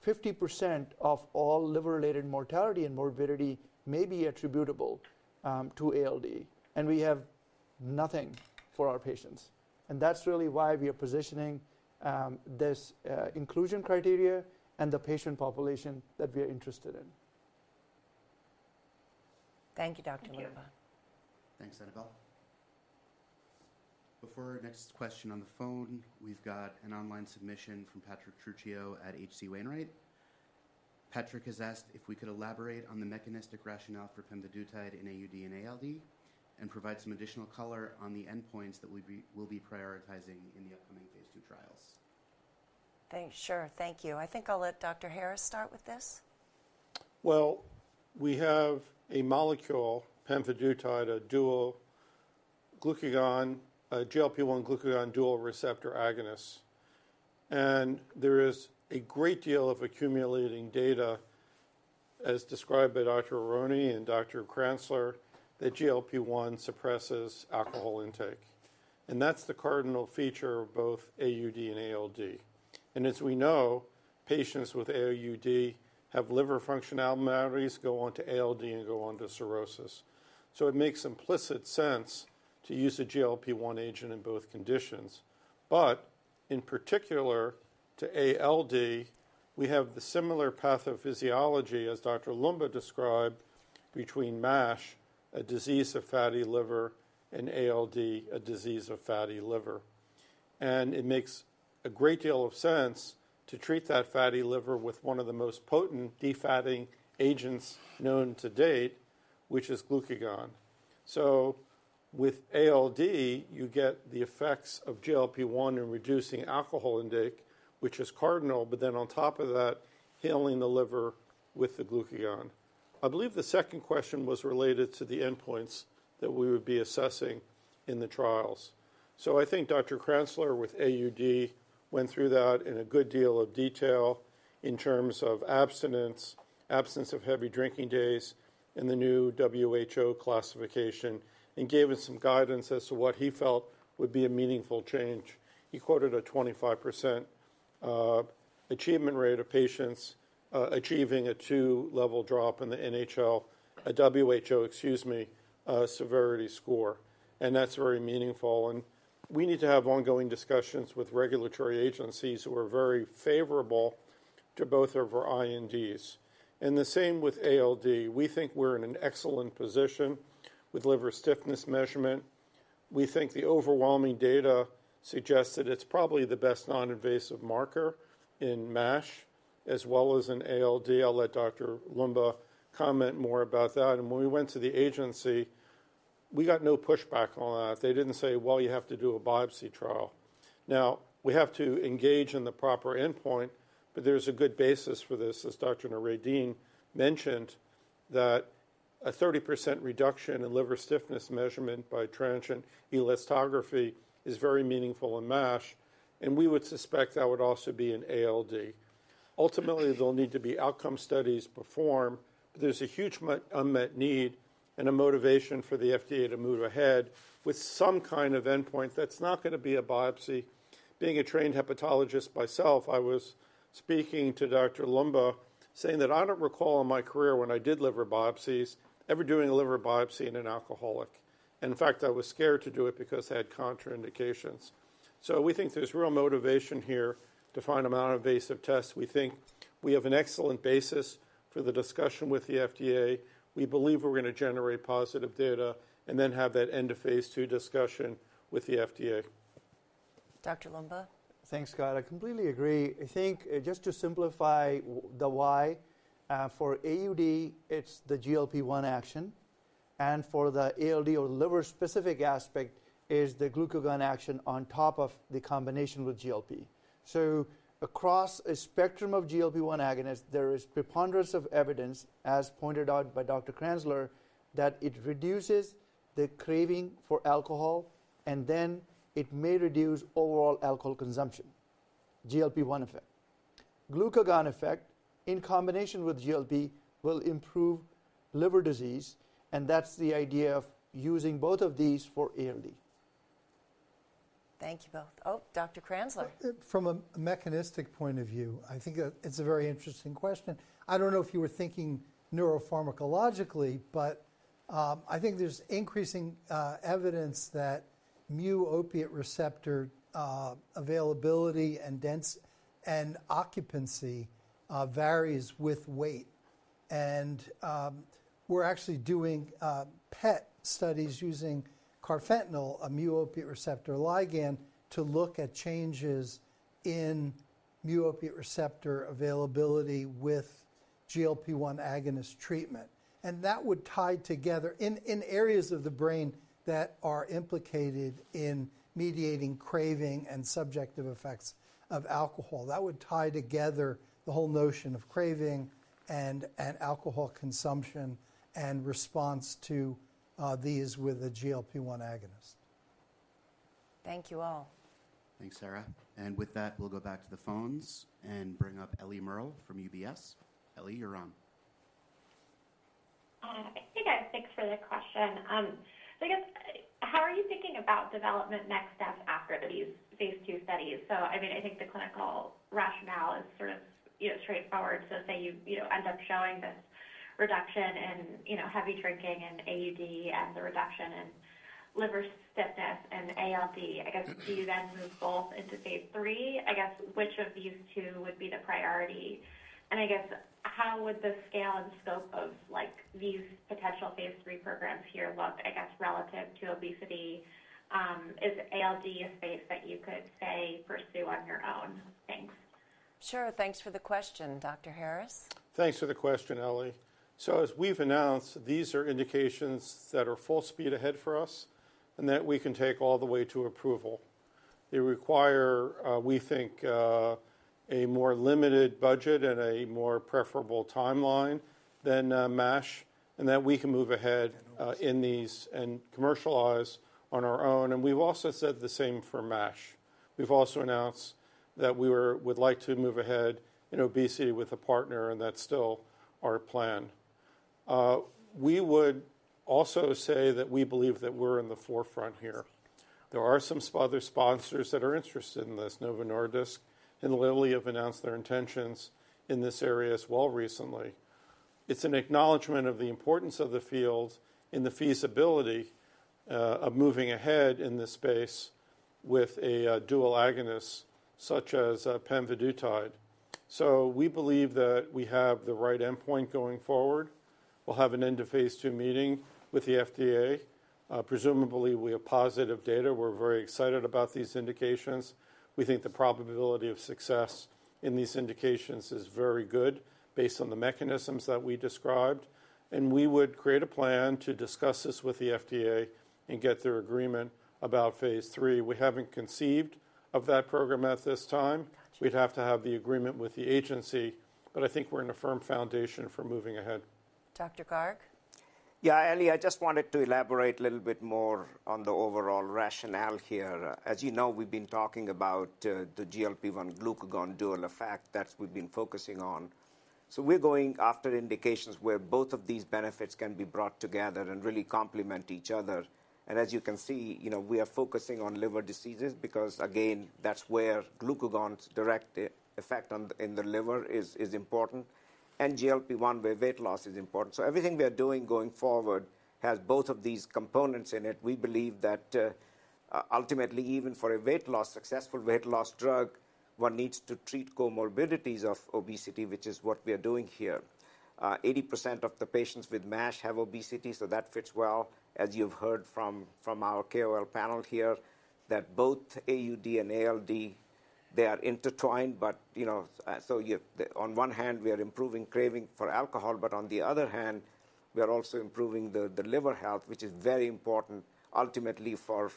50% of all liver-related mortality and morbidity may be attributable to ALD, and we have nothing for our patients. That is really why we are positioning this inclusion criteria and the patient population that we are interested in. Thank you, Dr. Loomba. Thanks, Annabel. Before our next question on the phone, we have an online submission from Patrick Trucchio at HC Wainwright. Patrick has asked if we could elaborate on the mechanistic rationale for pemvidutide in AUD and ALD and provide some additional color on the endpoints that we will be prioritizing in the upcoming phase two trials. Thanks. Sure. Thank you. I think I'll let Dr. Harris start with this. We have a molecule, pemvidutide, a dual GLP-1 glucagon dual receptor agonist. There is a great deal of accumulating data, as described by Dr. Aronne and Dr. Kranzler, that GLP-1 suppresses alcohol intake. That is the cardinal feature of both AUD and ALD. As we know, patients with AUD have liver function abnormalities, go on to ALD, and go on to cirrhosis. It makes implicit sense to use a GLP-1 agent in both conditions. In particular, to ALD, we have the similar pathophysiology as Dr. Loomba described between MASH, a disease of fatty liver, and ALD, a disease of fatty liver. It makes a great deal of sense to treat that fatty liver with one of the most potent defatting agents known to date, which is glucagon. With ALD, you get the effects of GLP-1 in reducing alcohol intake, which is cardinal. Then on top of that, healing the liver with the glucagon. I believe the second question was related to the endpoints that we would be assessing in the trials. I think Dr. Kranzler with AUD went through that in a good deal of detail in terms of abstinence, absence of heavy drinking days in the new WHO classification, and gave us some guidance as to what he felt would be a meaningful change. He quoted a 25% achievement rate of patients achieving a two-level drop in the WHO severity score. That's very meaningful. We need to have ongoing discussions with regulatory agencies who are very favorable to both of our INDs. The same with ALD. We think we're in an excellent position with liver stiffness measurement. We think the overwhelming data suggests that it's probably the best non-invasive marker in MASH as well as in ALD. I'll let Dr. Loomba comment more about that. When we went to the agency, we got no pushback on that. They didn't say, you have to do a biopsy trial. We have to engage in the proper endpoint. There's a good basis for this, as Dr. Noureddin mentioned, that a 30% reduction in liver stiffness measurement by transient elastography is very meaningful in MASH. We would suspect that would also be in ALD. Ultimately, there'll need to be outcome studies performed. There is a huge unmet need and a motivation for the FDA to move ahead with some kind of endpoint that's not going to be a biopsy. Being a trained hepatologist myself, I was speaking to Dr. Loomba, saying that I don't recall in my career when I did liver biopsies ever doing a liver biopsy in an alcoholic. In fact, I was scared to do it because it had contraindications. We think there's real motivation here to find a non-invasive test. We think we have an excellent basis for the discussion with the FDA. We believe we're going to generate positive data and then have that end of phase two discussion with the FDA. Dr. Loomba. Thanks, Scott. I completely agree. I think just to simplify the why, for AUD, it's the GLP-1 action. For the ALD or liver-specific aspect, it's the glucagon action on top of the combination with GLP. Across a spectrum of GLP-1 agonists, there is preponderance of evidence, as pointed out by Dr. Kranzler, that it reduces the craving for alcohol. It may reduce overall alcohol consumption, GLP-1 effect. Glucagon effect in combination with GLP will improve liver disease. That's the idea of using both of these for ALD. Thank you both. Oh, Dr. Kranzler. From a mechanistic point of view, I think it's a very interesting question. I don't know if you were thinking neuropharmacologically. I think there's increasing evidence that mu opiate receptor availability and occupancy varies with weight. We're actually doing PET studies using carfentanil, a mu opiate receptor ligand, to look at changes in mu opiate receptor availability with GLP-1 agonist treatment. That would tie together in areas of the brain that are implicated in mediating craving and subjective effects of alcohol. That would tie together the whole notion of craving and alcohol consumption and response to these with a GLP-1 agonist. Thank you all. Thanks, Sarah. With that, we'll go back to the phones and bring up Ellie Merle from UBS. Ellie, you're on. I think I'm thankful for the question. I guess, how are you thinking about development next steps after these phase two studies? I mean, I think the clinical rationale is sort of straightforward. Say you end up showing this reduction in heavy drinking and AUD and the reduction in liver stiffness and ALD. I guess, do you then move both into phase III? I guess, which of these two would be the priority? I guess, how would the scale and scope of these potential phase three programs here look, I guess, relative to obesity? Is ALD a space that you could, say, pursue on your own? Thanks. Sure. Thanks for the question, Dr. Harris. Thanks for the question, Ellie. As we've announced, these are indications that are full speed ahead for us and that we can take all the way to approval. They require, we think, a more limited budget and a more preferable timeline than MASH and that we can move ahead in these and commercialize on our own. We've also said the same for MASH. We've also announced that we would like to move ahead in obesity with a partner. That's still our plan. We would also say that we believe that we're in the forefront here. There are some other sponsors that are interested in this, Novo Nordisk and Lilly have announced their intentions in this area as well recently. It's an acknowledgment of the importance of the field in the feasibility of moving ahead in this space with a dual agonist such as pemvidutide. We believe that we have the right endpoint going forward. We'll have an end of phase two meeting with the FDA, presumably with positive data. We're very excited about these indications. We think the probability of success in these indications is very good based on the mechanisms that we described. We would create a plan to discuss this with the FDA and get their agreement about phase three. We haven't conceived of that program at this time. We'd have to have the agreement with the agency. I think we're in a firm foundation for moving ahead. Dr. Garg. Yeah, Ellie, I just wanted to elaborate a little bit more on the overall rationale here. As you know, we've been talking about the GLP-1 glucagon dual effect that we've been focusing on. We're going after indications where both of these benefits can be brought together and really complement each other. As you can see, we are focusing on liver diseases because, again, that's where glucagon's direct effect in the liver is important. GLP-1, where weight loss is important. Everything we are doing going forward has both of these components in it. We believe that ultimately, even for a successful weight loss drug, one needs to treat comorbidities of obesity, which is what we are doing here. 80% of the patients with MASH have obesity. That fits well, as you've heard from our KOL panel here, that both AUD and ALD, they are intertwined. On one hand, we are improving craving for alcohol. On the other hand, we are also improving the liver health, which is very important ultimately for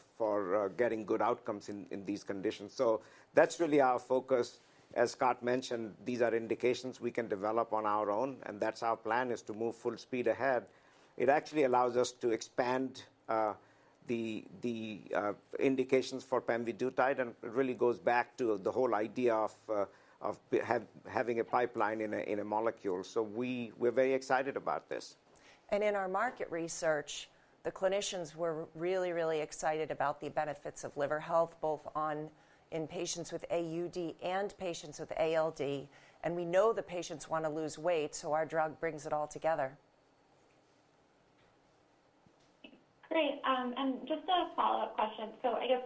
getting good outcomes in these conditions. That is really our focus. As Scott mentioned, these are indications we can develop on our own. That is our plan, to move full speed ahead. It actually allows us to expand the indications for pemvidutide. It really goes back to the whole idea of having a pipeline in a molecule. We are very excited about this. In our market research, the clinicians were really, really excited about the benefits of liver health, both in patients with AUD and patients with ALD. We know the patients want to lose weight. Our drug brings it all together. Great. Just a follow-up question. I guess,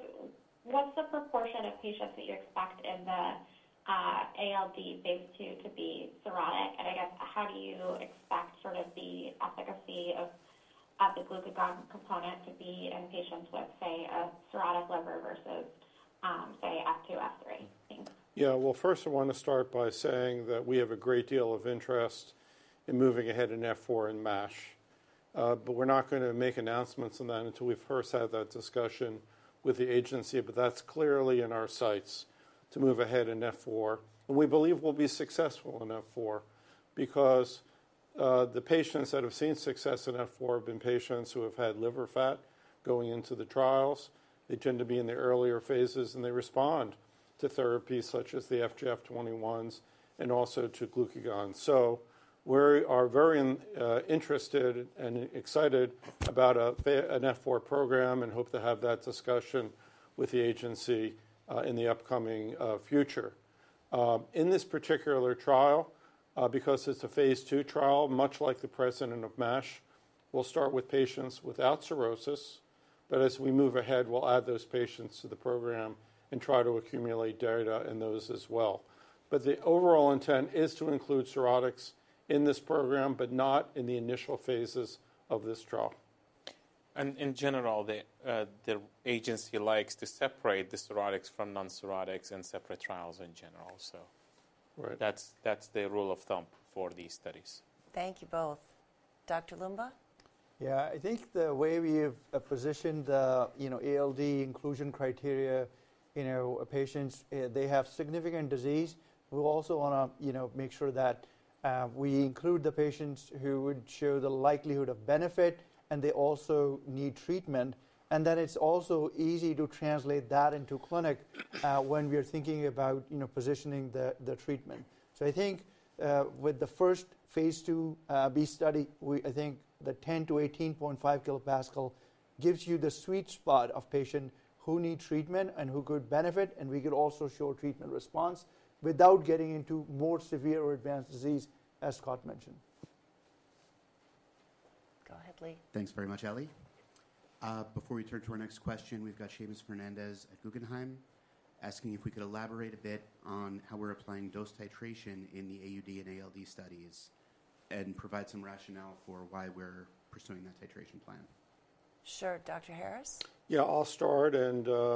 what's the proportion of patients that you expect in the ALD phase two to be cirrhotic? I guess, how do you expect sort of the efficacy of the glucagon component to be in patients with, say, a cirrhotic liver versus, say, F2, F3? Thanks. Yeah. First, I want to start by saying that we have a great deal of interest in moving ahead in F4 and MASH. We're not going to make announcements on that until we've first had that discussion with the agency. That's clearly in our sights to move ahead in F4. We believe we'll be successful in F4 because the patients that have seen success in F4 have been patients who have had liver fat going into the trials. They tend to be in the earlier phases. They respond to therapies such as the FGF21s and also to glucagon. We are very interested and excited about an F4 program and hope to have that discussion with the agency in the upcoming future. In this particular trial, because it's a phase two trial, much like the precedent of MASH, we'll start with patients without cirrhosis. As we move ahead, we'll add those patients to the program and try to accumulate data in those as well. The overall intent is to include cirrhotics in this program but not in the initial phases of this trial. In general, the agency likes to separate the cirrhotics from non-cirrhotics in separate trials in general. That is the rule of thumb for these studies. Thank you both. Dr. Loomba. Yeah. I think the way we have positioned ALD inclusion criteria in our patients, they have significant disease. We also want to make sure that we include the patients who would show the likelihood of benefit. They also need treatment. It is also easy to translate that into clinic when we are thinking about positioning the treatment. I think with the first phase IIb study, the 10kilopascal-18.5 kilopascal gives you the sweet spot of patients who need treatment and who could benefit. We could also show treatment response without getting into more severe or advanced disease, as Scott mentioned. Go ahead, Lee. Thanks very much, Ellie. Before we turn to our next question, we've got Seamus Fernandez at Guggenheim asking if we could elaborate a bit on how we're applying dose titration in the AUD and ALD studies and provide some rationale for why we're pursuing that titration plan. Sure. Dr. Harris. Yeah. I'll start.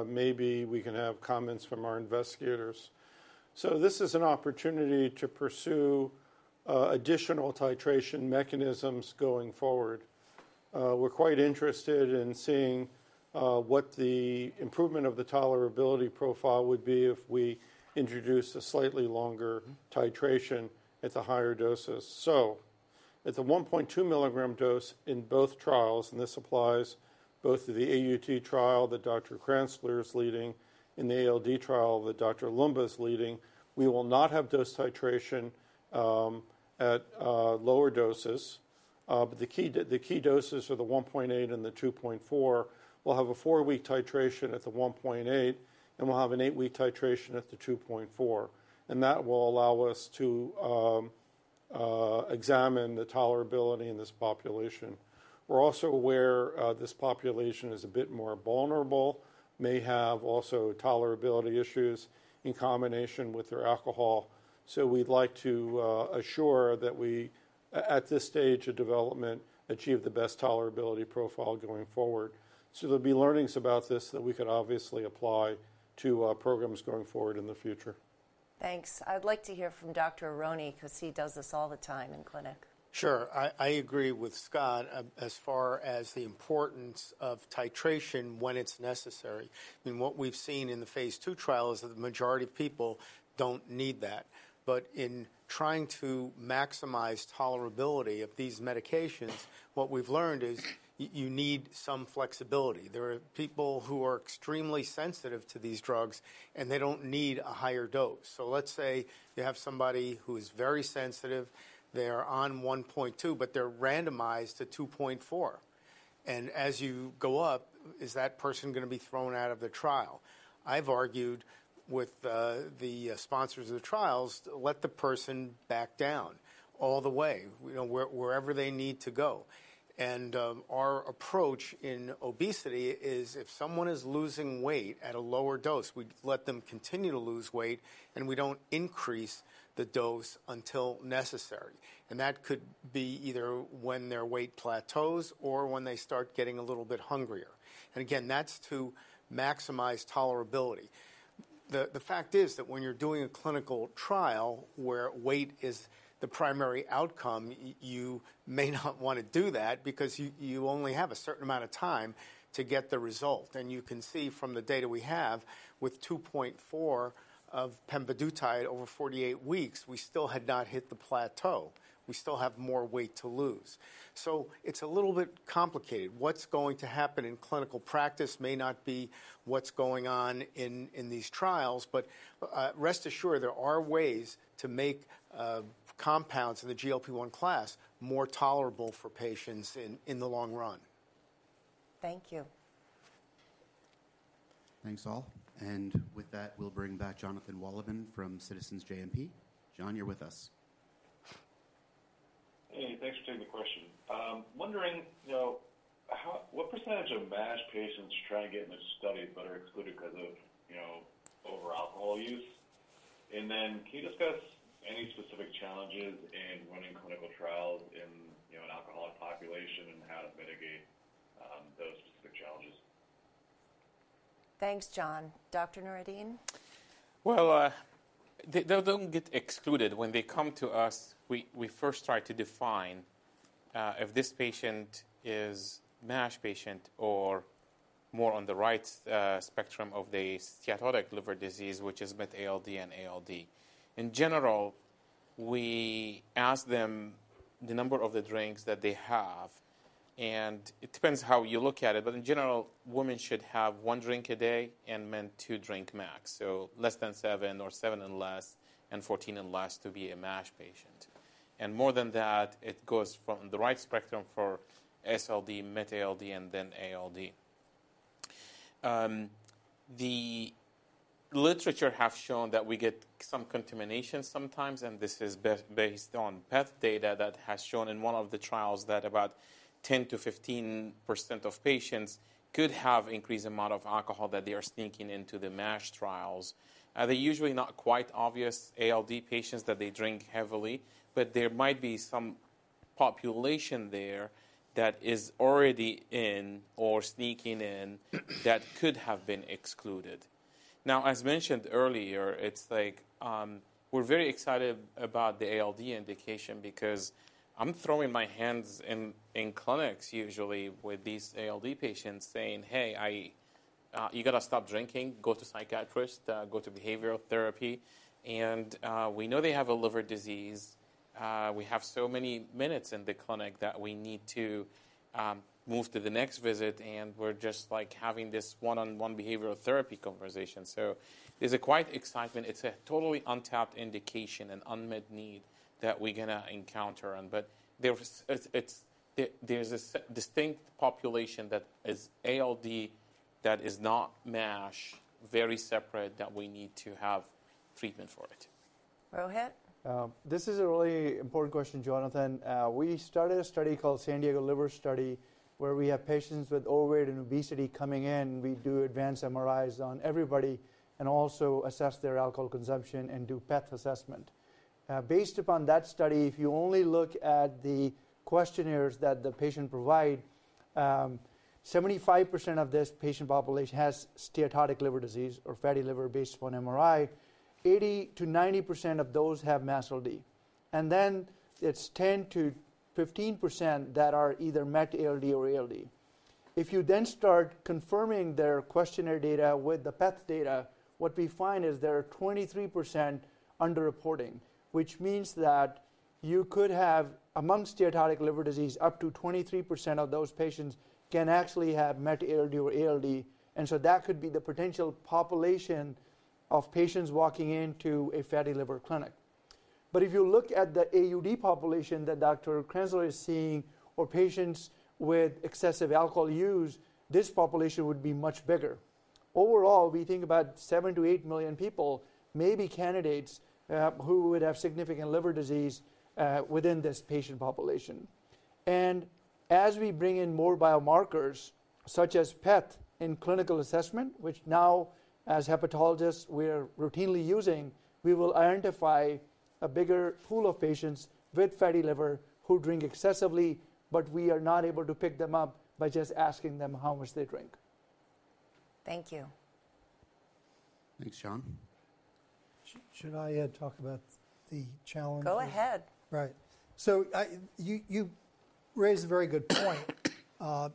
Maybe we can have comments from our investigators. This is an opportunity to pursue additional titration mechanisms going forward. We're quite interested in seeing what the improvement of the tolerability profile would be if we introduce a slightly longer titration at the higher doses. At the 1.2 mg dose in both trials, and this applies both to the AUD trial that Dr. Kranzler is leading and the ALD trial that Dr. Loomba is leading, we will not have dose titration at lower doses. The key doses are the 1.8 and the 2.4. We'll have a four-week titration at the 1.8. We'll have an eight-week titration at the 2.4. That will allow us to examine the tolerability in this population. We're also aware this population is a bit more vulnerable, may have also tolerability issues in combination with their alcohol. We'd like to assure that we, at this stage of development, achieve the best tolerability profile going forward. There'll be learnings about this that we could obviously apply to programs going forward in the future. Thanks. I'd like to hear from Dr. Aronne because he does this all the time in clinic. Sure. I agree with Scott as far as the importance of titration when it's necessary. I mean, what we've seen in the phase two trial is that the majority of people don't need that. In trying to maximize tolerability of these medications, what we've learned is you need some flexibility. There are people who are extremely sensitive to these drugs. They don't need a higher dose. Let's say you have somebody who is very sensitive. They are on 1.2. They're randomized to 2.4. As you go up, is that person going to be thrown out of the trial? I've argued with the sponsors of the trials, let the person back down all the way, wherever they need to go. Our approach in obesity is if someone is losing weight at a lower dose, we let them continue to lose weight. We don't increase the dose until necessary. That could be either when their weight plateaus or when they start getting a little bit hungrier. Again, that's to maximize tolerability. The fact is that when you're doing a clinical trial where weight is the primary outcome, you may not want to do that because you only have a certain amount of time to get the result. You can see from the data we have with 2.4 of pemvidutide over 48 weeks, we still had not hit the plateau. We still have more weight to lose. It is a little bit complicated. What is going to happen in clinical practice may not be what is going on in these trials. Rest assured, there are ways to make compounds in the GLP-1 class more tolerable for patients in the long run. Thank you. Thanks, all. With that, we'll bring back Jonathan Wolleben from Citizens JMP. Jon, you're with us. Hey, thanks for taking the question. Wondering what percentage of MASH patients are trying to get in this study but are excluded because of over alcohol use? Can you discuss any specific challenges in running clinical trials in an alcoholic population and how to mitigate those specific challenges? Thanks, Jon. Dr. Noureddin? They don't get excluded. When they come to us, we first try to define if this patient is a MASH patient or more on the right spectrum of the steatotic liver disease, which is met ALD and ALD. In general, we ask them the number of the drinks that they have. It depends how you look at it. In general, women should have one drink a day and men two drinks max, so less than seven or seven and less and 14 and less to be a MASH patient. More than that, it goes from the right spectrum for SLD, met ALD, and then ALD. The literature has shown that we get some contamination sometimes. This is based on PET data that has shown in one of the trials that about 10-15% of patients could have an increased amount of alcohol that they are sneaking into the MASH trials. They're usually not quite obvious ALD patients that they drink heavily. There might be some population there that is already in or sneaking in that could have been excluded. As mentioned earlier, we're very excited about the ALD indication because I'm throwing my hands in clinics usually with these ALD patients saying, "Hey, you've got to stop drinking. Go to psychiatrist. Go to behavioral therapy." We know they have a liver disease. We have so many minutes in the clinic that we need to move to the next visit. We're just having this one-on-one behavioral therapy conversation. There's quite excitement. It's a totally untapped indication and unmet need that we're going to encounter. There's a distinct population that is ALD that is not MASH, very separate, that we need to have treatment for. Rohit? This is a really important question, Jonathan. We started a study called San Diego Liver Study where we have patients with overweight and obesity coming in. We do advanced MRIs on everybody and also assess their alcohol consumption and do PEth assessment. Based upon that study, if you only look at the questionnaires that the patient provides, 75% of this patient population has steatotic liver disease or fatty liver based upon MRI, 80%-90% of those have SLD. It is 10%-15% that are either met ALD or ALD. If you then start confirming their questionnaire data with the PEth data, what we find is there are 23% underreporting, which means that you could have among steatotic liver disease, up to 23% of those patients can actually have met ALD or ALD. That could be the potential population of patients walking into a fatty liver clinic. If you look at the AUD population that Dr. Kranzler is seeing or patients with excessive alcohol use, this population would be much bigger. Overall, we think about 7-8 million people, maybe candidates, who would have significant liver disease within this patient population. As we bring in more biomarkers such as PEth in clinical assessment, which now as hepatologists we are routinely using, we will identify a bigger pool of patients with fatty liver who drink excessively. We are not able to pick them up by just asking them how much they drink. Thank you. Thanks, Jon. Should I talk about the challenge? Go ahead. Right. You raise a very good point.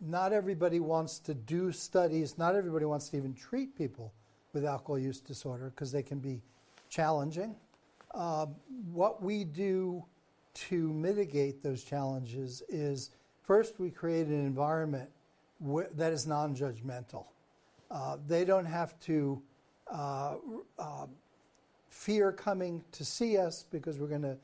Not everybody wants to do studies. Not everybody wants to even treat people with alcohol use disorder because they can be challenging. What we do to mitigate those challenges is first, we create an environment that is nonjudgmental. They do not have to fear coming to see us because we are going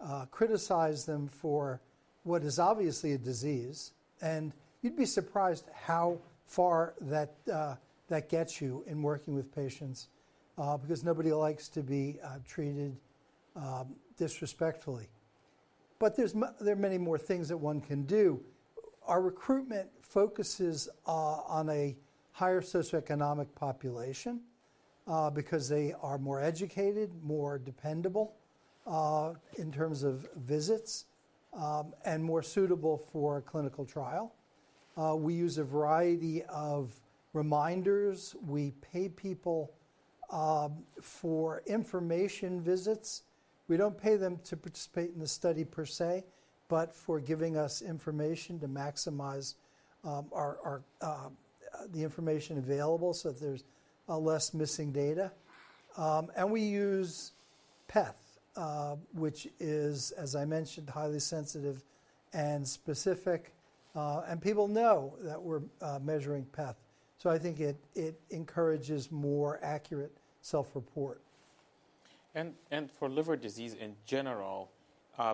to criticize them for what is obviously a disease. You'd be surprised how far that gets you in working with patients because nobody likes to be treated disrespectfully. There are many more things that one can do. Our recruitment focuses on a higher socioeconomic population because they are more educated, more dependable in terms of visits, and more suitable for a clinical trial. We use a variety of reminders. We pay people for information visits. We do not pay them to participate in the study per se but for giving us information to maximize the information available so that there is less missing data. We use PEth, which is, as I mentioned, highly sensitive and specific. People know that we are measuring PEth. I think it encourages more accurate self-report. For liver disease in general,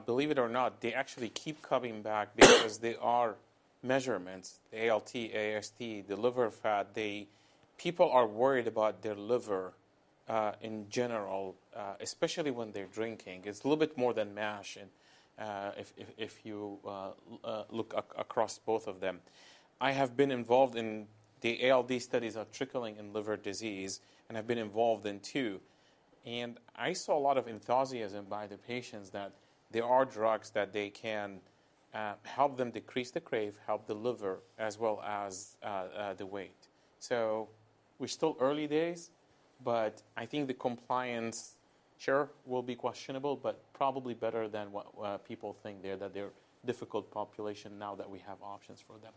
believe it or not, they actually keep coming back because there are measurements, the ALT, AST, the liver fat. People are worried about their liver in general, especially when they're drinking. It's a little bit more than MASH if you look across both of them. I have been involved in the ALD studies of trickling in liver disease. I have been involved in two. I saw a lot of enthusiasm by the patients that there are drugs that can help them decrease the crave, help the liver, as well as the weight. We are still early days. I think the compliance, sure, will be questionable but probably better than what people think. They're a difficult population now that we have options for them.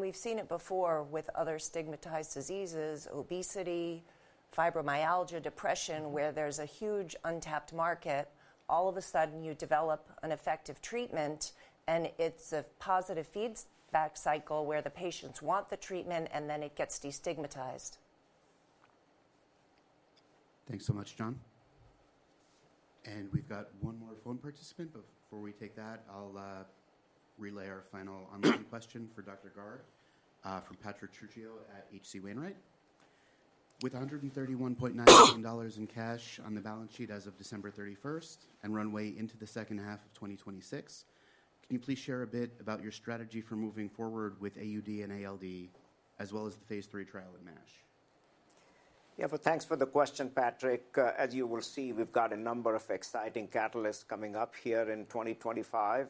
We have seen it before with other stigmatized diseases, obesity, fibromyalgia, depression, where there's a huge untapped market. All of a sudden, you develop an effective treatment. It is a positive feedback cycle where the patients want the treatment. Then it gets destigmatized. Thanks so much, Jon. We have one more phone participant. Before we take that, I'll relay our final online question for Dr. Garg from Patrick Trucchio at HC Wainwright. With $131.9 million in cash on the balance sheet as of December 31 and runway into the second half of 2026, can you please share a bit about your strategy for moving forward with AUD and ALD as well as the phase three trial in MASH? Yeah, thanks for the question, Patrick. As you will see, we've got a number of exciting catalysts coming up here in 2025.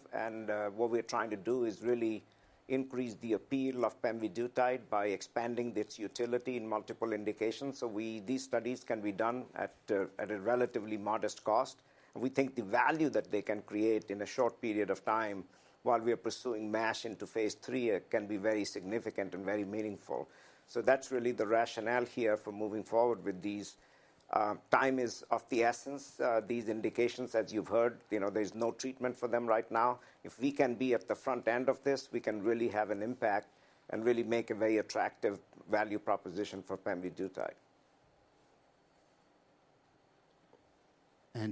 What we're trying to do is really increase the appeal of pemvidutide by expanding its utility in multiple indications so these studies can be done at a relatively modest cost. We think the value that they can create in a short period of time while we are pursuing MASH into phase three can be very significant and very meaningful. That is really the rationale here for moving forward with these. Time is of the essence. These indications, as you've heard, there's no treatment for them right now. If we can be at the front end of this, we can really have an impact and really make a very attractive value proposition for pemvidutide.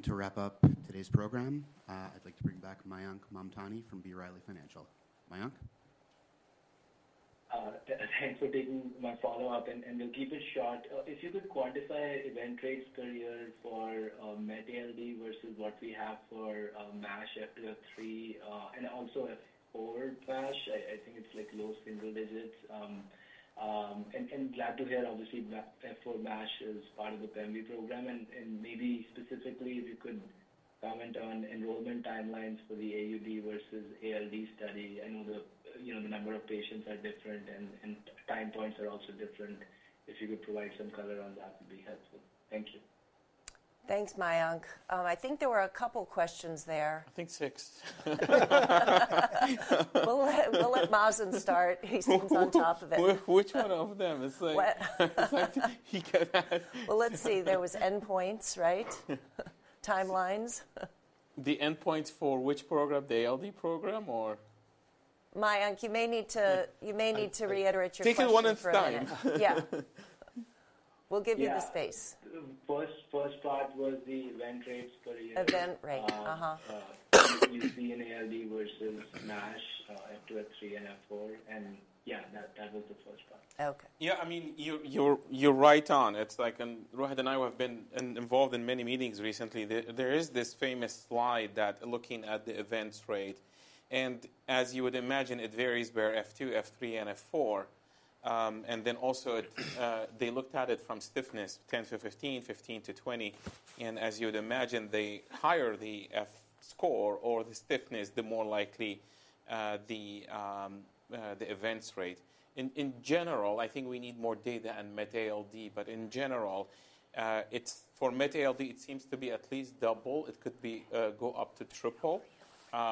To wrap up today's program, I'd like to bring back Mayank Mamtani from B. Riley Financial. Mayank? Thanks for taking my follow-up. We'll keep it short. If you could quantify event rates per year for met ALD versus what we have for MASH F03 and also F04 MASH, I think it's like low single digits. Glad to hear, obviously, F04 MASH is part of the PEMV program. Maybe specifically, if you could comment on enrollment timelines for the AUD versus ALD study. I know the number of patients are different. Time points are also different. If you could provide some color on that, that would be helpful. Thank you. Thanks, Mayank. I think there were a couple of questions there. I think six. We'll let Mazen start. He stands on top of it. Which one of them? It's like he can ask. Let's see. There was end points, right? Timelines. The end points for which program? The ALD program or? Mayank, you may need to reiterate your question. Take it one at a time. Yeah. We'll give you the space. First part was the event rates per year. Event rate. You see in ALD versus MASH F03 and F04. Yeah, that was the first part. Yeah, I mean, you're right on. It's like Rohit and I have been involved in many meetings recently. There is this famous slide that looking at the events rate. As you would imagine, it varies where F2, F3, and F4. They also looked at it from stiffness 10-15, 15-20. As you would imagine, the higher the F score or the stiffness, the more likely the events rate. In general, I think we need more data on met ALD. In general, for met ALD, it seems to be at least double. It could go up to triple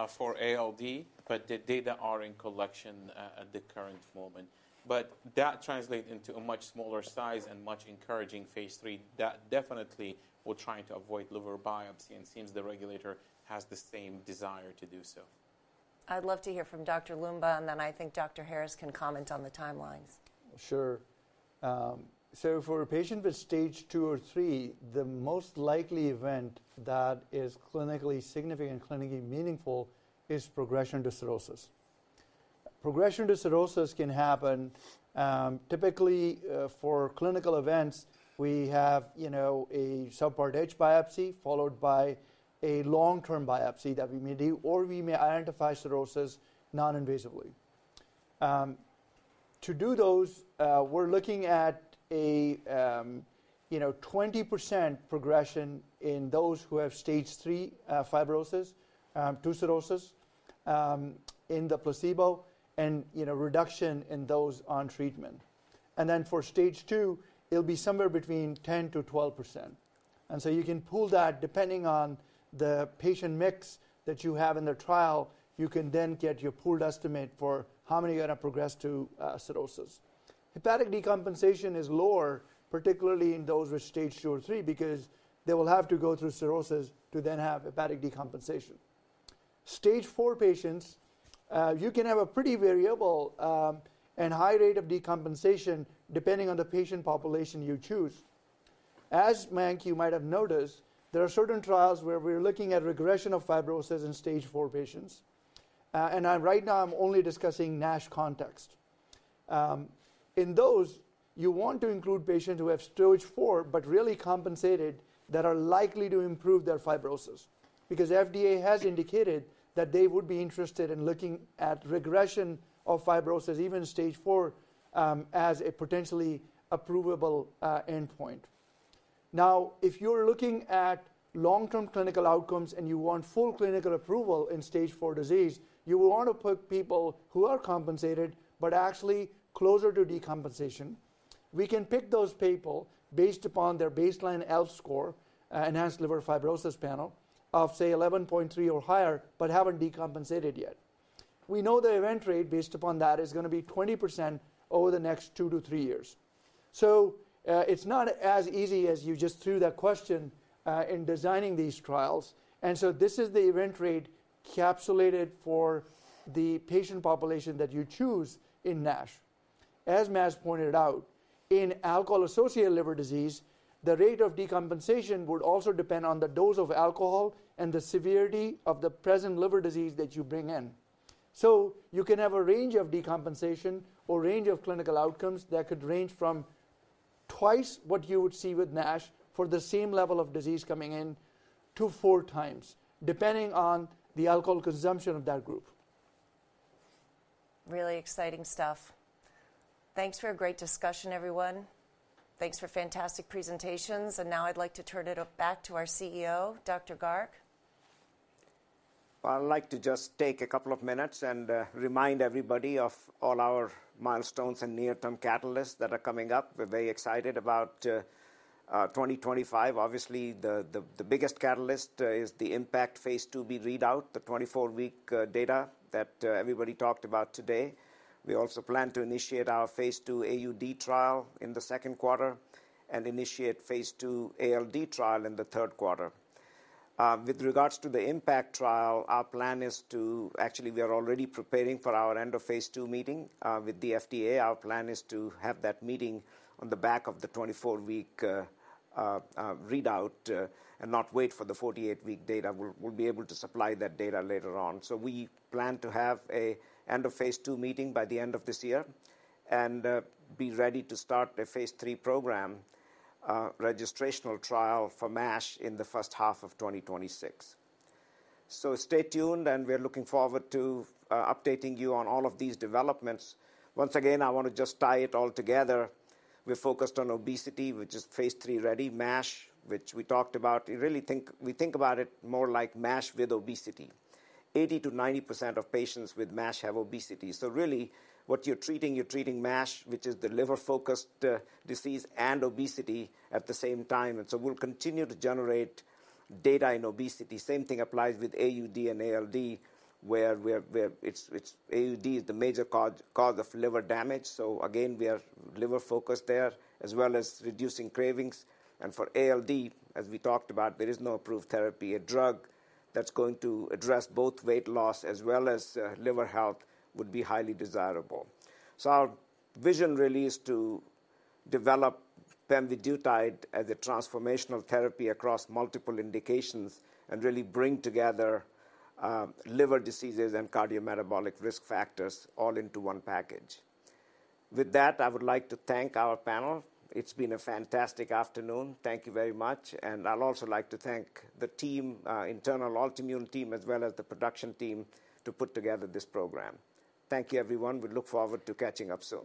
for ALD. The data are in collection at the current moment. That translates into a much smaller size and much encouraging phase three. That definitely we're trying to avoid liver biopsy. It seems the regulator has the same desire to do so. I'd love to hear from Dr. Loomba. I think Dr. Harris can comment on the timelines. Sure. For a patient with stage 2 or 3, the most likely event that is clinically significant and clinically meaningful is progression to cirrhosis. Progression to cirrhosis can happen. Typically, for clinical events, we have a subpart H biopsy followed by a long-term biopsy that we may do, or we may identify cirrhosis noninvasively. To do those, we're looking at a 20% progression in those who have stage three fibrosis to cirrhosis in the placebo, and reduction in those on treatment. For stage two, it'll be somewhere between 10%-12%. You can pull that depending on the patient mix that you have in the trial. You can then get your pooled estimate for how many are going to progress to cirrhosis. Hepatic decompensation is lower, particularly in those with stage 2 or 3, because they will have to go through cirrhosis to then have hepatic decompensation. Stage 4 patients, you can have a pretty variable and high rate of decompensation depending on the patient population you choose. As Mayank, you might have noticed, there are certain trials where we're looking at regression of fibrosis in stage four patients. Right now, I'm only discussing NASH context. In those, you want to include patients who have stage 4 but really compensated that are likely to improve their fibrosis because the FDA has indicated that they would be interested in looking at regression of fibrosis, even stage four, as a potentially approvable end point. Now, if you're looking at long-term clinical outcomes and you want full clinical approval in stage 4 disease, you will want to put people who are compensated but actually closer to decompensation. We can pick those people based upon their baseline ELF score, enhanced liver fibrosis panel, of say 11.3 or higher but haven't decompensated yet. We know the event rate based upon that is going to be 20% over the next two to three years. It is not as easy as you just threw that question in designing these trials. This is the event rate capsulated for the patient population that you choose in NASH. As Maz pointed out, in alcohol-associated liver disease, the rate of decompensation would also depend on the dose of alcohol and the severity of the present liver disease that you bring in. You can have a range of decompensation or a range of clinical outcomes that could range from twice what you would see with NASH for the same level of disease coming in to four times, depending on the alcohol consumption of that group. Really exciting stuff. Thanks for a great discussion, everyone. Thanks for fantastic presentations. Now I'd like to turn it back to our CEO, Dr. Garg. I'd like to just take a couple of minutes and remind everybody of all our milestones and near-term catalysts that are coming up. We're very excited about 2025. Obviously, the biggest catalyst is the IMPACT phase IIb readout, the 24-week data that everybody talked about today. We also plan to initiate our phase II AUD trial in the second quarter and initiate phase II ALD trial in the third quarter. With regards to the IMPACT trial, our plan is to actually, we are already preparing for our end of phase two meeting with the FDA. Our plan is to have that meeting on the back of the 24-week readout and not wait for the 48-week data. We'll be able to supply that data later on. We plan to have an end of phase two meeting by the end of this year and be ready to start the phase three program registrational trial for MASH in the first half of 2026. Stay tuned. We're looking forward to updating you on all of these developments. Once again, I want to just tie it all together. We're focused on obesity, which is phase three ready. MASH, which we talked about, we think about it more like MASH with obesity. 80%-90% of patients with MASH have obesity. What you're treating, you're treating MASH, which is the liver-focused disease, and obesity at the same time. We'll continue to generate data in obesity. The same thing applies with AUD and ALD, where AUD is the major cause of liver damage. We are liver-focused there as well as reducing cravings. For ALD, as we talked about, there is no approved therapy. A drug that's going to address both weight loss as well as liver health would be highly desirable. Our vision really is to develop pemvidutide as a transformational therapy across multiple indications and really bring together liver diseases and cardiometabolic risk factors all into one package. With that, I would like to thank our panel. It's been a fantastic afternoon. Thank you very much. I would also like to thank the internal Altimmune team, as well as the production team, for putting together this program. Thank you, everyone. We look forward to catching up soon.